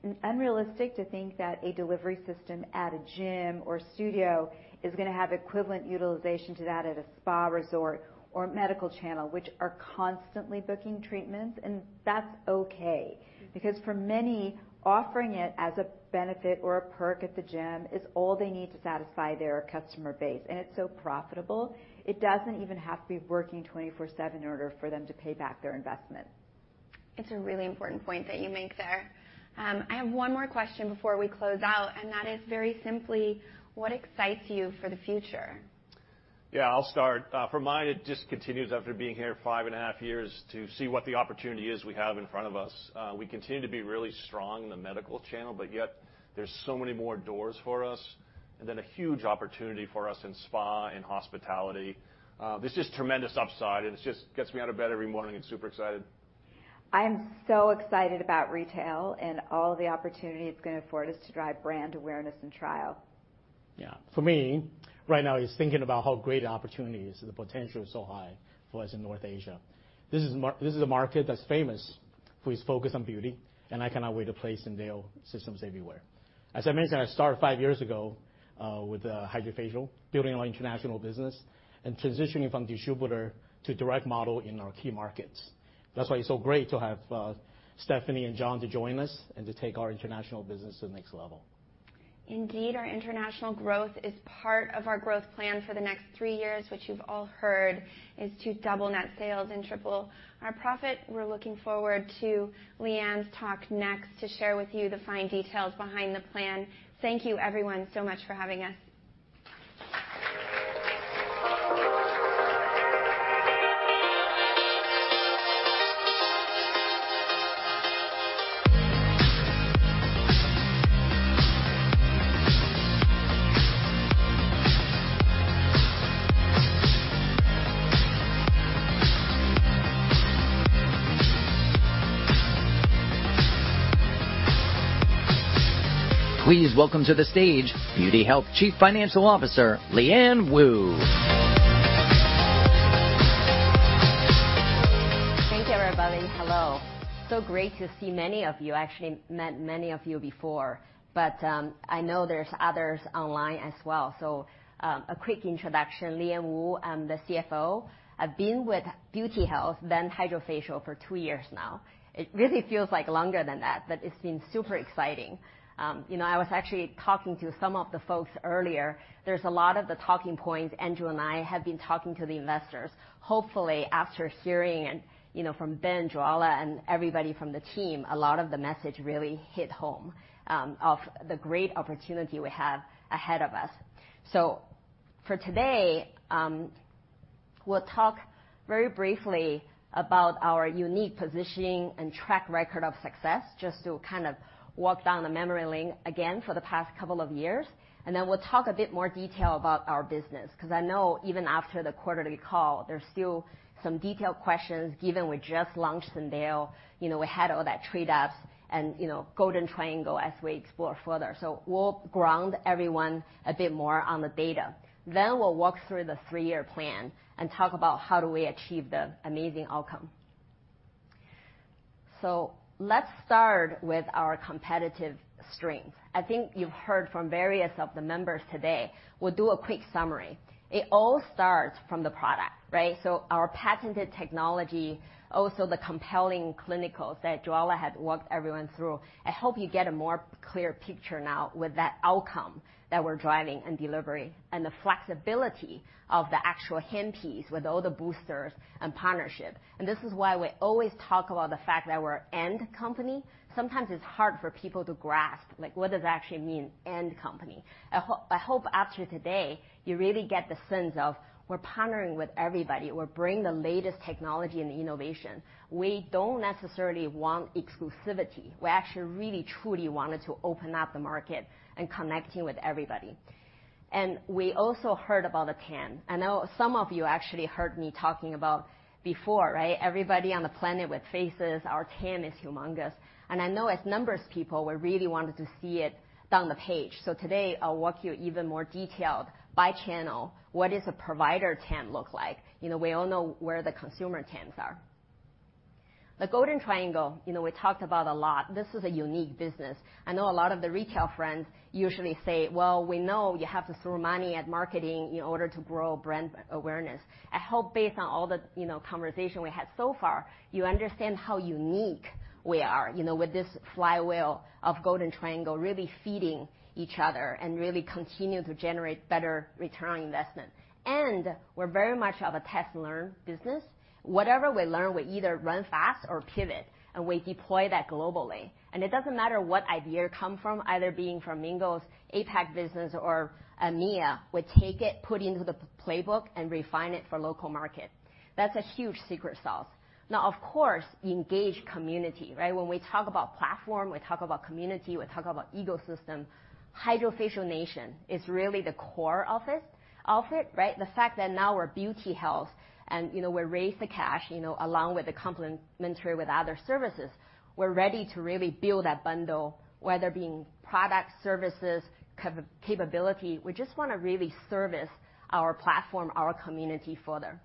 it's unrealistic to think that a delivery system at a gym or studio is gonna have equivalent utilization to that at a spa resort or medical channel, which are constantly booking treatments. That's okay because for many, offering it as a benefit or a perk at the gym is all they need to satisfy their customer base. It's so profitable, it doesn't even have to be working 24/7 in order for them to pay back their investment. It's a really important point that you make there. I have one more question before we close out, and that is very simply: What excites you for the future? Yeah, I'll start. For mine, it just continues after being here five and a half years to see what the opportunity is we have in front of us. We continue to be really strong in the medical channel, but yet there's so many more doors for us, and then a huge opportunity for us in spa and hospitality. There's just tremendous upside, and it just gets me out of bed every morning and super excited. I am so excited about retail and all the opportunity it's gonna afford us to drive brand awareness and trial. For me, right now it's thinking about how great the opportunity is. The potential is so high for us in North Asia. This is a market that's famous for its focus on beauty, and I cannot wait to place in their systems everywhere. As I mentioned, I started five years ago with HydraFacial, building our international business and transitioning from distributor to direct model in our key markets. That's why it's so great to have Stefanie and Jon to join us and to take our international business to the next level. Indeed, our international growth is part of our growth plan for the next three years, which you've all heard is to double net sales and triple our profit. We're looking forward to Liyuan's talk next to share with you the fine details behind the plan. Thank you everyone so much for having us. Please welcome to the stage Beauty Health Chief Financial Officer, Liyuan Woo. Thank you, everybody. Hello. Great to see many of you. I actually met many of you before, but I know there's others online as well. A quick introduction. Liyuan Woo, I'm the CFO. I've been with Beauty Health, then HydraFacial, for two years now. It really feels like longer than that, but it's been super exciting. I was actually talking to some of the folks earlier. There's a lot of the talking points Andrew and I have been talking to the investors. Hopefully, after hearing from Ben, Dr. Jwala Karnik, and everybody from the team, a lot of the message really hit home of the great opportunity we have ahead of us. For today, we'll talk very briefly about our unique positioning and track record of success, just to kind of walk down the memory lane again for the past couple of years, and then we'll talk a bit more detail about our business, 'cause I know even after the quarterly call, there's still some detailed questions given we just launched Syndeo, you know, we had all that trade shows and, you know, Golden Triangle as we explore further. We'll ground everyone a bit more on the data. We'll walk through the three-year plan and talk about how do we achieve the amazing outcome. Let's start with our competitive strength. I think you've heard from various of the members today. We'll do a quick summary. It all starts from the product, right? Our patented technology, also the compelling clinicals that Jwala had walked everyone through. I hope you get a more clear picture now with that outcome that we're driving and delivering, and the flexibility of the actual handpiece with all the boosters and partnership. This is why we always talk about the fact that we're an end company. Sometimes it's hard for people to grasp, like, what does it actually mean, end company? I hope after today, you really get the sense of we're partnering with everybody, we're bringing the latest technology and innovation. We don't necessarily want exclusivity. We actually really truly wanted to open up the market and connecting with everybody. We also heard about the TAM. I know some of you actually heard me talking about before, right? Everybody on the planet with faces, our TAM is humongous. I know as numbers people, we really wanted to see it down the page. Today, I'll walk you even more detailed by channel, what is a provider TAM look like? You know, we all know where the consumer TAMs are. The Golden Triangle, you know, we talked about a lot. This is a unique business. I know a lot of the retail friends usually say, "Well, we know you have to throw money at marketing in order to grow brand awareness." I hope based on all the, you know, conversation we had so far, you understand how unique we are, you know, with this flywheel of Golden Triangle really feeding each other and really continue to generate better return on investment. We're very much of a test and learn business. Whatever we learn, we either run fast or pivot, and we deploy that globally. It doesn't matter what idea come from, either being from Mingo's APAC business or EMEA, we take it, put into the playbook, and refine it for local market. That's a huge secret sauce. Now, of course, engage community, right? When we talk about platform, we talk about community, we talk about ecosystem. HydraFacial Nation is really the core of it, right? The fact that now we're Beauty Health and, you know, we raise the cash, you know, along with the complimentary with other services, we're ready to really build that bundle, whether it being product, services, capability. We just wanna really service our platform, our community further.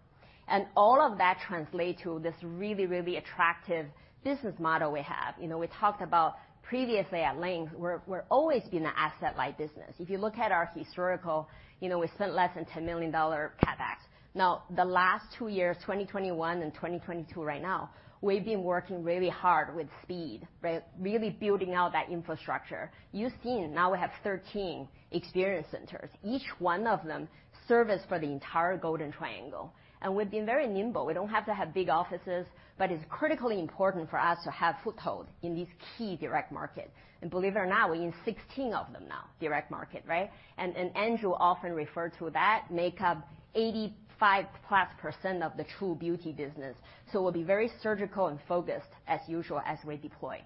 All of that translate to this really, really attractive business model we have. You know, we talked about previously at length, we're always been a asset-light business. If you look at our historical, you know, we spent less than $10 million CapEx. Now, the last two years, 2021 and 2022 right now, we've been working really hard with speed, right? Really building out that infrastructure. You've seen now we have 13 experience centers, each one of them service for the entire Golden Triangle. We've been very nimble. We don't have to have big offices, but it's critically important for us to have foothold in these key direct markets. Believe it or not, we're in 16 of them now, direct market, right? Andrew often refer to that, make up 85%+ of the true beauty business. We'll be very surgical and focused as usual as we deploy.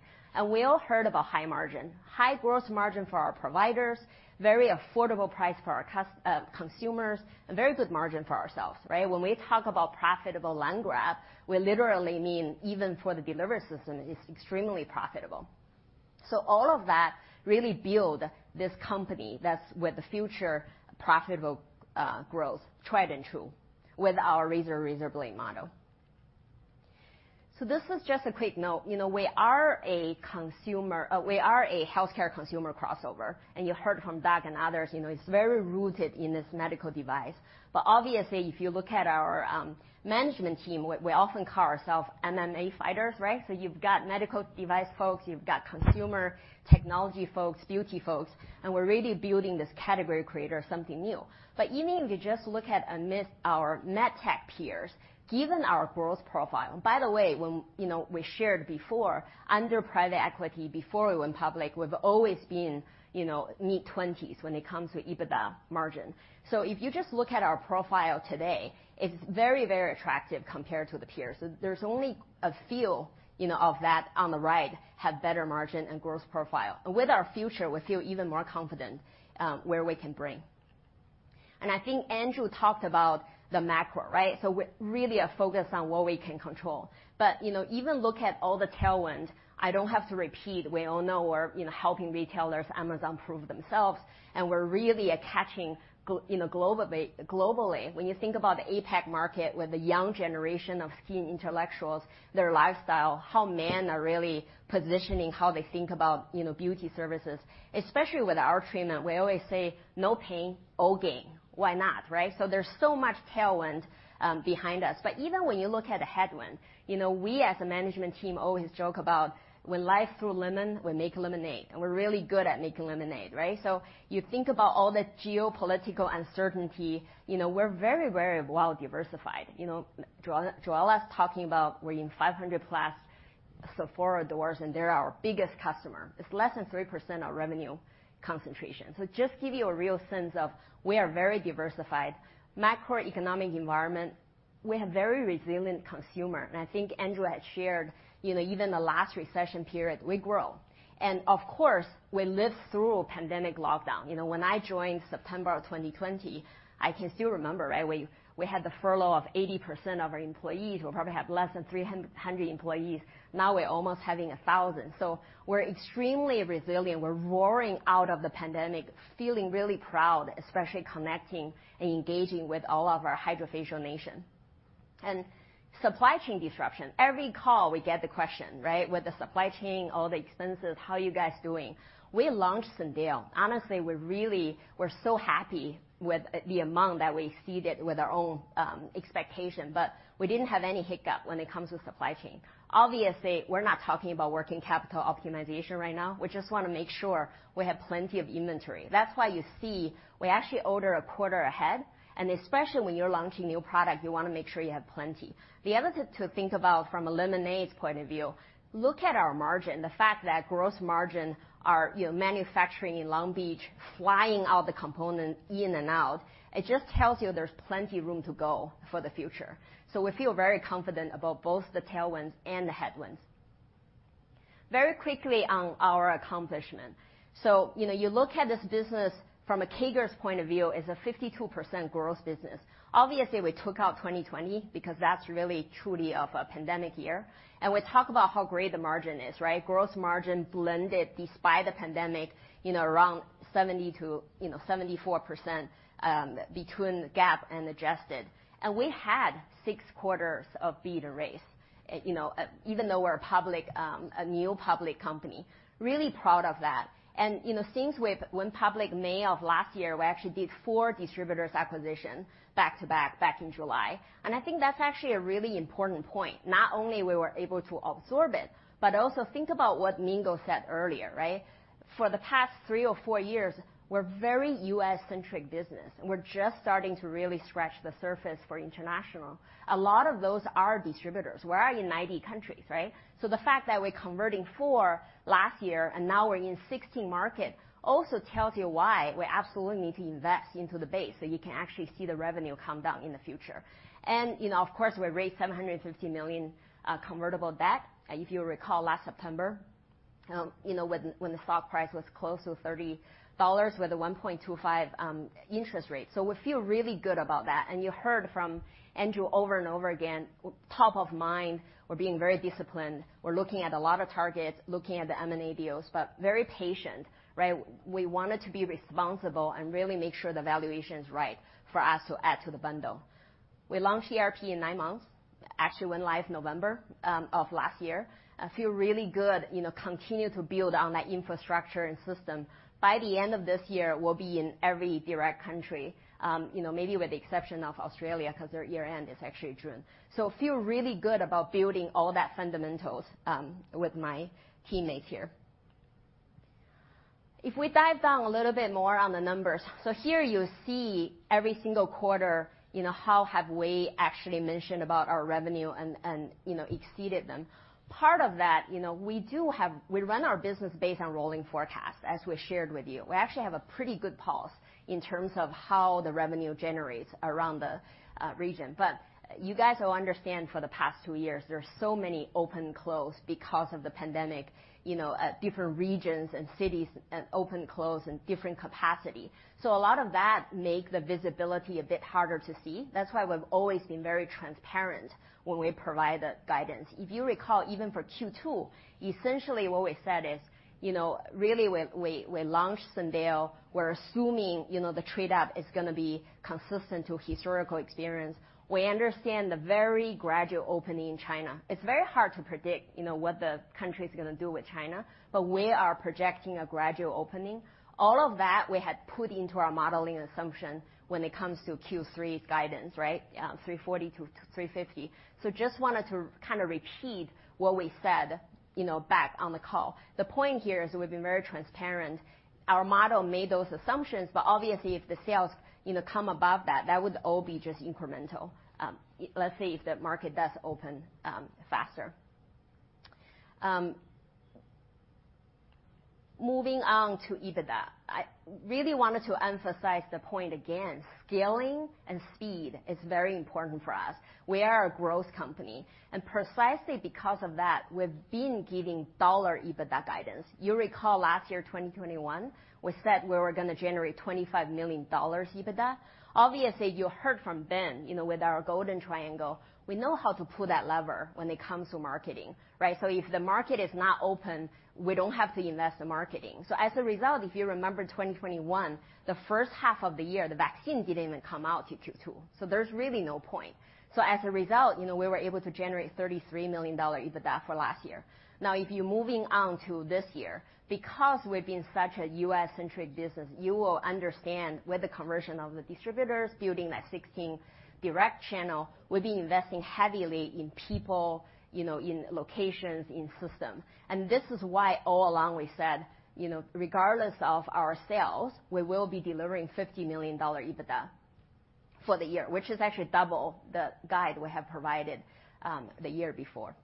We all heard about high margin. High gross margin for our providers, very affordable price for our consumers, and very good margin for ourselves, right? When we talk about profitable land grab, we literally mean even for the delivery system is extremely profitable. All of that really build this company that's with the future profitable growth, tried and true with our razor-blade model. This is just a quick note. You know, we are a consumer. We are a care consumer crossover, and you heard from Doc and others, you know, it's very rooted in this medical device. Obviously, if you look at our management team, we often call ourself MMA fighters, right? You've got medical device folks, you've got consumer technology folks, beauty folks, and we're really building this category creator something new. Even if you just look at amidst our med tech peers, given our growth profile. By the way, when, you know, we shared before, under private equity, before we went public, we've always been, you know, mid-20s when it comes to EBITDA margin. So if you just look at our profile today, it's very, very attractive compared to the peers. There's only a few, you know, of that on the right have better margin and growth profile. And with our future, we feel even more confident where we can bring. And I think Andrew talked about the macro, right? So really a focus on what we can control. You know, even look at all the tailwinds, I don't have to repeat. We all know we're, you know, helping retailers, Amazon-proof themselves, and we're really catching you know, globally. When you think about the APAC market with the young generation of skin intellectuals, their lifestyle, how men are really positioning how they think about, you know, beauty services, especially with our treatment, we always say, "No pain, all gain." Why not, right? There's so much tailwind behind us. Even when you look at the headwind, you know, we as a management team always joke about when life throws lemons, we make lemonade, and we're really good at making lemonade, right? You think about all the geopolitical uncertainty, you know, we're very, very well diversified. You know, Dr. Jwala Karnik's talking about we're in 500+ Sephora doors and they're our biggest customer. It's less than 3% of revenue concentration. Just give you a real sense of we are very diversified. Macroeconomic environment, we have very resilient consumer. I think Andrew had shared, you know, even the last recession period, we grow. Of course, we lived through pandemic lockdown. You know, when I joined September of 2020, I can still remember, right? We had the furlough of 80% of our employees. We probably have less than 300 employees. Now we're almost having 1,000. We're extremely resilient. We're roaring out of the pandemic, feeling really proud, especially connecting and engaging with all of our HydraFacial Nation. Supply chain disruption. Every call we get the question, right? With the supply chain, all the expenses, how are you guys doing? We launched Syndeo. Honestly, we're really so happy with the amount that we exceeded with our own expectation. We didn't have any hiccup when it comes to supply chain. Obviously, we're not talking about working capital optimization right now. We just wanna make sure we have plenty of inventory. That's why you see we actually order a quarter ahead, and especially when you're launching new product, you wanna make sure you have plenty. The other thing to think about from a long-term point of view, look at our margin. The fact that gross margin are, you know, manufacturing in Long Beach, flying all the components in and out, it just tells you there's plenty room to go for the future. We feel very confident about both the tailwinds and the headwinds. Very quickly on our accomplishment. You know, you look at this business from a CAGR's point of view, it's a 52% growth business. Obviously, we took out 2020 because that's really truly of a pandemic year. We talk about how great the margin is, right? Gross margin blended despite the pandemic, you know, around 70%-74%, between the GAAP and adjusted. We had six quarters of beat or raise, you know, even though we're a public, a new public company. Really proud of that. You know, since we've went public May of last year, we actually did four distributors acquisition back-to-back, back in July. I think that's actually a really important point. Not only we were able to absorb it, but also think about what Mingo said earlier, right? For the past three or four years, we're very U.S.-centric business, and we're just starting to really scratch the surface for international. A lot of those are distributors. We're in 90 countries, right? The fact that we're converting four last year and now we're in 16 markets also tells you why we absolutely need to invest into the base, so you can actually see the revenue come down in the future. You know, of course, we raised $750 million convertible debt, if you recall last September, you know, when the stock price was close to $30 with a 1.25 interest rate. We feel really good about that. You heard from Andrew over and over again, top of mind, we're being very disciplined. We're looking at a lot of targets, looking at the M&A deals, but very patient, right? We wanted to be responsible and really make sure the valuation is right for us to add to the bundle. We launched ERP in nine months, actually went live November of last year. I feel really good, you know, continue to build on that infrastructure and system. By the end of this year, we'll be in every direct country, you know, maybe with the exception of Australia because their year-end is actually June. I feel really good about building all that fundamentals, with my teammates here. If we dive down a little bit more on the numbers. Here you see every single quarter, you know, how we have actually met and exceeded them. Part of that, you know, we run our business based on rolling forecasts, as we shared with you. We actually have a pretty good pulse in terms of how the revenue generates around the region. You guys will understand for the past two years, there are so many open/close because of the pandemic, you know, at different regions and cities and open/close and different capacity. So a lot of that make the visibility a bit harder to see. That's why we've always been very transparent when we provide the guidance. If you recall, even for Q2, essentially what we said is, you know, really when we launched Syndeo, we're assuming, you know, the trade up is gonna be consistent to historical experience. We understand the very gradual opening in China. It's very hard to predict, you know, what the country's gonna do in China, but we are projecting a gradual opening. All of that we had put into our modeling assumption when it comes to Q3's guidance, right? $340 million-$350 million. Just wanted to kind of repeat what we said, you know, back on the call. The point here is we've been very transparent. Our model made those assumptions, but obviously if the sales, you know, come above that would all be just incremental, let's say if the market does open faster. Moving on to EBITDA. I really wanted to emphasize the point again, scaling and speed is very important for us. We are a growth company, and precisely because of that, we've been giving dollar EBITDA guidance. You recall last year, 2021, we said we were gonna generate $25 million EBITDA. Obviously, you heard from Ben, you know, with our golden triangle, we know how to pull that lever when it comes to marketing, right? If the market is not open, we don't have to invest in marketing. As a result, if you remember 2021, the first half of the year, the vaccine didn't even come out till Q2, so there's really no point. As a result, you know, we were able to generate $33 million EBITDA for last year. Now, if you're moving on to this year, because we've been such a US-centric business, you will understand with the conversion of the distributors building that 16 direct channel, we've been investing heavily in people, you know, in locations, in system. This is why all along we said, you know, regardless of our sales, we will be delivering $50 million EBITDA for the year, which is actually double the guide we have provided, the year before.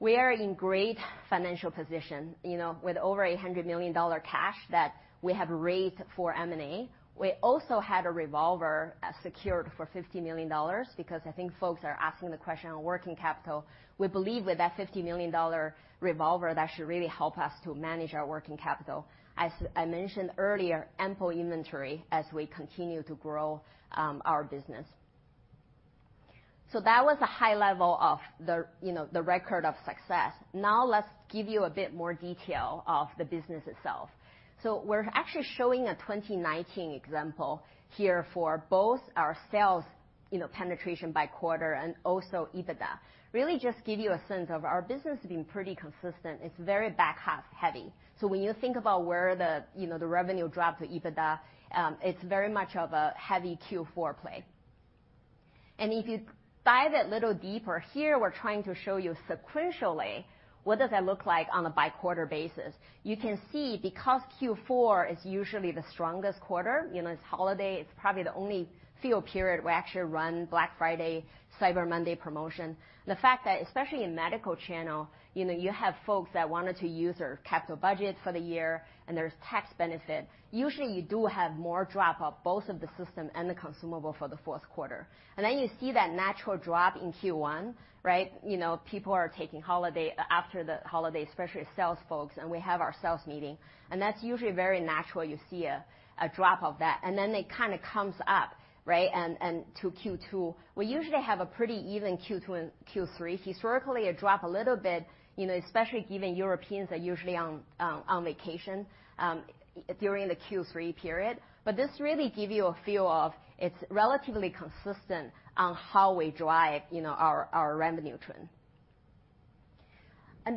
We are in great financial position, you know, with over $100 million cash that we have raised for M&A. We also had a revolver secured for $50 million because I think folks are asking the question on working capital. We believe with that $50 million-dollar revolver, that should really help us to manage our working capital. As I mentioned earlier, ample inventory as we continue to grow our business. That was a high level of the, you know, the record of success. Now let's give you a bit more detail of the business itself. We're actually showing a 2019 example here for both our sales, you know, penetration by quarter and also EBITDA. Really just give you a sense of our business has been pretty consistent. It's very back-half heavy. When you think about where the, you know, the revenue drop to EBITDA, it's very much of a heavy Q4 play. If you dive a little deeper, here we're trying to show you sequentially, what does that look like on a by quarter basis. You can see because Q4 is usually the strongest quarter, you know, it's holiday, it's probably the only field period we actually run Black Friday, Cyber Monday promotion. The fact that, especially in medical channel, you know, you have folks that wanted to use their capital budget for the year, and there's tax benefit. Usually, you do have more drop of both of the system and the consumable for the fourth quarter. Then you see that natural drop in Q1, right? You know, people are taking holiday after the holiday, especially sales folks, and we have our sales meeting. That's usually very natural. You see a drop of that. Then it kind of comes up, right, and to Q2. We usually have a pretty even Q2 and Q3. Historically, it drop a little bit, you know, especially given Europeans are usually on vacation during the Q3 period. This really give you a feel of it's relatively consistent on how we drive, you know, our revenue trend.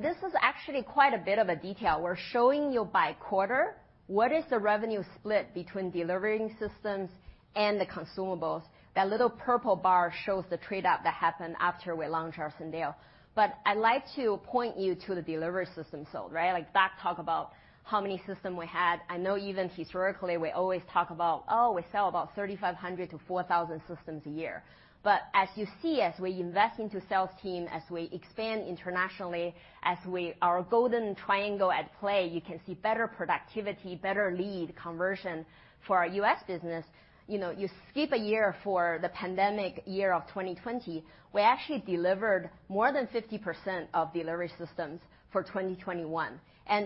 This is actually quite a bit of a detail. We're showing you by quarter what is the revenue split between delivery systems and the consumables. That little purple bar shows the trade-up that happened after we launched our Syndeo. I'd like to point you to the delivery systems sold, right? Like, Zach talked about how many systems we had. I know even historically, we always talk about, oh, we sell about 3,500-4,000 systems a year. As you see, as we invest into sales team, as we expand internationally, our golden triangle at play, you can see better productivity, better lead conversion for our U.S. business. You know, you skip a year for the pandemic year of 2020, we actually delivered more than 50% of delivery systems for 2021.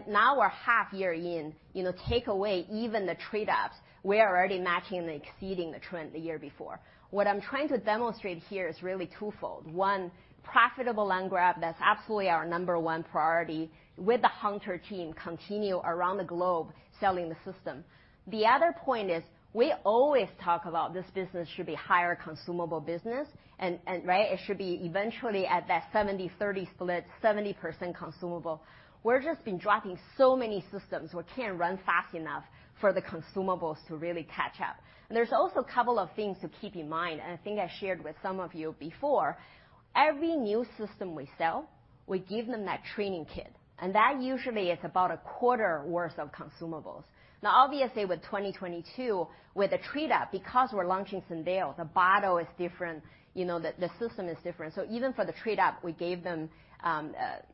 Now we're half year in, you know, take away even the trade-ups, we are already matching and exceeding the trend the year before. What I'm trying to demonstrate here is really twofold. One, profitable land grab, that's absolutely our number one priority with the hunter team continue around the globe selling the system. The other point is, we always talk about this business should be higher consumable business and right, it should be eventually at that 70-30 split, 70% consumable. We've just been dropping so many systems, we can't run fast enough for the consumables to really catch up. There's also a couple of things to keep in mind, and I think I shared with some of you before. Every new system we sell, we give them that training kit, and that usually is about a quarter worth of consumables. Now, obviously, with 2022, with the trade-up, because we're launching Syndeo, the bottle is different, you know, the system is different. So even for the trade-up, we gave them,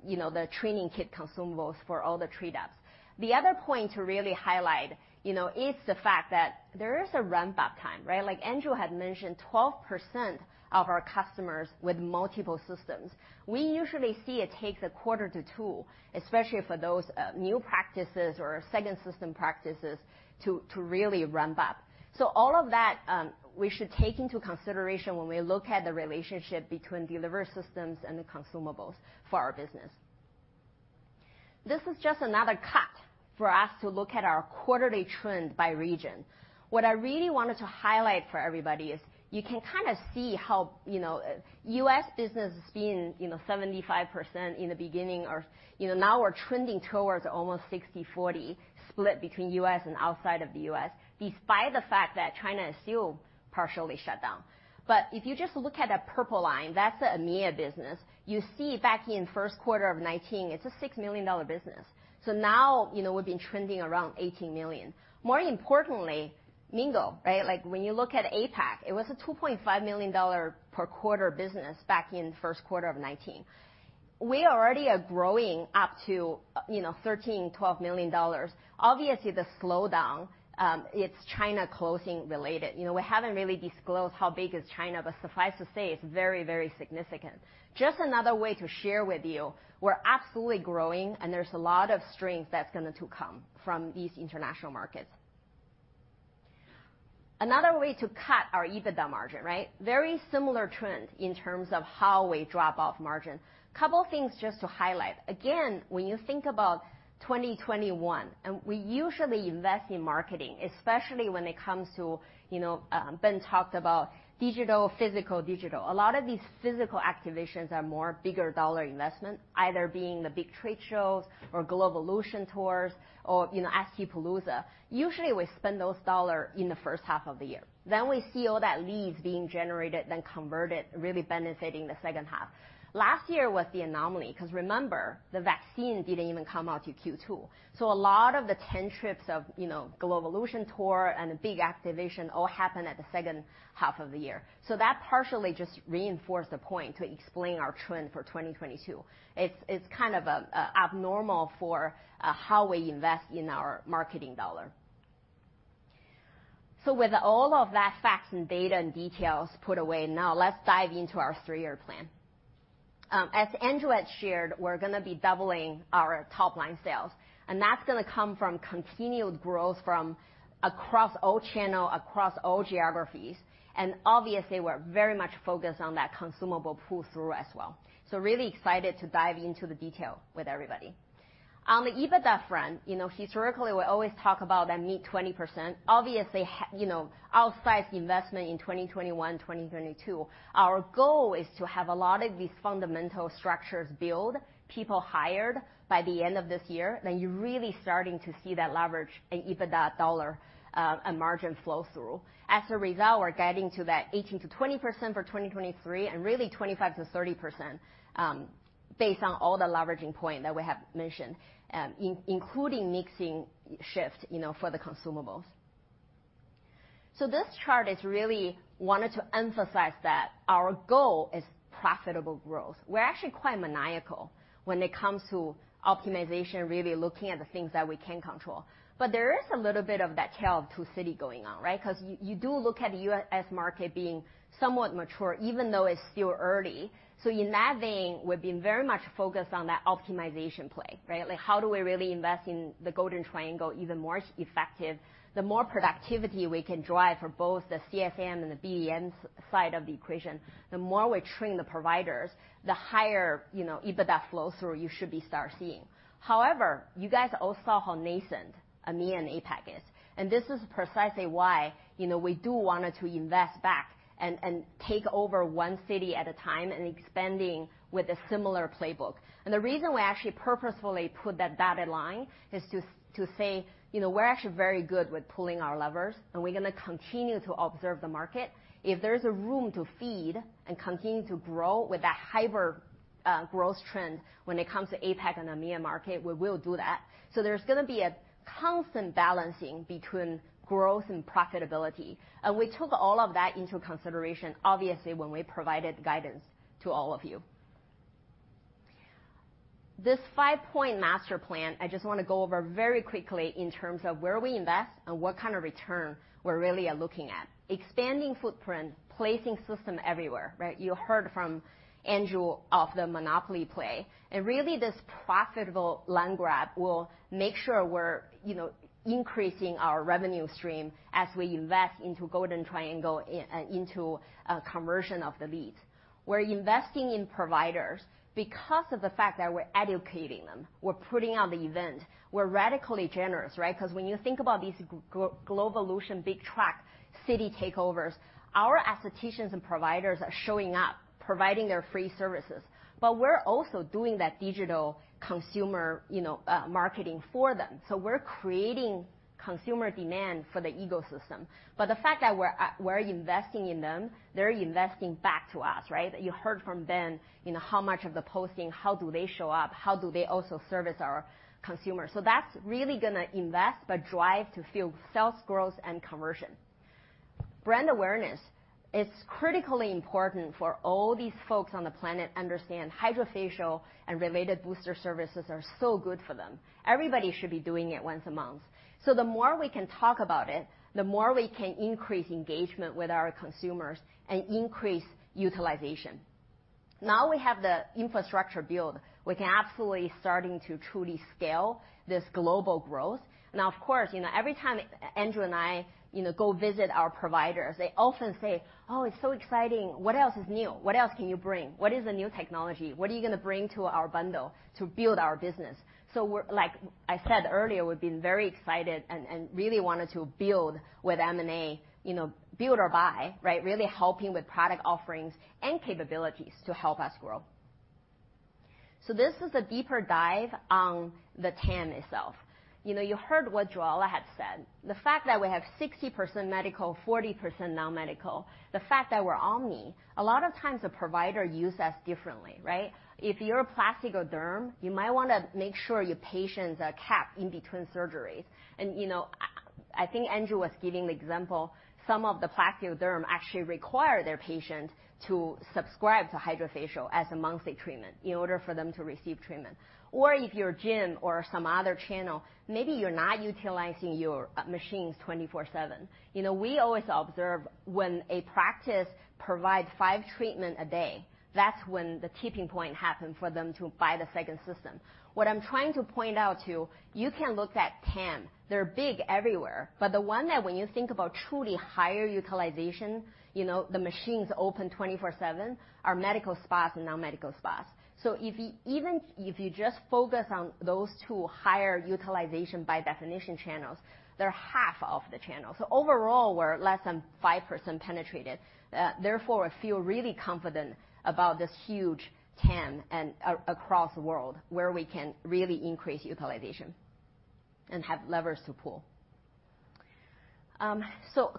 you know, the training kit consumables for all the trade-ups. The other point to really highlight, you know, is the fact that there is a ramp-up time, right? Like Andrew had mentioned, 12% of our customers with multiple systems. We usually see it takes a quarter to two, especially for those new practices or second system practices to really ramp up. All of that, we should take into consideration when we look at the relationship between delivery systems and the consumables for our business. This is just another cut for us to look at our quarterly trend by region. What I really wanted to highlight for everybody is you can kind of see how, you know, US business has been, you know, 75% in the beginning or, you know, now we're trending towards almost 60-40 split between US and outside of the US, despite the fact that China is still partially shut down. If you just look at that purple line, that's the EMEA business. You see back in first quarter of 2019, it's a $6 million business. Now, you know, we've been trending around $18 million. More importantly, Mingo, right? Like, when you look at APAC, it was a $2.5 million per quarter business back in first quarter of 2019. We already are growing up to, you know, $12-$13 million. Obviously, the slowdown, it's China closing related. You know, we haven't really disclosed how big is China, but suffice to say it's very, very significant. Just another way to share with you, we're absolutely growing, and there's a lot of strength that's going to come from these international markets. Another way to cut our EBITDA margin, right? Very similar trend in terms of how we drop off margin. Couple things just to highlight. Again, when you think about 2021, and we usually invest in marketing, especially when it comes to, you know, Ben talked about digital, physical, digital. A lot of these physical activations are more bigger dollar investment, either being the big trade shows or Glo-volution Tours or, you know, Estie Palooza. Usually, we spend those dollars in the first half of the year. Then we see all that leads being generated, then converted, really benefiting the second half. Last year was the anomaly because remember, the vaccine didn't even come out till Q2. A lot of the ten trips of, you know, Glo-volution Tour and the big activation all happened at the second half of the year. That partially just reinforced the point to explain our trend for 2022. It's kind of abnormal for how we invest in our marketing dollars. With all of that facts and data and details put away, now let's dive into our three-year plan. As Andrew had shared, we're gonna be doubling our top-line sales, and that's gonna come from continued growth from across all channel, across all geographies. Obviously, we're very much focused on that consumable pull-through as well. Really excited to dive into the detail with everybody. On the EBITDA front, you know, historically, we always talk about that mid-20%. Obviously, you know, outsized investment in 2021, 2022. Our goal is to have a lot of these fundamental structures build, people hired by the end of this year. You're really starting to see that leverage in EBITDA dollar, and margin flow through. As a result, we're guiding to that 18%-20% for 2023, and really 25%-30%, based on all the leveraging point that we have mentioned, including mixing shift, you know, for the consumables. This chart is really wanted to emphasize that our goal is profitable growth. We're actually quite maniacal when it comes to optimization, really looking at the things that we can control. There is a little bit of that tale of two cities going on, right? 'Cause you do look at the U.S. market being somewhat mature, even though it's still early. In that vein, we've been very much focused on that optimization play, right? Like, how do we really invest in the golden triangle even more effective? The more productivity we can drive for both the CSM and the BDM side of the equation, the more we train the providers, the higher, you know, EBITDA flow through you should be start seeing. However, you guys all saw how nascent EMEA and APAC is, and this is precisely why, you know, we did want to invest back and take over one city at a time and expanding with a similar playbook. The reason we actually purposefully put that dotted line is to say, you know, we're actually very good with pulling our levers, and we're gonna continue to observe the market. If there's a room to feed and continue to grow with that hyper growth trend when it comes to APAC and EMEA market, we will do that. There's gonna be a constant balancing between growth and profitability. We took all of that into consideration, obviously, when we provided guidance to all of you. This five-point master plan, I just wanna go over very quickly in terms of where we invest and what kind of return we really are looking at. Expanding footprint, placing system everywhere, right? You heard from Andrew of the monopoly play. Really, this profitable land grab will make sure we're, you know, increasing our revenue stream as we invest into Golden Triangle into conversion of the leads. We're investing in providers because of the fact that we're educating them. We're putting on the event. We're radically generous, right? 'Cause when you think about these Glo-volution big truck city takeovers, our aestheticians and providers are showing up, providing their free services. We're also doing that digital consumer, you know, marketing for them. We're creating consumer demand for the ecosystem. The fact that we're investing in them, they're investing back to us, right? You heard from Ben, you know, how much of the posting, how do they show up, how do they also service our consumers. That's really gonna invest to drive to fuel sales growth and conversion. Brand awareness. It's critically important for all these folks on the planet to understand HydraFacial and related booster services are so good for them. Everybody should be doing it once a month. The more we can talk about it, the more we can increase engagement with our consumers and increase utilization. Now we have the infrastructure built, we can absolutely start to truly scale this global growth. Now of course, you know, every time Andrew and I, you know, go visit our providers, they often say, "Oh, it's so exciting. What else is new? What else can you bring? What is the new technology? What are you gonna bring to our bundle to build our business?" We're like I said earlier, we've been very excited and really wanted to build with M&A, you know, build or buy, right? Really helping with product offerings and capabilities to help us grow. This is a deeper dive on the TAM itself. You know, you heard what Jwala had said. The fact that we have 60% medical, 40% non-medical, the fact that we're omni, a lot of times the provider use us differently, right? If you're a plastic or derm, you might wanna make sure your patients are prepped in between surgeries. You know, I think Andrew was giving the example, some of the plastic or derm actually require their patient to subscribe to HydraFacial as a monthly treatment in order for them to receive treatment. If you're a gym or some other channel, maybe you're not utilizing your machines 24/7. You know, we always observe when a practice provide five treatments a day, that's when the tipping point happen for them to buy the second system. What I'm trying to point out to you can look at TAM. They're big everywhere. The one that when you think about truly higher utilization, you know, the machines open 24/7, are medical spas and non-medical spas. If even if you just focus on those two higher utilization by definition channels, they're half of the channels. Overall, we're less than 5% penetrated. Therefore, I feel really confident about this huge TAM and across the world, where we can really increase utilization and have levers to pull.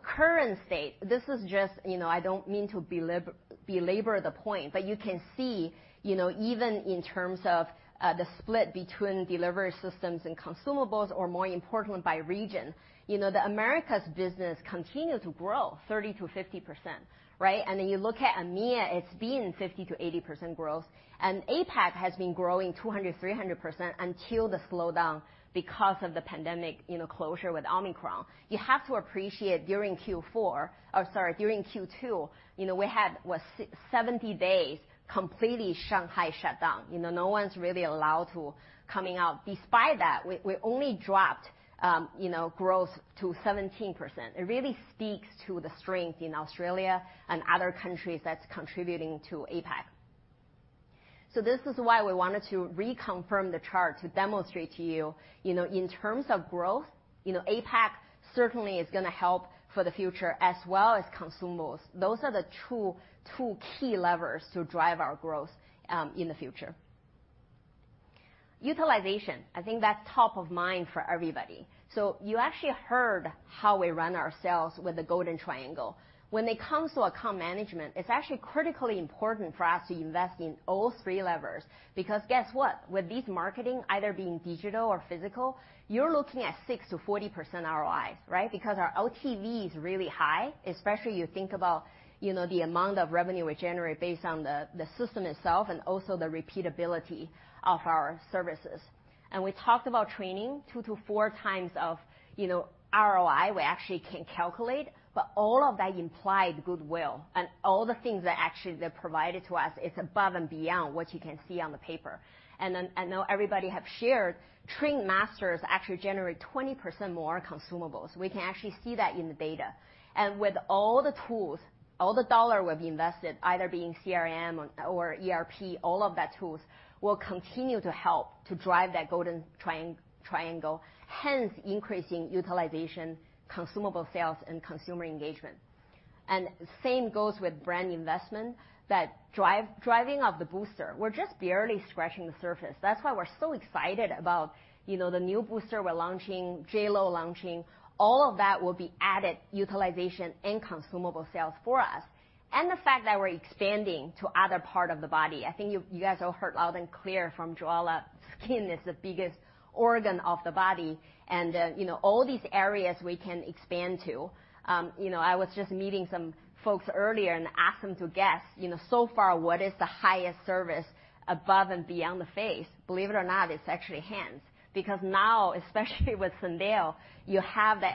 Current state, this is just, you know, I don't mean to belabor the point, but you can see, you know, even in terms of, the split between delivery systems and consumables or more important by region, you know, the America's business continue to grow 30%-50%, right? You look at EMEA, it's been 50%-80% growth. APAC has been growing 200%-300% until the slowdown because of the pandemic, you know, closure with Omicron. You have to appreciate during Q4, or sorry, during Q2, you know, we had, what, 70 days completely Shanghai shut down. You know, no one's really allowed to come out. Despite that, we only dropped, you know, growth to 17%. It really speaks to the strength in Australia and other countries that's contributing to APAC. This is why we wanted to reconfirm the chart to demonstrate to you know, in terms of growth, you know, APAC certainly is gonna help for the future as well as consumables. Those are the two key levers to drive our growth in the future. Utilization, I think that's top of mind for everybody. You actually heard how we run our sales with the golden triangle. When it comes to account management, it's actually critically important for us to invest in all three levers because guess what? With these marketing either being digital or physical, you're looking at 6%-40% ROI, right? Because our LTV is really high, especially you think about, you know, the amount of revenue we generate based on the system itself and also the repeatability of our services. We talked about training 2x to 4 of, you know, ROI, we actually can calculate, but all of that implied goodwill and all the things that actually they provided to us is above and beyond what you can see on the paper. I know everybody have shared trained masters actually generate 20% more consumables. We can actually see that in the data. With all the tools, all the dollar we've invested either being CRM or ERP, all of that tools will continue to help to drive that golden triangle, hence increasing utilization, consumable sales, and consumer engagement. Same goes with brand investment that drive, driving of the booster. We're just barely scratching the surface. That's why we're so excited about, you know, the new booster we're launching, JLo launching. All of that will be added utilization and consumable sales for us. The fact that we're expanding to other part of the body. I think you guys all heard loud and clear from Dr. Jwala Karnik, skin is the biggest organ of the body and, you know, all these areas we can expand to. You know, I was just meeting some folks earlier and asked them to guess, you know, so far, what is the highest service above and beyond the face? Believe it or not, it's actually hands because now, especially with Syndeo, you have the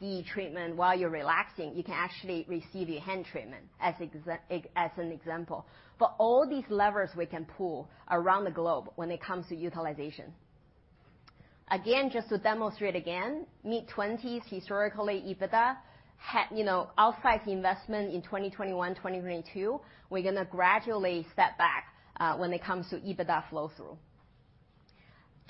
LED treatment while you're relaxing. You can actually receive your hand treatment as an example. All these levers we can pull around the globe when it comes to utilization. Again, just to demonstrate again, mid-20s historically EBITDA, you know, outside investment in 2021, 2022, we're gonna gradually step back when it comes to EBITDA flow through.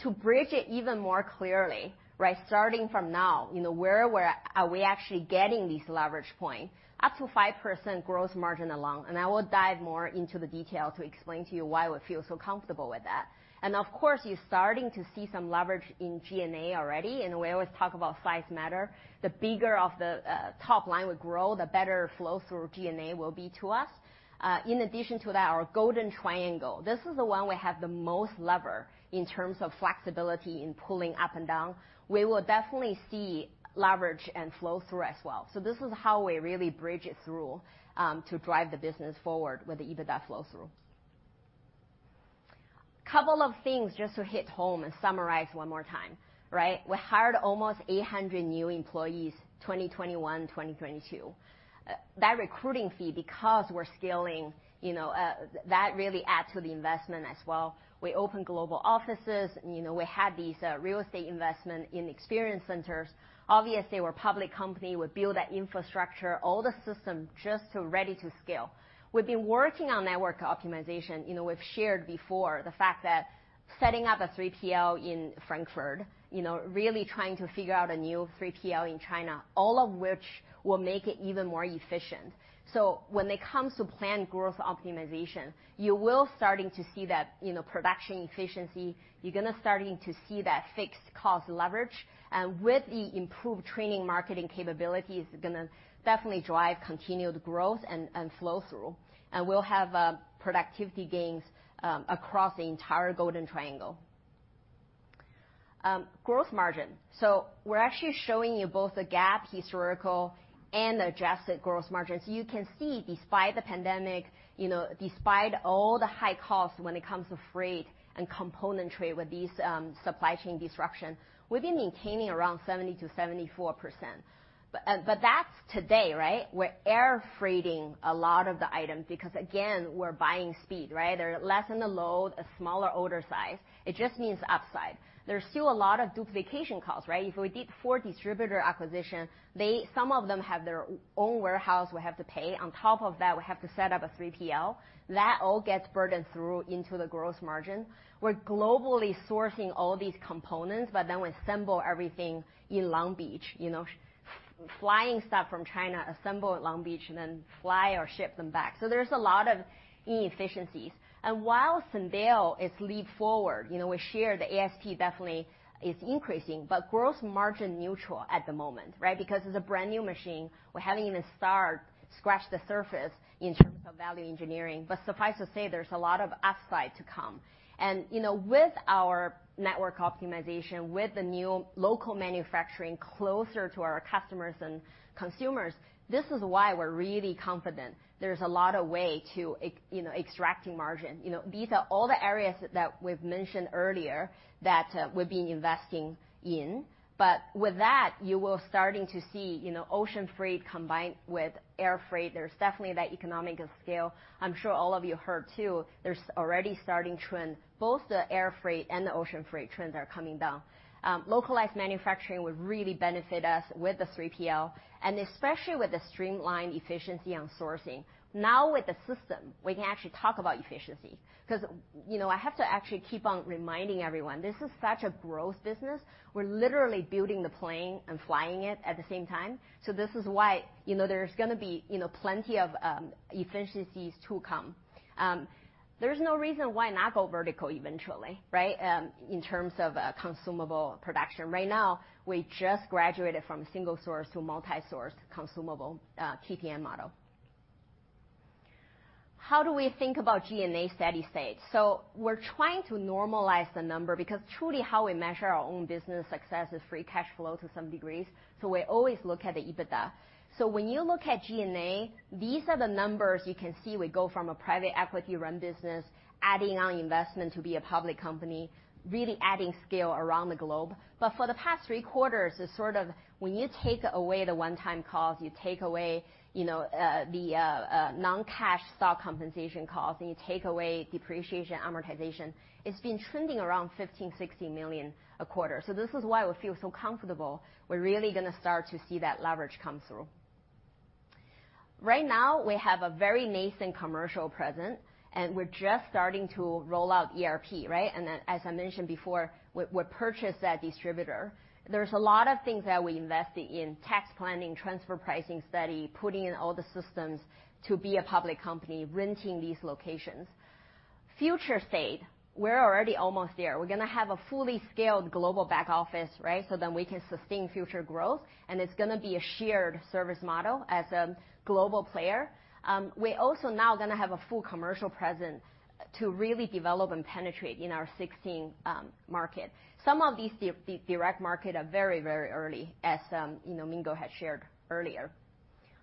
To bridge it even more clearly, right? Starting from now, you know, where are we actually getting these leverage point, up to 5% growth margin alone, and I will dive more into the detail to explain to you why we feel so comfortable with that. Of course, you're starting to see some leverage in G&A already, and we always talk about size matters. The bigger the top line we grow, the better flow through G&A will be to us. In addition to that, our golden triangle. This is the one we have the most leverage in terms of flexibility in pulling up and down. We will definitely see leverage and flow through as well. This is how we really bridge it through to drive the business forward with the EBITDA flow through. Couple of things just to hit home and summarize one more time, right? We hired almost 800 new employees, 2021, 2022. That recruiting fee because we're scaling, you know, that really adds to the investment as well. We opened global offices, you know, we had these real estate investments in experience centers. Obviously, we're a public company, we build that infrastructure, all the systems just to ready to scale. We've been working on network optimization, you know, we've shared before the fact that setting up a 3PL in Frankfurt, you know, really trying to figure out a new 3PL in China, all of which will make it even more efficient. When it comes to planned growth optimization, you're starting to see that, you know, production efficiency. You're gonna start to see that fixed cost leverage. With the improved training marketing capabilities, it's gonna definitely drive continued growth and flow through. We'll have productivity gains across the entire golden triangle. Growth margin. We're actually showing you both the GAAP historical and adjusted growth margins. You can see despite the pandemic, you know, despite all the high costs when it comes to freight and component trade with these supply chain disruption, we've been maintaining around 70%-74%. That's today, right? We're air freighting a lot of the items because again, we're buying speed, right? They're less than the load, a smaller order size. It just means upside. There's still a lot of duplication costs, right? If we did four distributor acquisition, they, some of them have their own warehouse we have to pay. On top of that, we have to set up a 3PL. That all gets burdened through into the gross margin. We're globally sourcing all these components, but then we assemble everything in Long Beach, you know? Flying stuff from China, assemble at Long Beach, and then fly or ship them back. There's a lot of inefficiencies. While Syndeo is leap forward, you know, we shared the ASP definitely is increasing, but gross margin neutral at the moment, right? Because it's a brand-new machine. We're just starting to scratch the surface in terms of value engineering. Suffice to say, there's a lot of upside to come. You know, with our network optimization, with the new local manufacturing closer to our customers and consumers, this is why we're really confident there's a lot of ways to, you know, extract margin. You know, these are all the areas that we've mentioned earlier that we've been investing in. With that, we'll start to see, you know, ocean freight combined with air freight. There's definitely those economies of scale. I'm sure all of you heard too, there's already a trend starting. Both the air freight and the ocean freight trends are coming down. Localized manufacturing would really benefit us with the 3PL, and especially with the streamlined efficiency on sourcing. Now with the system, we can actually talk about efficiency 'cause, you know, I have to actually keep on reminding everyone, this is such a growth business. We're literally building the plane and flying it at the same time. This is why, you know, there's gonna be, you know, plenty of efficiencies to come. There's no reason why not go vertical eventually, right? In terms of consumable production. Right now, we just graduated from single source to multi-source consumable CTM model. How do we think about G&A steady state? We're trying to normalize the number because truly how we measure our own business success is free cash flow to some degrees, so we always look at the EBITDA. When you look at G&A, these are the numbers you can see. We go from a private equity-run business, adding on investment to be a public company, really adding scale around the globe. For the past three quarters is sort of when you take away the one-time costs, you take away, you know, the non-cash stock compensation costs, and you take away depreciation, amortization, it's been trending around $15-$60 million a quarter. This is why we feel so comfortable we're really gonna start to see that leverage come through. Right now we have a very nascent commercial presence, and we're just starting to roll out ERP, right? Then as I mentioned before, we purchased that distributor. There's a lot of things that we invested in. Tax planning, transfer pricing study, putting in all the systems to be a public company, renting these locations. Future state, we're already almost there. We're gonna have a fully scaled global back office, right? We can sustain future growth, and it's gonna be a shared service model as a global player. We're also now gonna have a full commercial presence to really develop and penetrate in our 16 market. Some of these direct market are very, very early as you know, Mingo had shared earlier.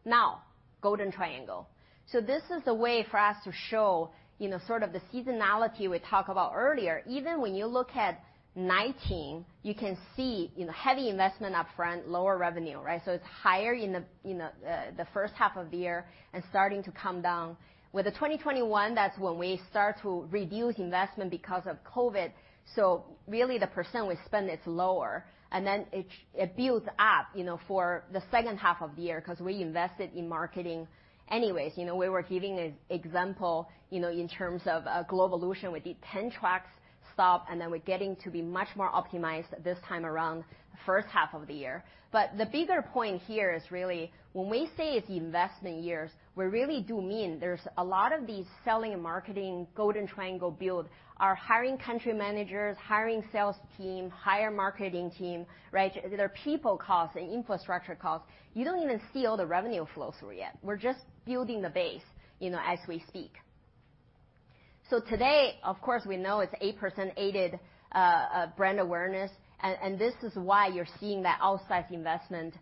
Now, golden triangle. This is a way for us to show you know, sort of the seasonality we talked about earlier. Even when you look at 2019, you can see you know, heavy investment upfront, lower revenue, right? It's higher in the you know, the first half of the year and starting to come down. With the 2021, that's when we start to reduce investment because of COVID, so really the percent we spend is lower. It builds up, you know, for the second half of the year 'cause we invested in marketing anyways. You know, we were giving an example, you know, in terms of a Glo-volution with the 10-truck stop, and then we're getting to be much more optimized this time around the first half of the year. The bigger point here is really when we say it's investment years, we really do mean there's a lot of these selling and marketing golden triangle build. Our hiring country managers, hiring sales team, hire marketing team, right? These are people costs and infrastructure costs. You don't even see all the revenue flow through yet. We're just building the base, you know, as we speak. Today, of course, we know it's 8% aided brand awareness. This is why you're seeing that outsized investment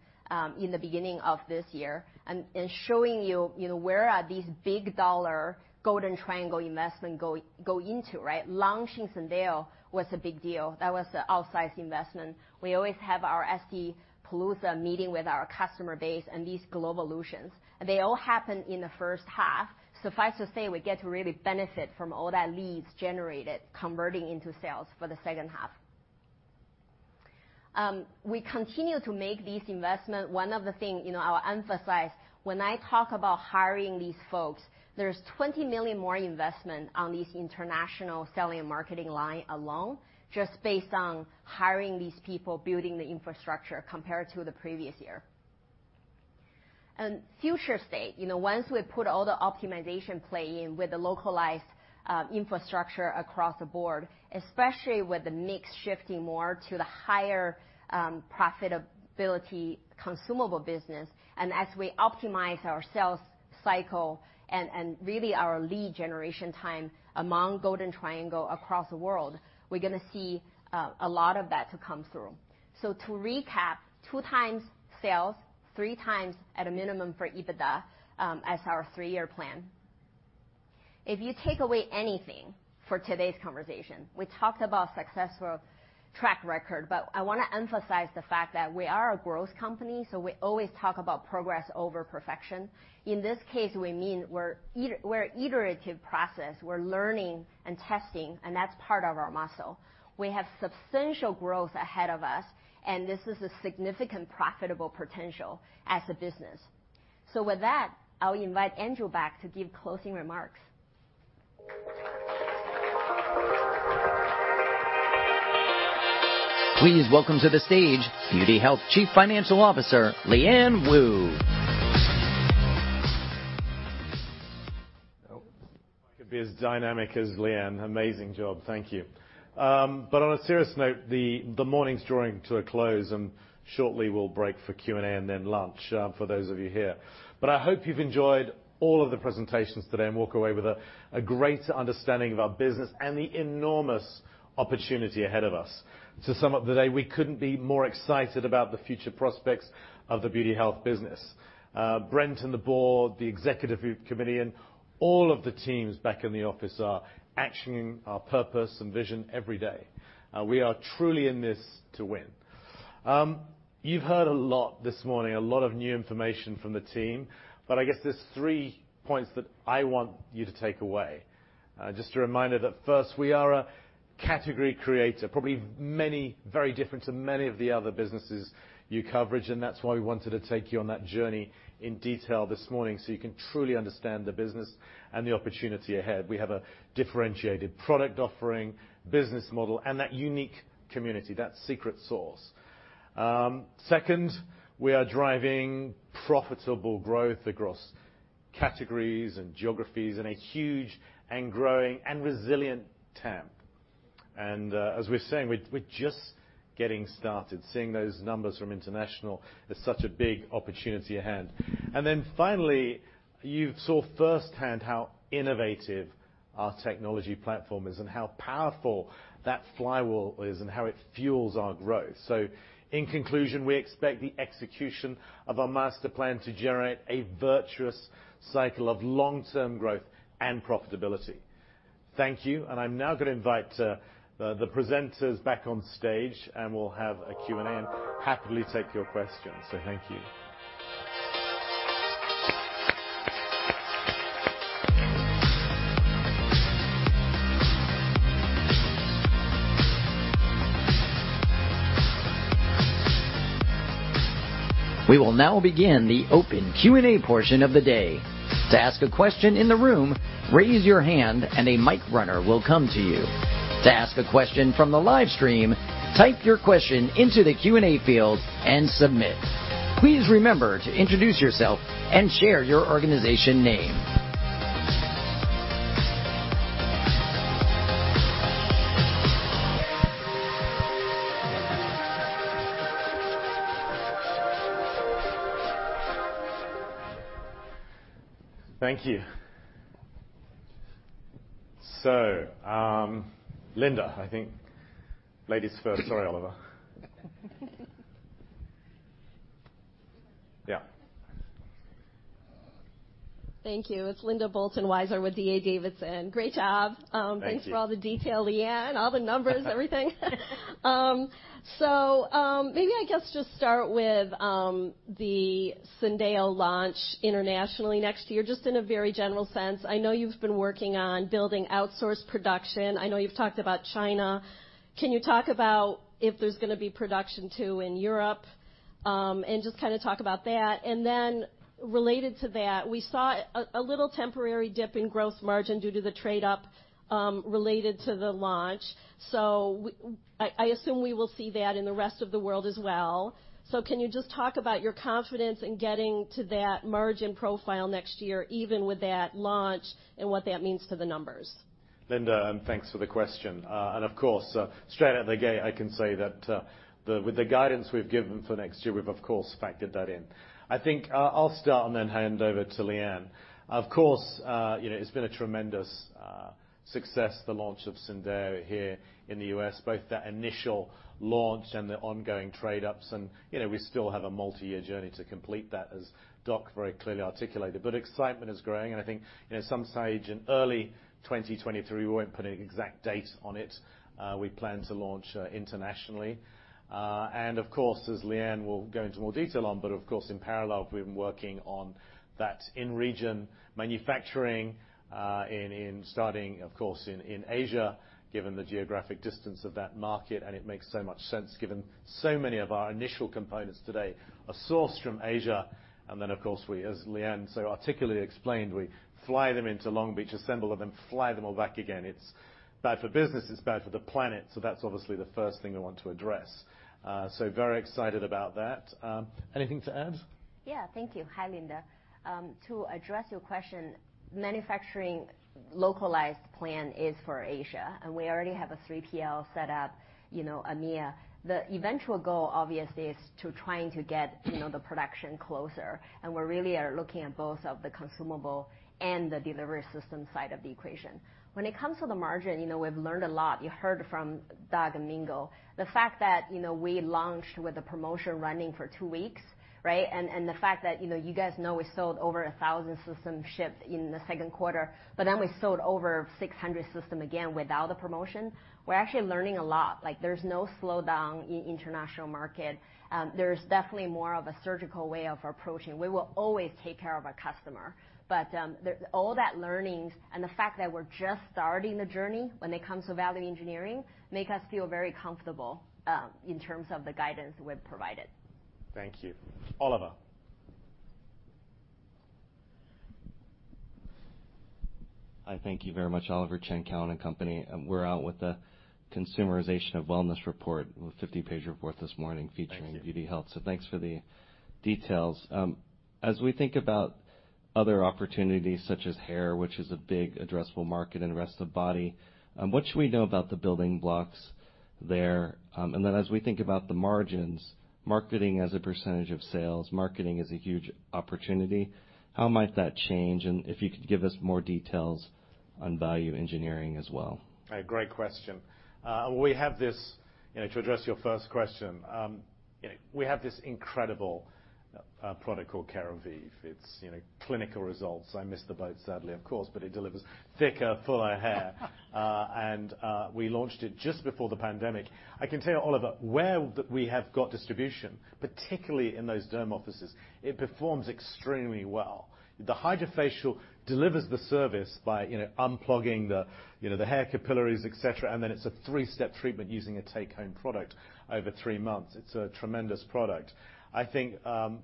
in the beginning of this year and showing you know, where are these big-dollar golden triangle investments go into, right? Launching Syndeo was a big deal. That was the outsized investment. We always have our Estie Palooza meeting with our customer base and these Glo-volutions. They all happen in the first half. Suffice to say, we get to really benefit from all that leads generated converting into sales for the second half. We continue to make these investments. One of the things, you know, I'll emphasize when I talk about hiring these folks, there's $20 million more investment on these international selling and marketing line alone just based on hiring these people, building the infrastructure compared to the previous year. Future state, you know, once we put all the optimization play in with the localized infrastructure across the board, especially with the mix shifting more to the higher profitability consumable business, and as we optimize our sales cycle and really our lead generation time among Golden Triangle across the world, we're gonna see a lot of that to come through. To recap, 2x sales, 3x at a minimum for EBITDA, as our three-year plan. If you take away anything for today's conversation, we talked about successful track record, but I wanna emphasize the fact that we are a growth company, so we always talk about progress over perfection. In this case, we mean we're iterative process. We're learning and testing, and that's part of our muscle. We have substantial growth ahead of us, and this is a significant profitable potential as a business. With that, I'll invite Andrew back to give closing remarks. Please welcome to the stage The Beauty Health Company, President and CEO, Andrew Stanleick I could be as dynamic as Liyuan. Amazing job. Thank you. On a serious note, the morning's drawing to a close, and shortly we'll break for Q&A and then lunch, for those of you here. I hope you've enjoyed all of the presentations today and walk away with a great understanding of our business and the enormous opportunity ahead of us. To sum up the day, we couldn't be more excited about the future prospects of the Beauty Health business. Brent and the board, the executive committee, and all of the teams back in the office are actioning our purpose and vision every day. We are truly in this to win. You've heard a lot this morning, a lot of new information from the team, but I guess there's three points that I want you to take away. Just a reminder that, first, we are a category creator, probably many very different to many of the other businesses you cover, and that's why we wanted to take you on that journey in detail this morning, so you can truly understand the business and the opportunity ahead. We have a differentiated product offering, business model, and that unique community, that secret sauce. Second, we are driving profitable growth across categories and geographies in a huge and growing and resilient TAM. As we're saying, we're just getting started. Seeing those numbers from international is such a big opportunity at hand. Then finally, you saw firsthand how innovative our technology platform is and how powerful that flywheel is and how it fuels our growth. In conclusion, we expect the execution of our master plan to generate a virtuous cycle of long-term growth and profitability. Thank you. I'm now gonna invite the presenters back on stage, and we'll have a Q&A and happily take your questions. Thank you. We will now begin the open Q&A portion of the day. To ask a question in the room, raise your hand and a mic runner will come to you. To ask a question from the live stream, type your question into the Q&A field and submit. Please remember to introduce yourself and share your organization name. Thank you. Linda, I think ladies first. Sorry, Oliver. Yeah. Thank you. It's Linda Bolton Weiser with D.A. Davidson. Great job. Thank you. Thanks for all the detail, Liyuan. All the numbers, everything. Maybe I guess just start with the Syndeo launch internationally next year, just in a very general sense. I know you've been working on building outsourced production. I know you've talked about China. Can you talk about if there's gonna be production, too, in Europe, and just kinda talk about that. Then related to that, we saw a little temporary dip in gross margin due to the trade-up related to the launch. I assume we will see that in the rest of the world as well. Can you just talk about your confidence in getting to that margin profile next year, even with that launch, and what that means to the numbers? Linda, thanks for the question. Of course, straight out the gate, I can say that with the guidance we've given for next year, we've of course factored that in. I think, I'll start and then hand over to Liyuan. Of course, you know, it's been a tremendous success, the launch of Syndeo here in the U.S. both that initial launch and the ongoing trade-ups. You know, we still have a multi-year journey to complete that, as Doc very clearly articulated. Excitement is growing, and I think, you know, some stage in early 2023, we won't put an exact date on it, we plan to launch internationally. Of course, as Liyuan will go into more detail on, but of course, in parallel, we've been working on that in-region manufacturing in starting, of course, in Asia, given the geographic distance of that market, and it makes so much sense given so many of our initial components today are sourced from Asia. Of course, we, as Liyuan so articulately explained, we fly them into Long Beach, assemble them, fly them all back again. It's bad for business. It's bad for the planet. That's obviously the first thing we want to address. Very excited about that. Anything to add? Yeah. Thank you. Hi, Linda. To address your question, manufacturing localized plan is for Asia, and we already have a 3PL set up, you know, EMEA. The eventual goal obviously is to try to get, you know, the production closer, and we're really looking at both of the consumable and the delivery system side of the equation. When it comes to the margin, you know, we've learned a lot. You heard from Doc and Mingo. The fact that, you know, we launched with a promotion running for two weeks, right? The fact that, you know, you guys know we sold over 1,000 systems shipped in the second quarter, but then we sold over 600 systems again without the promotion. We're actually learning a lot. Like, there's no slowdown in international market. There's definitely more of a surgical way of approaching. We will always take care of our customer. All that learnings and the fact that we're just starting the journey when it comes to value engineering make us feel very comfortable in terms of the guidance we've provided. Thank you, Oliver. Hi. Thank you very much, Oliver Chen, Cowen and Company. We're out with the Consumerization of Wellness Report, a 50-page report this morning featuring Beauty Health. Thanks. Thanks for the details. As we think about other opportunities such as hair, which is a big addressable market, and the rest of body, what should we know about the building blocks there? As we think about the margins, marketing as a percentage of sales, marketing is a huge opportunity. How might that change? If you could give us more details on value engineering as well. A great question. You know, to address your first question, you know, we have this incredible product called Keravive. It's, you know, clinical results. I missed the boat, sadly, of course, but it delivers thicker, fuller hair. We launched it just before the pandemic. I can tell you, Oliver, where we have got distribution, particularly in those derm offices, it performs extremely well. The HydraFacial delivers the service by, you know, unplugging the hair capillaries, et cetera, and then it's a three-step treatment using a take-home product over three months. It's a tremendous product. I think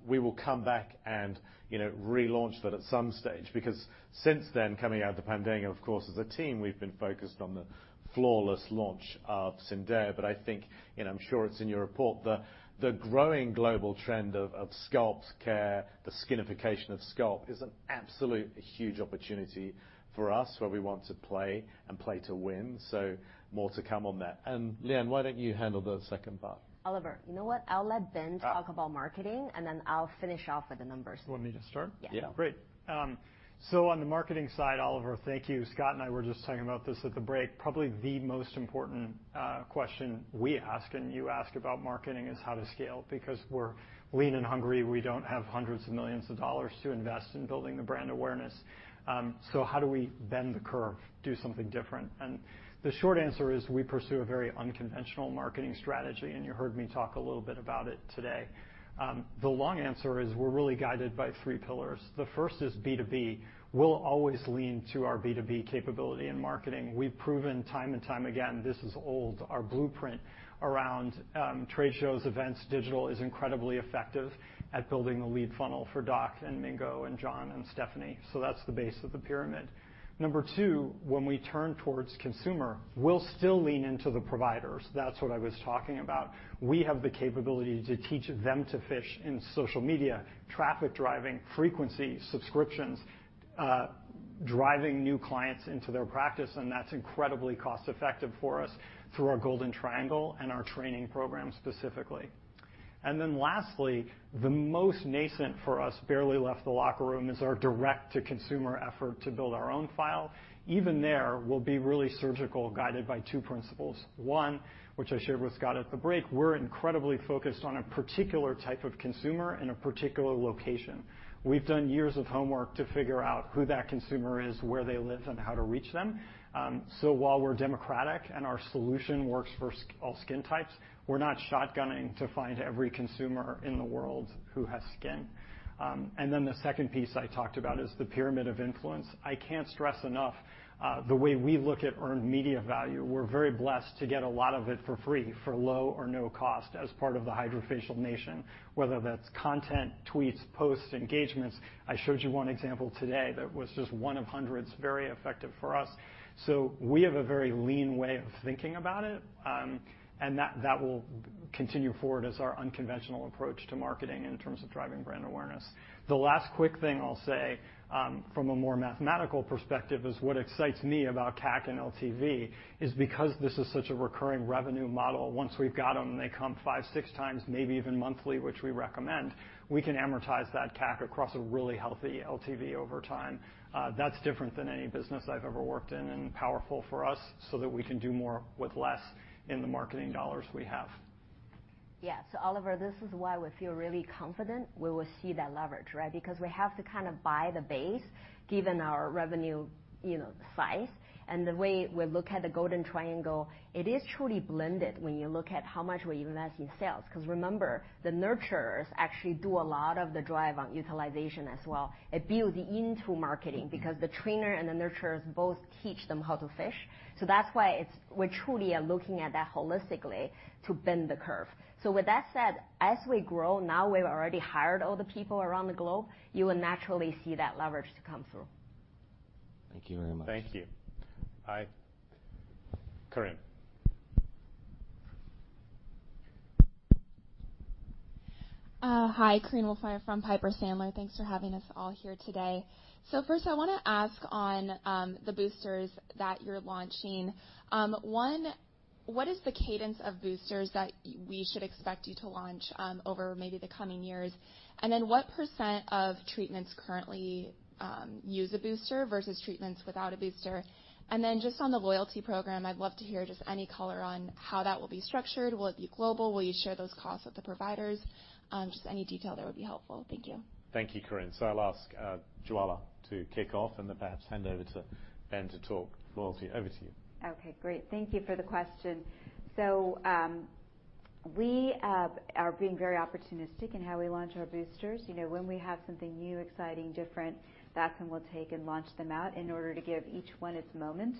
we will come back and, you know, relaunch that at some stage, because since then, coming out of the pandemic, of course, as a team, we've been focused on the flawless launch of Syndeo. I think, and I'm sure it's in your report, the growing global trend of scalp care, the skinification of scalp is an absolutely huge opportunity for us where we want to play and play to win. More to come on that. Lian, why don't you handle the second part? Oliver, you know what? I'll let Ben talk about marketing, and then I'll finish off with the numbers. You want me to start? Yeah. Great. On the marketing side, Oliver, thank you. Scott and I were just talking about this at the break. Probably the most important question we ask and you ask about marketing is how to scale. Because we're lean and hungry, we don't have hundreds of millions of dollars to invest in building the brand awareness. How do we bend the curve, do something different? The short answer is we pursue a very unconventional marketing strategy, and you heard me talk a little bit about it today. The long answer is we're really guided by three pillars. The first is B2B. We'll always lean to our B2B capability in marketing. We've proven time and time again, this is our blueprint around trade shows, events, digital is incredibly effective at building a lead funnel for Doc and Mingo and Jon and Stefanie. That's the base of the pyramid. Number two, when we turn towards consumer, we'll still lean into the providers. That's what I was talking about. We have the capability to teach them to fish in social media, traffic driving, frequency, subscriptions, driving new clients into their practice, and that's incredibly cost effective for us through our golden triangle and our training program specifically. Then lastly, the most nascent for us, barely left the locker room, is our direct-to-consumer effort to build our own file. Even there, we'll be really surgical, guided by two principles. One, which I shared with Scott at the break, we're incredibly focused on a particular type of consumer in a particular location. We've done years of homework to figure out who that consumer is, where they live, and how to reach them. While we're democratic and our solution works for all skin types, we're not shotgunning to find every consumer in the world who has skin. Then the second piece I talked about is the pyramid of influence. I can't stress enough the way we look at earned media value. We're very blessed to get a lot of it for free, for low or no cost as part of the HydraFacial Nation, whether that's content, tweets, posts, engagements. I showed you one example today that was just one of hundreds, very effective for us. We have a very lean way of thinking about it, and that will continue forward as our unconventional approach to marketing in terms of driving brand awareness. The last quick thing I'll say, from a more mathematical perspective is what excites me about CAC and LTV is because this is such a recurring revenue model, once we've got them, they come five or six times, maybe even monthly, which we recommend, we can amortize that CAC across a really y LTV over time. That's different than any business I've ever worked in and powerful for us so that we can do more with less in the marketing dollars we have. Yeah. Oliver, this is why we feel really confident we will see that leverage, right? Because we have to kind of buy the base given our revenue, you know, size. The way we look at the Golden Triangle, it is truly blended when you look at how much we invest in sales, because remember, the nurturers actually do a lot of the drive on utilization as well. It builds into marketing because the trainer and the nurturers both teach them how to fish. That's why it's. We truly are looking at that holistically to bend the curve. With that said, as we grow, now we've already hired all the people around the globe, you will naturally see that leverage to come through. Thank you very much. Thank you. Hi, Korinne. Hi, Korinne Wolfmeyer from Piper Sandler. Thanks for having us all here today. First, I wanna ask on the boosters that you're launching, one, what is the cadence of boosters that we should expect you to launch over maybe the coming years? And then what % of treatments currently use a booster versus treatments without a booster? And then just on the loyalty program, I'd love to hear just any color on how that will be structured. Will it be global? Will you share those costs with the providers? Just any detail there would be helpful. Thank you. Thank you, Korinne. I'll ask Jwala to kick off and then perhaps hand over to Ben to talk loyalty. Over to you. Okay, great. Thank you for the question. We are being very opportunistic in how we launch our boosters. You know, when we have something new, exciting, different, that's when we'll take and launch them out in order to give each one its moment,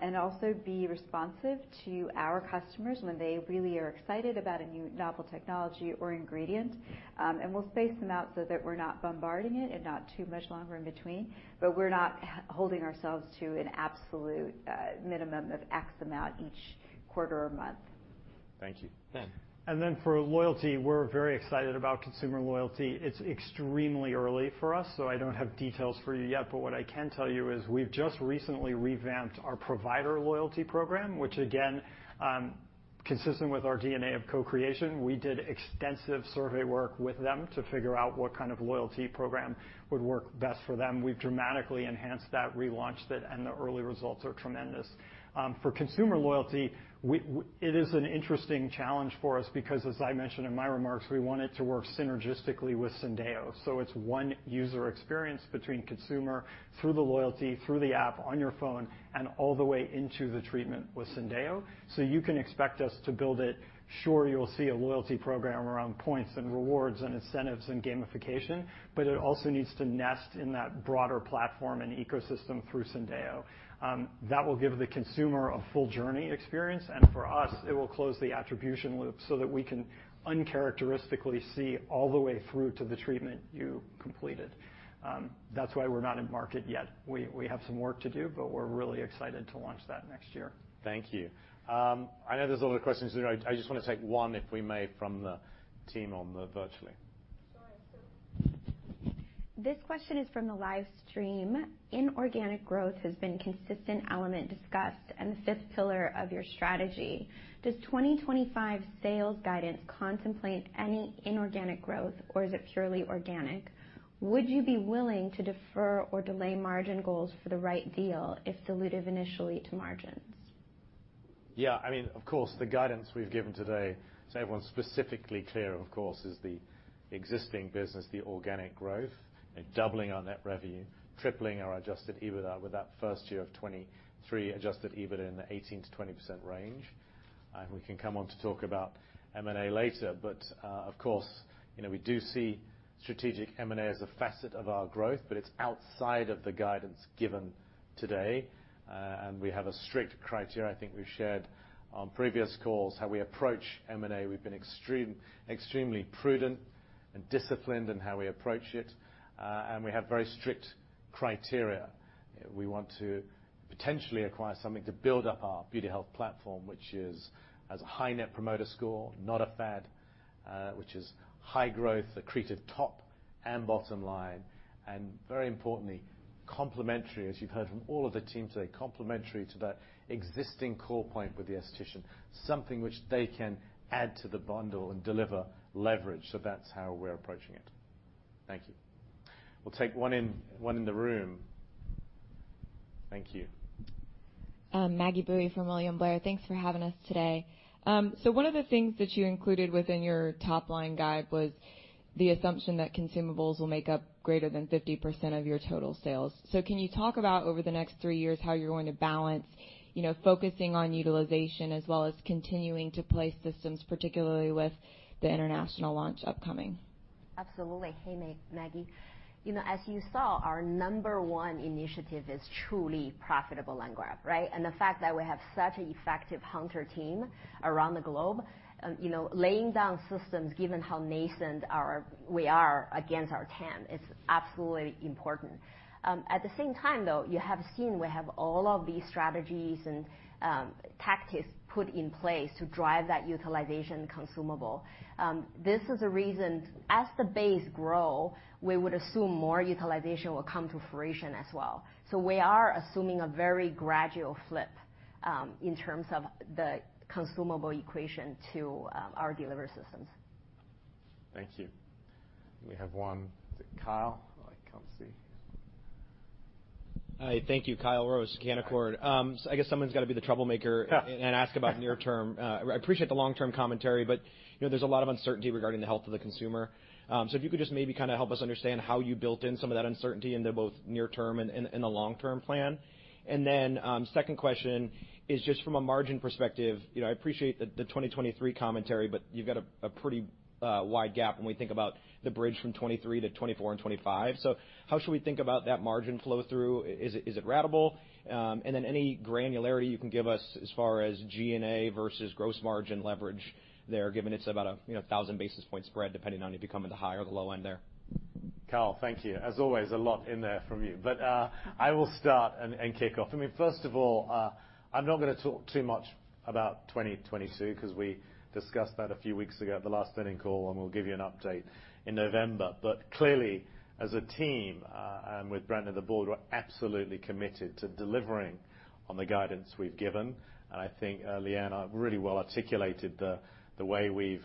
and also be responsive to our customers when they really are excited about a new novel technology or ingredient. We'll space them out so that we're not bombarding it and not too much longer in between, but we're not holding ourselves to an absolute minimum of X amount each quarter or month. Thank you, Ben. For loyalty, we're very excited about consumer loyalty. It's extremely early for us, so I don't have details for you yet, but what I can tell you is we've just recently revamped our provider loyalty program, which again, consistent with our DNA of co-creation, we did extensive survey work with them to figure out what kind of loyalty program would work best for them. We've dramatically enhanced that, relaunched it, and the early results are tremendous. For consumer loyalty, it is an interesting challenge for us because, as I mentioned in my remarks, we want it to work synergistically with Syndeo. It's one user experience between consumer through the loyalty, through the app on your phone, and all the way into the treatment with Syndeo. You can expect us to build it. Sure, you'll see a loyalty program around points and rewards and incentives and gamification, but it also needs to nest in that broader platform and ecosystem through Syndeo. That will give the consumer a full journey experience, and for us, it will close the attribution loop so that we can uncharacteristically see all the way through to the treatment you completed. That's why we're not in market yet. We have some work to do, but we're really excited to launch that next year. Thank you. I know there's a lot of questions in the room. I just wanna take one, if we may, from the team on the virtually. Sure. This question is from the live stream. Inorganic growth has been a consistent element discussed and the fifth pillar of your strategy. Does 2025 sales guidance contemplate any inorganic growth, or is it purely organic? Would you be willing to defer or delay margin goals for the right deal if dilutive initially to margins? Yeah, I mean, of course, the guidance we've given today, so everyone's specifically clear, of course, is the existing business, the organic growth, and doubling our net revenue, tripling our adjusted EBITDA with that first year of 2023 adjusted EBITDA in the 18%-20% range. We can come on to talk about M&A later. Of course, you know, we do see strategic M&A as a facet of our growth, but it's outside of the guidance given today. We have a strict criteria. I think we've shared on previous calls how we approach M&A. We've been extremely prudent and disciplined in how we approach it, and we have very strict criteria. We want to potentially acquire something to build up our Beauty Health platform, which has a high net promoter score, not a fad, which is high growth, accretive top and bottom line, and very importantly, complementary, as you've heard from all of the team today, complementary to that existing core point with the aesthetician, something which they can add to the bundle and deliver leverage. That's how we're approaching it. Thank you. We'll take one in the room. Thank you. Maggie Boeye from William Blair. Thanks for having us today. One of the things that you included within your top-line guide was the assumption that consumables will make up greater than 50% of your total sales. Can you talk about, over the next three years, how you're going to balance, you know, focusing on utilization as well as continuing to place systems, particularly with the international launch upcoming? Absolutely. Hey, Maggie. You know, as you saw, our number one initiative is truly profitable land grab, right? The fact that we have such an effective hunter team around the globe, you know, laying down systems given how nascent we are against our TAM is absolutely important. At the same time, though, you have seen we have all of these strategies and tactics put in place to drive that utilization consumable. This is a reason, as the base grow, we would assume more utilization will come to fruition as well. We are assuming a very gradual flip in terms of the consumable equation to our delivery systems. Thank you. We have one. Is it Kyle? I can't see. Hi. Thank you. Kyle Rose, Canaccord Genuity. I guess someone's gotta be the troublemaker and ask about near term. I appreciate the long-term commentary, but you know, there's a lot of uncertainty regarding the of the consumer. If you could just maybe kinda help us understand how you built in some of that uncertainty into both near term and the long-term plan. Then, second question is just from a margin perspective. You know, I appreciate the 2023 commentary, but you've got a pretty wide gap when we think about the bridge from 2023 to 2024 and 2025. How should we think about that margin flow through? Is it ratable? any granularity you can give us as far as G&A versus gross margin leverage there, given it's about a you know 1,000 basis point spread, depending on if you come to the high or the low end there. Kyle, thank you. As always, a lot in there from you. I will start and kick off. I mean, first of all, I'm not gonna talk too much about 2022, 'cause we discussed that a few weeks ago at the last earnings call, and we'll give you an update in November. Clearly, as a team, and with Brent Saunders and the board, we're absolutely committed to delivering on the guidance we've given. I think Liyuan Woo really well articulated the way we've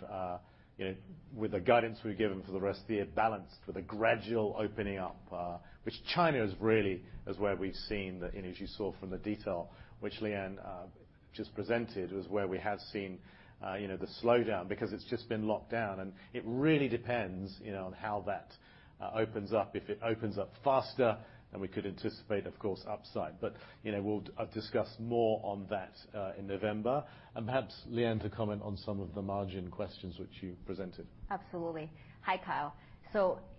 you know, with the guidance we've given for the rest of the year, balanced with a gradual opening up, which China really is where we've seen the you know, as you saw from the detail which Liyuan Woo just presented, was where we have seen the slowdown because it's just been locked down. It really depends, you know, on how that opens up. If it opens up faster than we could anticipate, of course, upside. But, you know, we'll discuss more on that in November. Perhaps Liyuan to comment on some of the margin questions which you presented. Absolutely. Hi, Kyle.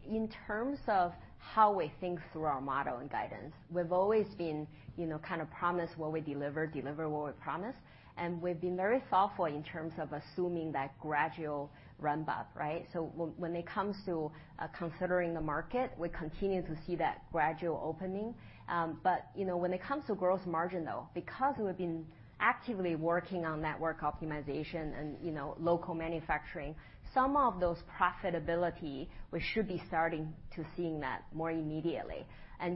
In terms of how we think through our model and guidance, we've always been, you know, kind of promise what we deliver what we promise, and we've been very thoughtful in terms of assuming that gradual ramp up, right? When it comes to considering the market, we continue to see that gradual opening. When it comes to growth margin, though, because we've been actively working on network optimization and, you know, local manufacturing, some of those profitability, we should be starting to seeing that more immediately.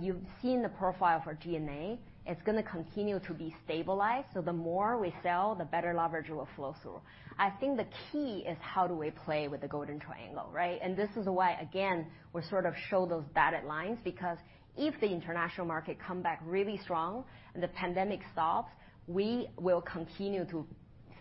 You've seen the profile for G&A. It's gonna continue to be stabilized, so the more we sell, the better leverage will flow through. I think the key is how do we play with the Golden Triangle, right? This is why, again, we sort of show those dotted lines, because if the international market come back really strong and the pandemic stops, we will continue to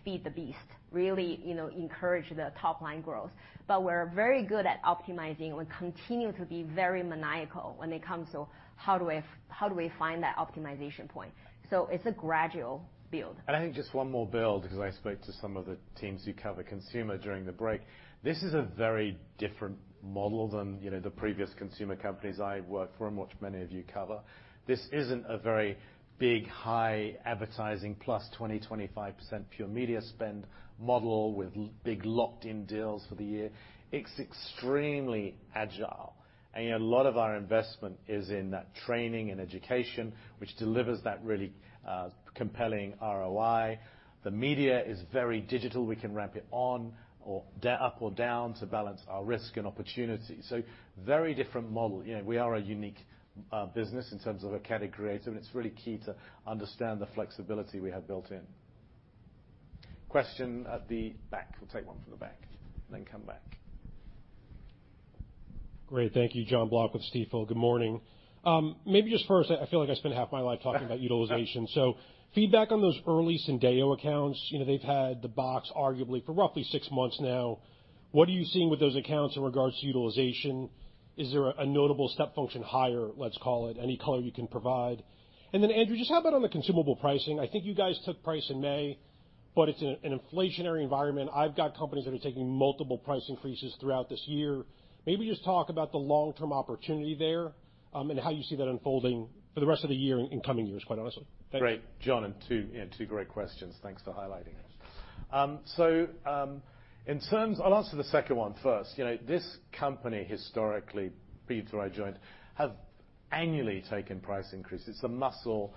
feed the beast. Really, you know, encourage the top line growth. But we're very good at optimizing and we continue to be very maniacal when it comes to how do we find that optimization point? It's a gradual build. I think just one more build, because I spoke to some of the teams who cover consumer during the break. This is a very different model than, you know, the previous consumer companies I worked for and watched many of you cover. This isn't a very big, high advertising plus 20-25% pure media spend model with big locked in deals for the year. It's extremely agile. Yet a lot of our investment is in that training and education, which delivers that really, compelling ROI. The media is very digital. We can ramp it on or up or down to balance our risk and opportunity. Very different model. You know, we are a unique, business in terms of a category, and it's really key to understand the flexibility we have built in. Question at the back. We'll take one from the back and then come back. Great. Thank you, Jonathan Block with Stifel. Good morning. Maybe just first, I feel like I spend half my life talking about utilization. Feedback on those early Syndeo accounts. You know, they've had the box arguably for roughly six months now. What are you seeing with those accounts in regards to utilization? Is there a notable step function higher, let's call it? Any color you can provide. Then, Andrew, just how about on the consumable pricing? I think you guys took price in May, but it's an inflationary environment. I've got companies that are taking multiple price increases throughout this year. Maybe just talk about the long-term opportunity there, and how you see that unfolding for the rest of the year and in coming years, quite honestly. Thanks. Great, John, and two, yeah, two great questions. Thanks for highlighting it. I'll answer the second one first. You know, this company historically, before I joined, have annually taken price increases. It's the muscle.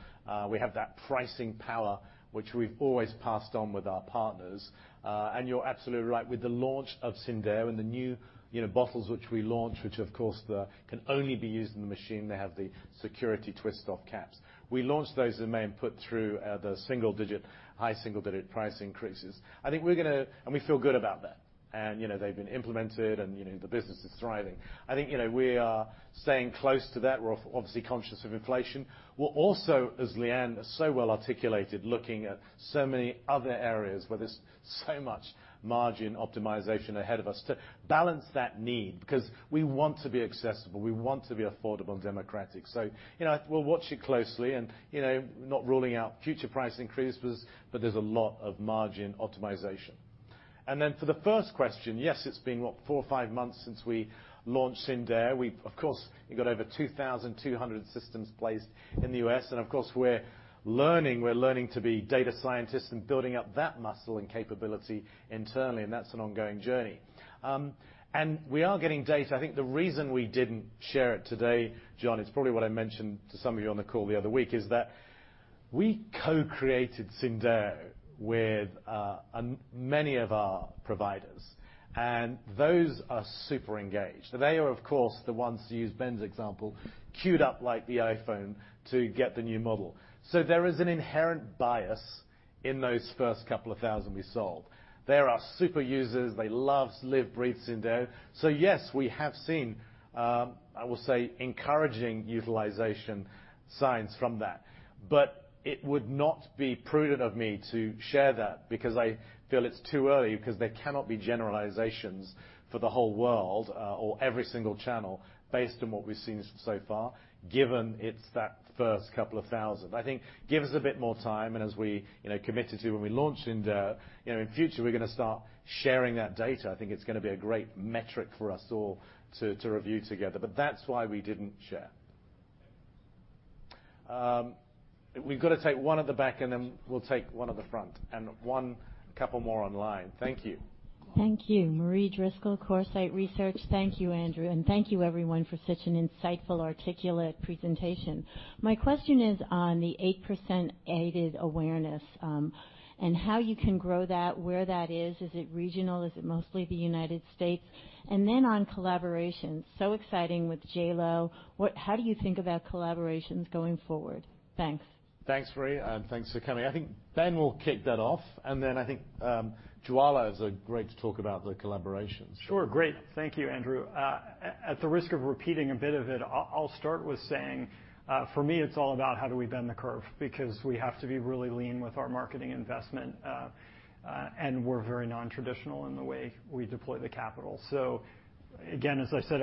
We have that pricing power, which we've always passed on with our partners. And you're absolutely right. With the launch of Syndeo and the new, you know, bottles which we launched, which of course can only be used in the machine, they have the security twist off caps. We launched those in May and put through the single digit, high single digit price increases. I think we're gonna. We feel good about that. You know, they've been implemented and, you know, the business is thriving. I think, you know, we are staying close to that. We're obviously conscious of inflation. We're also, as Liyuan so well articulated, looking at so many other areas where there's so much margin optimization ahead of us to balance that need, because we want to be accessible, we want to be affordable and democratic. You know, we'll watch it closely and, you know, not ruling out future price increases, but there's a lot of margin optimization. For the first question, yes, it's been, what, four or five months since we launched Syndeo. Of course, we've got over 2,200 systems placed in the U.S. Of course, we're learning to be data scientists and building up that muscle and capability internally, and that's an ongoing journey. We are getting data. I think the reason we didn't share it today, John, it's probably what I mentioned to some of you on the call the other week, is that we co-created Syndeo with many of our providers, and those are super engaged. They are, of course, the ones, to use Ben's example, queued up like the iPhone to get the new model. There is an inherent bias in those first couple of thousand we sold. They're our super users. They love, live, breathe Syndeo. Yes, we have seen, I will say, encouraging utilization signs from that. It would not be prudent of me to share that because I feel it's too early because there cannot be generalizations for the whole world, or every single channel based on what we've seen so far, given it's that first couple of thousand. I think give us a bit more time and as we, you know, committed to when we launched Syndeo, you know, in future, we're gonna start sharing that data. I think it's gonna be a great metric for us all to review together. That's why we didn't share. We've got to take one at the back and then we'll take one at the front and one couple more online. Thank you. Thank you. Thank you. Marie Driscoll, Coresight Research. Thank you, Andrew, and thank you everyone for such an insightful, articulate presentation. My question is on the 8% aided awareness, and how you can grow that, where that is. Is it regional? Is it mostly the United States? On collaboration, so exciting with JLo. How do you think about collaborations going forward? Thanks. Thanks, Marie Driscoll, and thanks for coming. I think Ben Baum will kick that off. Then I think Dr. Jwala Karnik is great to talk about the collaborations. Sure. Great. Thank you, Andrew. At the risk of repeating a bit of it, I'll start with saying, for me it's all about how do we bend the curve, because we have to be really lean with our marketing investment, and we're very nontraditional in the way we deploy the capital. Again, as I said,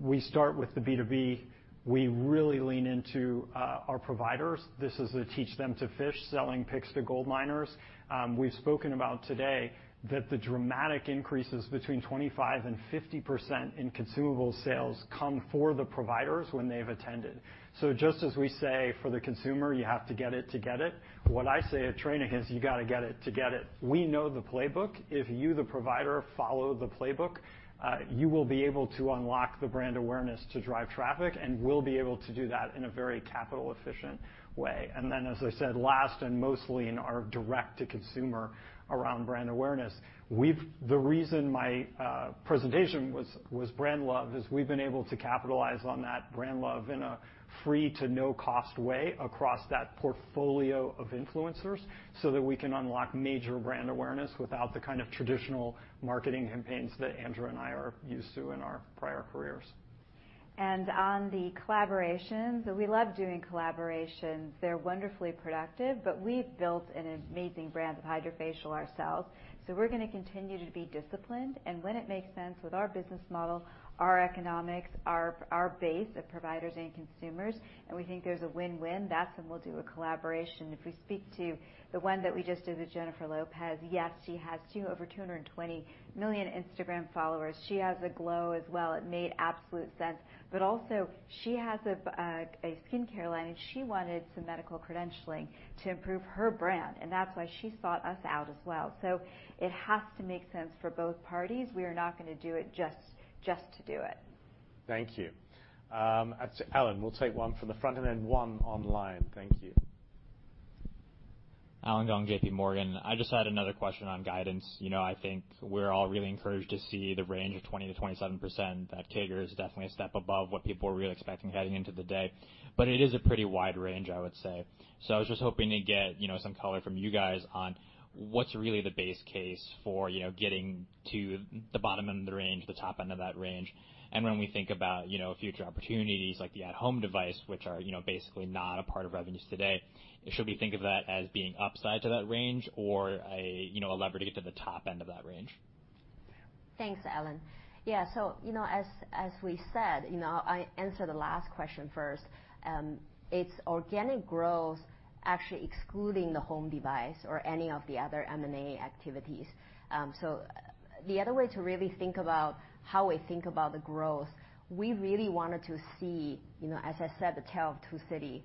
we start with the B2B. We really lean into our providers. This is a teach them to fish, selling picks to gold miners. We've spoken about today that the dramatic increases between 25%-50% in consumable sales come for the providers when they've attended. Just as we say for the consumer, you have to get it to get it, what I say at training is you gotta get it to get it. We know the playbook. If you, the provider, follow the playbook, you will be able to unlock the brand awareness to drive traffic, and we'll be able to do that in a very capital efficient way. As I said, last and mostly in our direct to consumer around brand awareness. The reason my presentation was brand love is we've been able to capitalize on that brand love in a free to no cost way across that portfolio of influencers, so that we can unlock major brand awareness without the kind of traditional marketing campaigns that Andrew and I are used to in our prior careers. On the collaborations, we love doing collaborations. They're wonderfully productive, but we've built an amazing brand of HydraFacial ourselves. We're gonna continue to be disciplined, and when it makes sense with our business model, our economics, our base of providers and consumers, and we think there's a win-win, that's when we'll do a collaboration. If we speak to the one that we just did with Jennifer Lopez, yes, she has over 220 million Instagram followers. She has a glow as well. It made absolute sense. Also she has a skincare line, and she wanted some medical credentialing to improve her brand, and that's why she sought us out as well. It has to make sense for both parties. We are not gonna do it just to do it. Thank you. Alan, we'll take one from the front and then one online. Thank you. I just had another question on guidance. You know, I think we're all really encouraged to see the range of 20%-27% that CAGR is definitely a step above what people were really expecting heading into the day. It is a pretty wide range, I would say. I was just hoping to get, you know, some color from you guys on what's really the base case for, you know, getting to the bottom end of the range, the top end of that range. When we think about, you know, future opportunities like the at-home device, which are, you know, basically not a part of revenues today, should we think of that as being upside to that range or a, you know, a lever to get to the top end of that range? Thanks, Alan. Yeah, you know, as we said, you know, I answer the last question first. It's organic growth actually excluding the home device or any of the other M&A activities. The other way to really think about how we think about the growth, we really wanted to see, you know, as I said, the tale of two cities.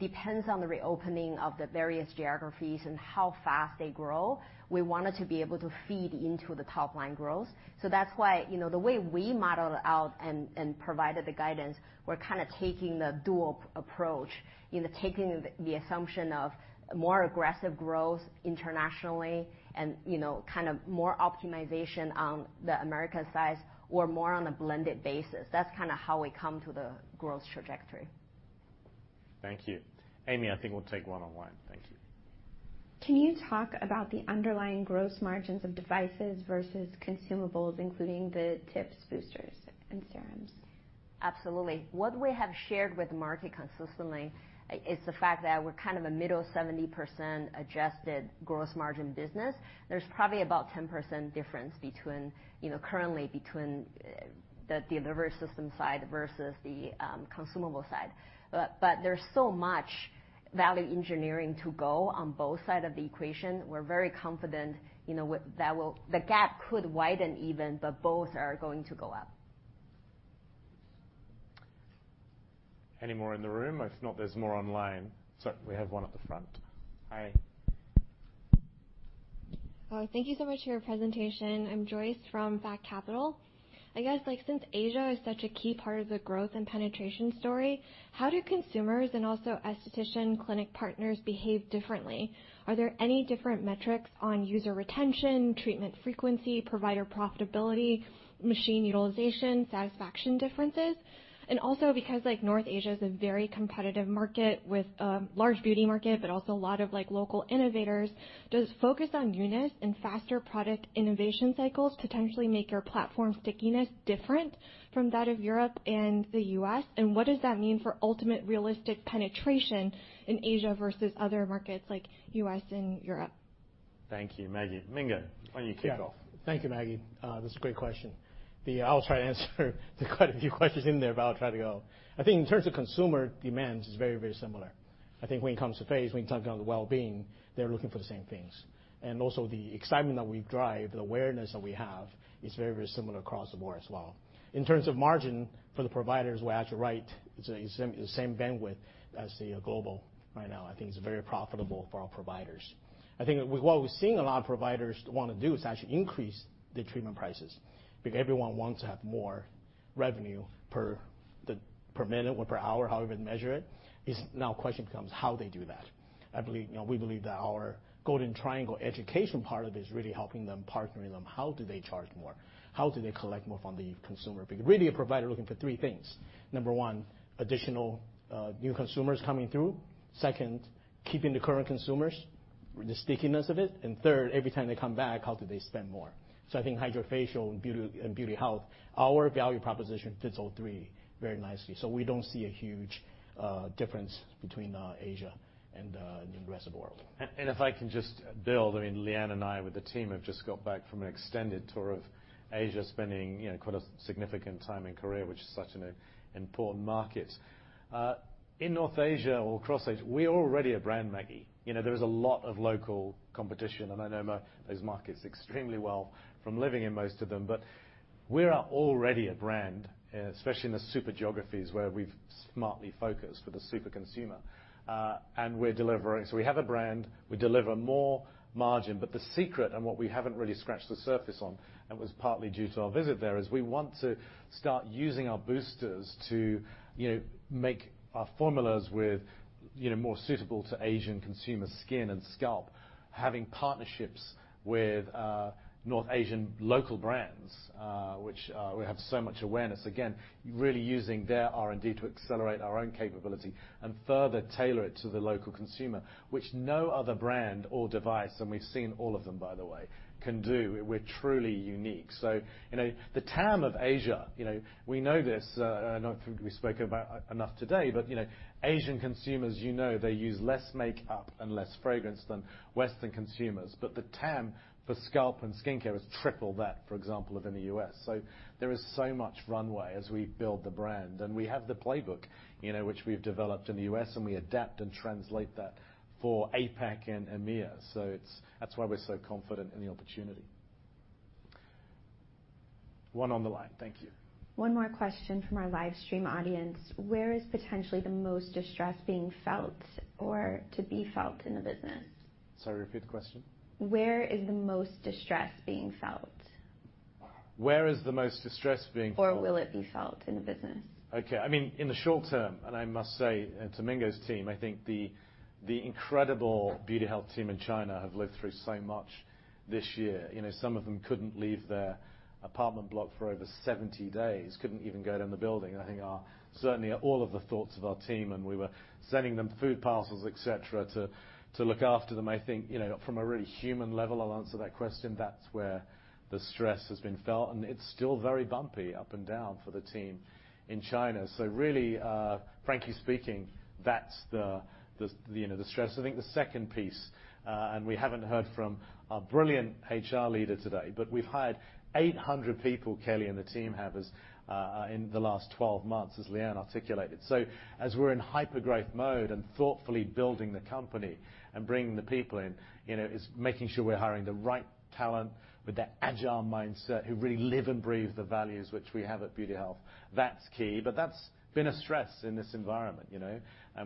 It depends on the reopening of the various geographies and how fast they grow. We wanted to be able to feed into the top line growth. That's why, you know, the way we modeled out and provided the guidance, we're kinda taking the dual approach, you know, taking the assumption of more aggressive growth internationally and, you know, kind of more optimization on the Americas side or more on a blended basis. That's kinda how we come to the growth trajectory. Thank you. Amy, I think we'll take one online. Thank you. Can you talk about the underlying gross margins of devices versus consumables, including the tips, boosters, and serums? Absolutely. What we have shared with the market consistently is the fact that we're kind of a middle 70% adjusted gross margin business. There's probably about 10% difference between, you know, currently between the delivery system side versus the consumable side. But there's so much value engineering to go on both side of the equation. We're very confident the gap could widen even, but both are going to go up. Any more in the room? If not, there's more online. We have one at the front. Hi. Oh, thank you so much for your presentation. I'm Joyce from Fact Capital. I guess, like, since Asia is such a key part of the growth and penetration story, how do consumers and also esthetician clinic partners behave differently? Are there any different metrics on user retention, treatment frequency, provider profitability, machine utilization, satisfaction differences? Also because, like, North Asia is a very competitive market with a large beauty market, but also a lot of, like, local innovators, does focus on newness and faster product innovation cycles potentially make your platform stickiness different from that of Europe and the U.S., and what does that mean for ultimate realistic penetration in Asia versus other markets like U.S. and Europe? Thank you, Meng. Mingo, why don't you kick off? Yeah. Thank you, Meng. That's a great question. I'll try to answer the quite a few questions in there, but I'll try to go. I think in terms of consumer demands, it's very, very similar. I think when it comes to face, when you talk about the wellbeing, they're looking for the same things. Also the excitement that we drive, the awareness that we have is very, very similar across the board as well. In terms of margin for the providers, we're actually right. It's the same bandwidth as the global right now. I think it's very profitable for our providers. I think with what we're seeing a lot of providers wanna do is actually increase the treatment prices, because everyone wants to have more revenue per minute or per hour, however you measure it. The question now becomes how they do that. I believe, you know, we believe that our golden triangle education part of it is really helping them, partnering them. How do they charge more? How do they collect more from the consumer? Because really a provider looking for three things. Number one, additional new consumers coming through. Second, keeping the current consumers, the stickiness of it. Third, every time they come back, how do they spend more? I think HydraFacial and Beauty, and Beauty Health, our value proposition fits all three very nicely. We don't see a huge difference between Asia and the rest of the world. If I can just build, I mean, Liyuan and I with the team have just got back from an extended tour of Asia, spending, you know, quite a significant time in Korea, which is such an important market. In North Asia or across Asia, we are already a brand, Meng. You know, there is a lot of local competition, and I know those markets extremely well from living in most of them. But we are already a brand, especially in the super geographies where we've smartly focused for the super consumer. We're delivering. We have a brand, we deliver more margin. The secret and what we haven't really scratched the surface on, and was partly due to our visit there, is we want to start using our boosters to, you know, make our formulas with, you know, more suitable to Asian consumer skin and scalp, having partnerships with North Asian local brands, which we have so much awareness. Again, really using their R&D to accelerate our own capability and further tailor it to the local consumer, which no other brand or device, and we've seen all of them, by the way, can do. We're truly unique. You know, the TAM of Asia, you know, we know this, I don't think we spoke about enough today, but, you know, Asian consumers, you know, they use less makeup and less fragrance than Western consumers. The TAM for scalp and skincare is triple that, for example, of in the US. There is so much runway as we build the brand. We have the playbook, you know, which we've developed in the US, and we adapt and translate that for APAC and EMEA. That's why we're so confident in the opportunity. One on the line. Thank you. One more question from our live stream audience. Where is potentially the most distress being felt or to be felt in the business? Sorry, repeat the question. Where is the most distress being felt? Where is the most distress being felt? Will it be felt in the business? I mean, in the short term, and I must say, and to Mingo's team, I think the incredible Beauty Health team in China have lived through so much this year. You know, some of them couldn't leave their apartment block for over 70 days, couldn't even go down the building. Certainly all of the thoughts of our team, and we were sending them food parcels, et cetera, to look after them. I think, you know, from a really human level, I'll answer that question, that's where the stress has been felt, and it's still very bumpy up and down for the team in China. Really, frankly speaking, that's the, you know, the stress. I think the second piece, and we haven't heard from our brilliant HR leader today, but we've hired 800 people, Kelly and the team have, as in the last 12 months, as Liyuan Woo articulated. As we're in hyper-growth mode and thoughtfully building the company and bringing the people in, you know, it's making sure we're hiring the right talent with that agile mindset who really live and breathe the values which we have at Beauty Health. That's key, but that's been a stress in this environment, you know. You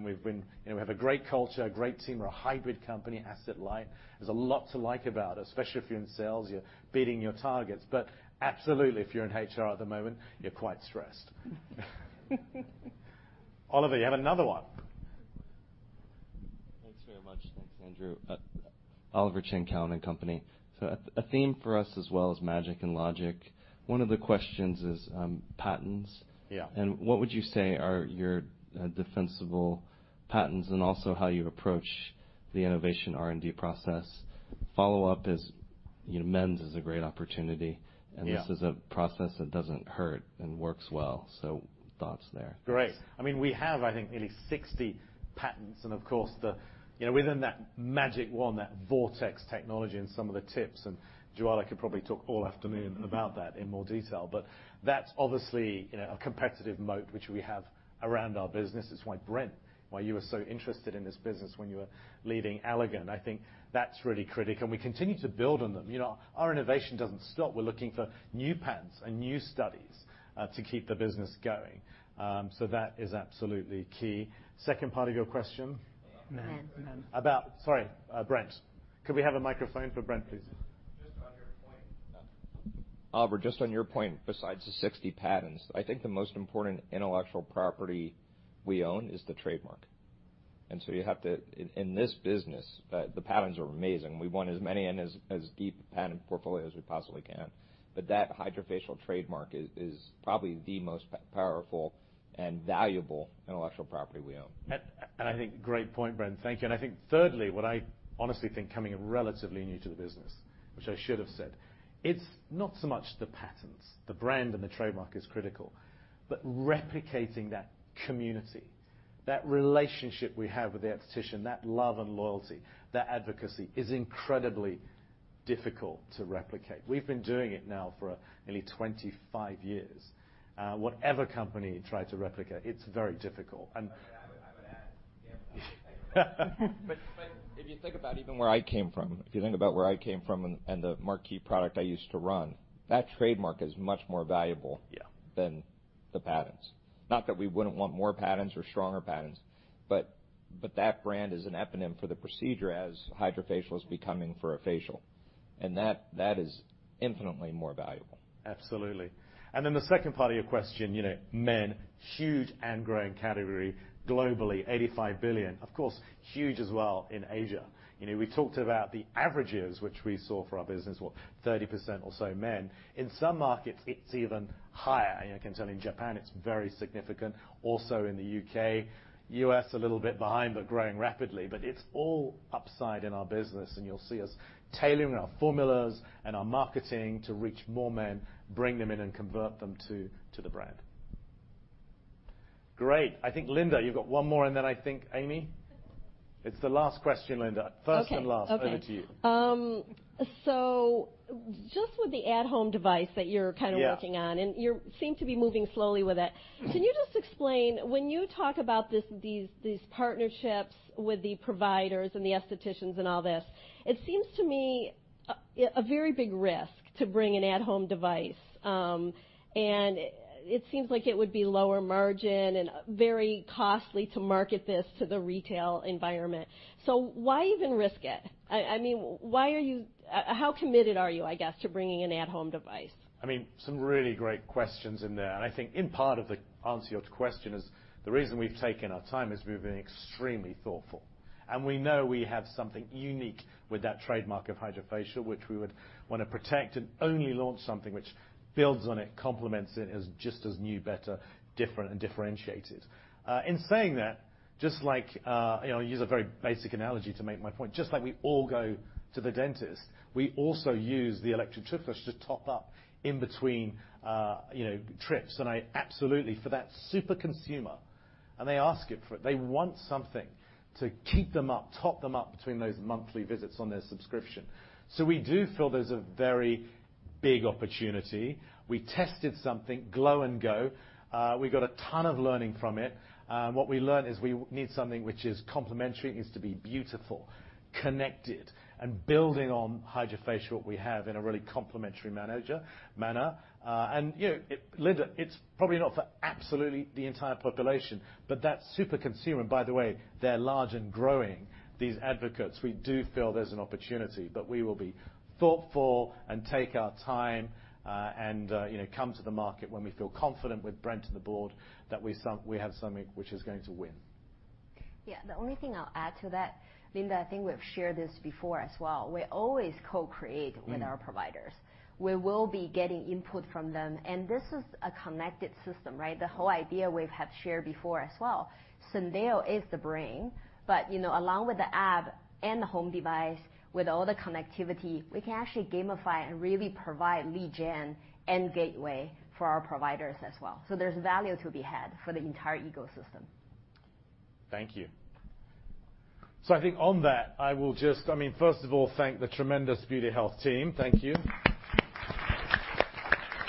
know, we have a great culture, a great team. We're a hybrid company, asset light. There's a lot to like about, especially if you're in sales, you're beating your targets. But absolutely, if you're in HR at the moment, you're quite stressed. Oliver Chen, you have another one. Thanks very much. Thanks, Andrew. Oliver Chen, Cowen and Company. A theme for us as well is magic and logic. One of the questions is patents. Yeah. What would you say are your defensible patents and also how you approach the innovation R&D process? Follow-up is, you know, men's is a great opportunity. Yeah. This is a process that doesn't hurt and works well. Thoughts there. Great. I mean, we have, I think, nearly 60 patents and of course the, you know, within that magic wand, that vortex technology and some of the tips, and Dr. Jwala Karnik could probably talk all afternoon about that in more detail. That's obviously, you know, a competitive moat which we have around our business. It's why, Brent Saunders, why you were so interested in this business when you were leading Allergan. I think that's really critical, and we continue to build on them. You know, our innovation doesn't stop. We're looking for new patents and new studies to keep the business going. So that is absolutely key. Second part of your question? Men. Men. Sorry, Brent. Could we have a microphone for Brent, please? Just on your point, Oliver, just on your point, besides the 60 patents, I think the most important intellectual property we own is the trademark. You have to. In this business, the patents are amazing. We want as many and as deep a patent portfolio as we possibly can. That HydraFacial trademark is probably the most powerful and valuable intellectual property we own. I think great point, Brent. Thank you. I think thirdly, what I honestly think coming in relatively new to the business, which I should have said, it's not so much the patents. The brand and the trademark is critical. Replicating that community, that relationship we have with the esthetician, that love and loyalty, that advocacy is incredibly difficult to replicate. We've been doing it now for nearly 25 years. Whatever company tried to replicate, it's very difficult and- I would add, yeah. If you think about where I came from and the marquee product I used to run, that trademark is much more valuable. Yeah than the patents. Not that we wouldn't want more patents or stronger patents, but that brand is an eponym for the procedure as HydraFacial is becoming for a facial. That is infinitely more valuable. Absolutely. Then the second part of your question, you know, men, huge and growing category. Globally, $85 billion. Of course, huge as well in Asia. You know, we talked about the averages which we saw for our business were 30% or so men. In some markets, it's even higher. You know, I can tell you in Japan, it's very significant. Also in the U.K. U.S., a little bit behind, but growing rapidly. It's all upside in our business, and you'll see us tailoring our formulas and our marketing to reach more men, bring them in and convert them to the brand. Great. I think, Linda, you've got one more, and then I think Amy. It's the last question, Linda. Okay. Okay. First and last. Over to you. Just with the at-home device that you're kind of working on. Yeah. You seem to be moving slowly with it. Mm-hmm. Can you just explain, when you talk about this, these partnerships with the providers and the estheticians and all this, it seems to me a very big risk to bring an at-home device. It seems like it would be lower margin and very costly to market this to the retail environment. Why even risk it? How committed are you, I guess, to bringing an at-home device? I mean, some really great questions in there. I think in part of the answer to your question is the reason we've taken our time is we've been extremely thoughtful, and we know we have something unique with that trademark of HydraFacial, which we would wanna protect and only launch something which builds on it, complements it as just as new, better, different and differentiated. In saying that, just like, you know, I'll use a very basic analogy to make my point. Just like we all go to the dentist, we also use the electric toothbrush to top up in between, you know, trips. I absolutely, for that super consumer, and they ask for it. They want something to keep them up, top them up between those monthly visits on their subscription. We do feel there's a very big opportunity. We tested something, Glow & Go. We got a ton of learning from it. What we learned is we need something which is complementary. It needs to be beautiful, connected and building on HydraFacial we have in a really complementary manner. You know, Linda, it's probably not for absolutely the entire population, but that super consumer, by the way, they're large and growing, these advocates. We do feel there's an opportunity, but we will be thoughtful and take our time, and, you know, come to the market when we feel confident with Brent and the board that we have something which is going to win. Yeah. The only thing I'll add to that, Linda. I think we've shared this before as well. We always co-create- Mm With our providers. We will be getting input from them, and this is a connected system, right? The whole idea we have shared before as well. Syndeo is the brain, but, you know, along with the app and the home device, with all the connectivity, we can actually gamify and really provide lead gen and gateway for our providers as well. There's value to be had for the entire ecosystem. Thank you. I think on that, I will just I mean, first of all, thank the tremendous Beauty Health team. Thank you.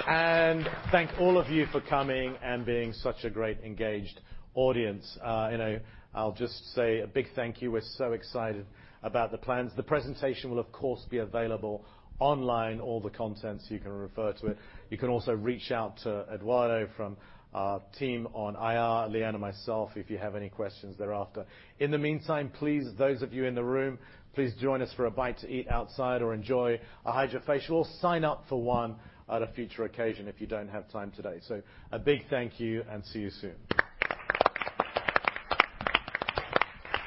Thank all of you for coming and being such a great engaged audience. I'll just say a big thank you. We're so excited about the plans. The presentation will, of course, be available online, all the contents you can refer to it. You can also reach out to Eduardo from our team on IR, Liyuan, myself, if you have any questions thereafter. In the meantime, please, those of you in the room, please join us for a bite to eat outside or enjoy a HydraFacial or sign up for one at a future occasion if you don't have time today. A big thank you and see you soon.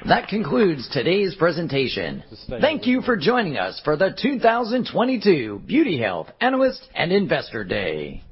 That concludes today's presentation. Thank you for joining us for the 2022 Beauty Health Analyst and Investor Day.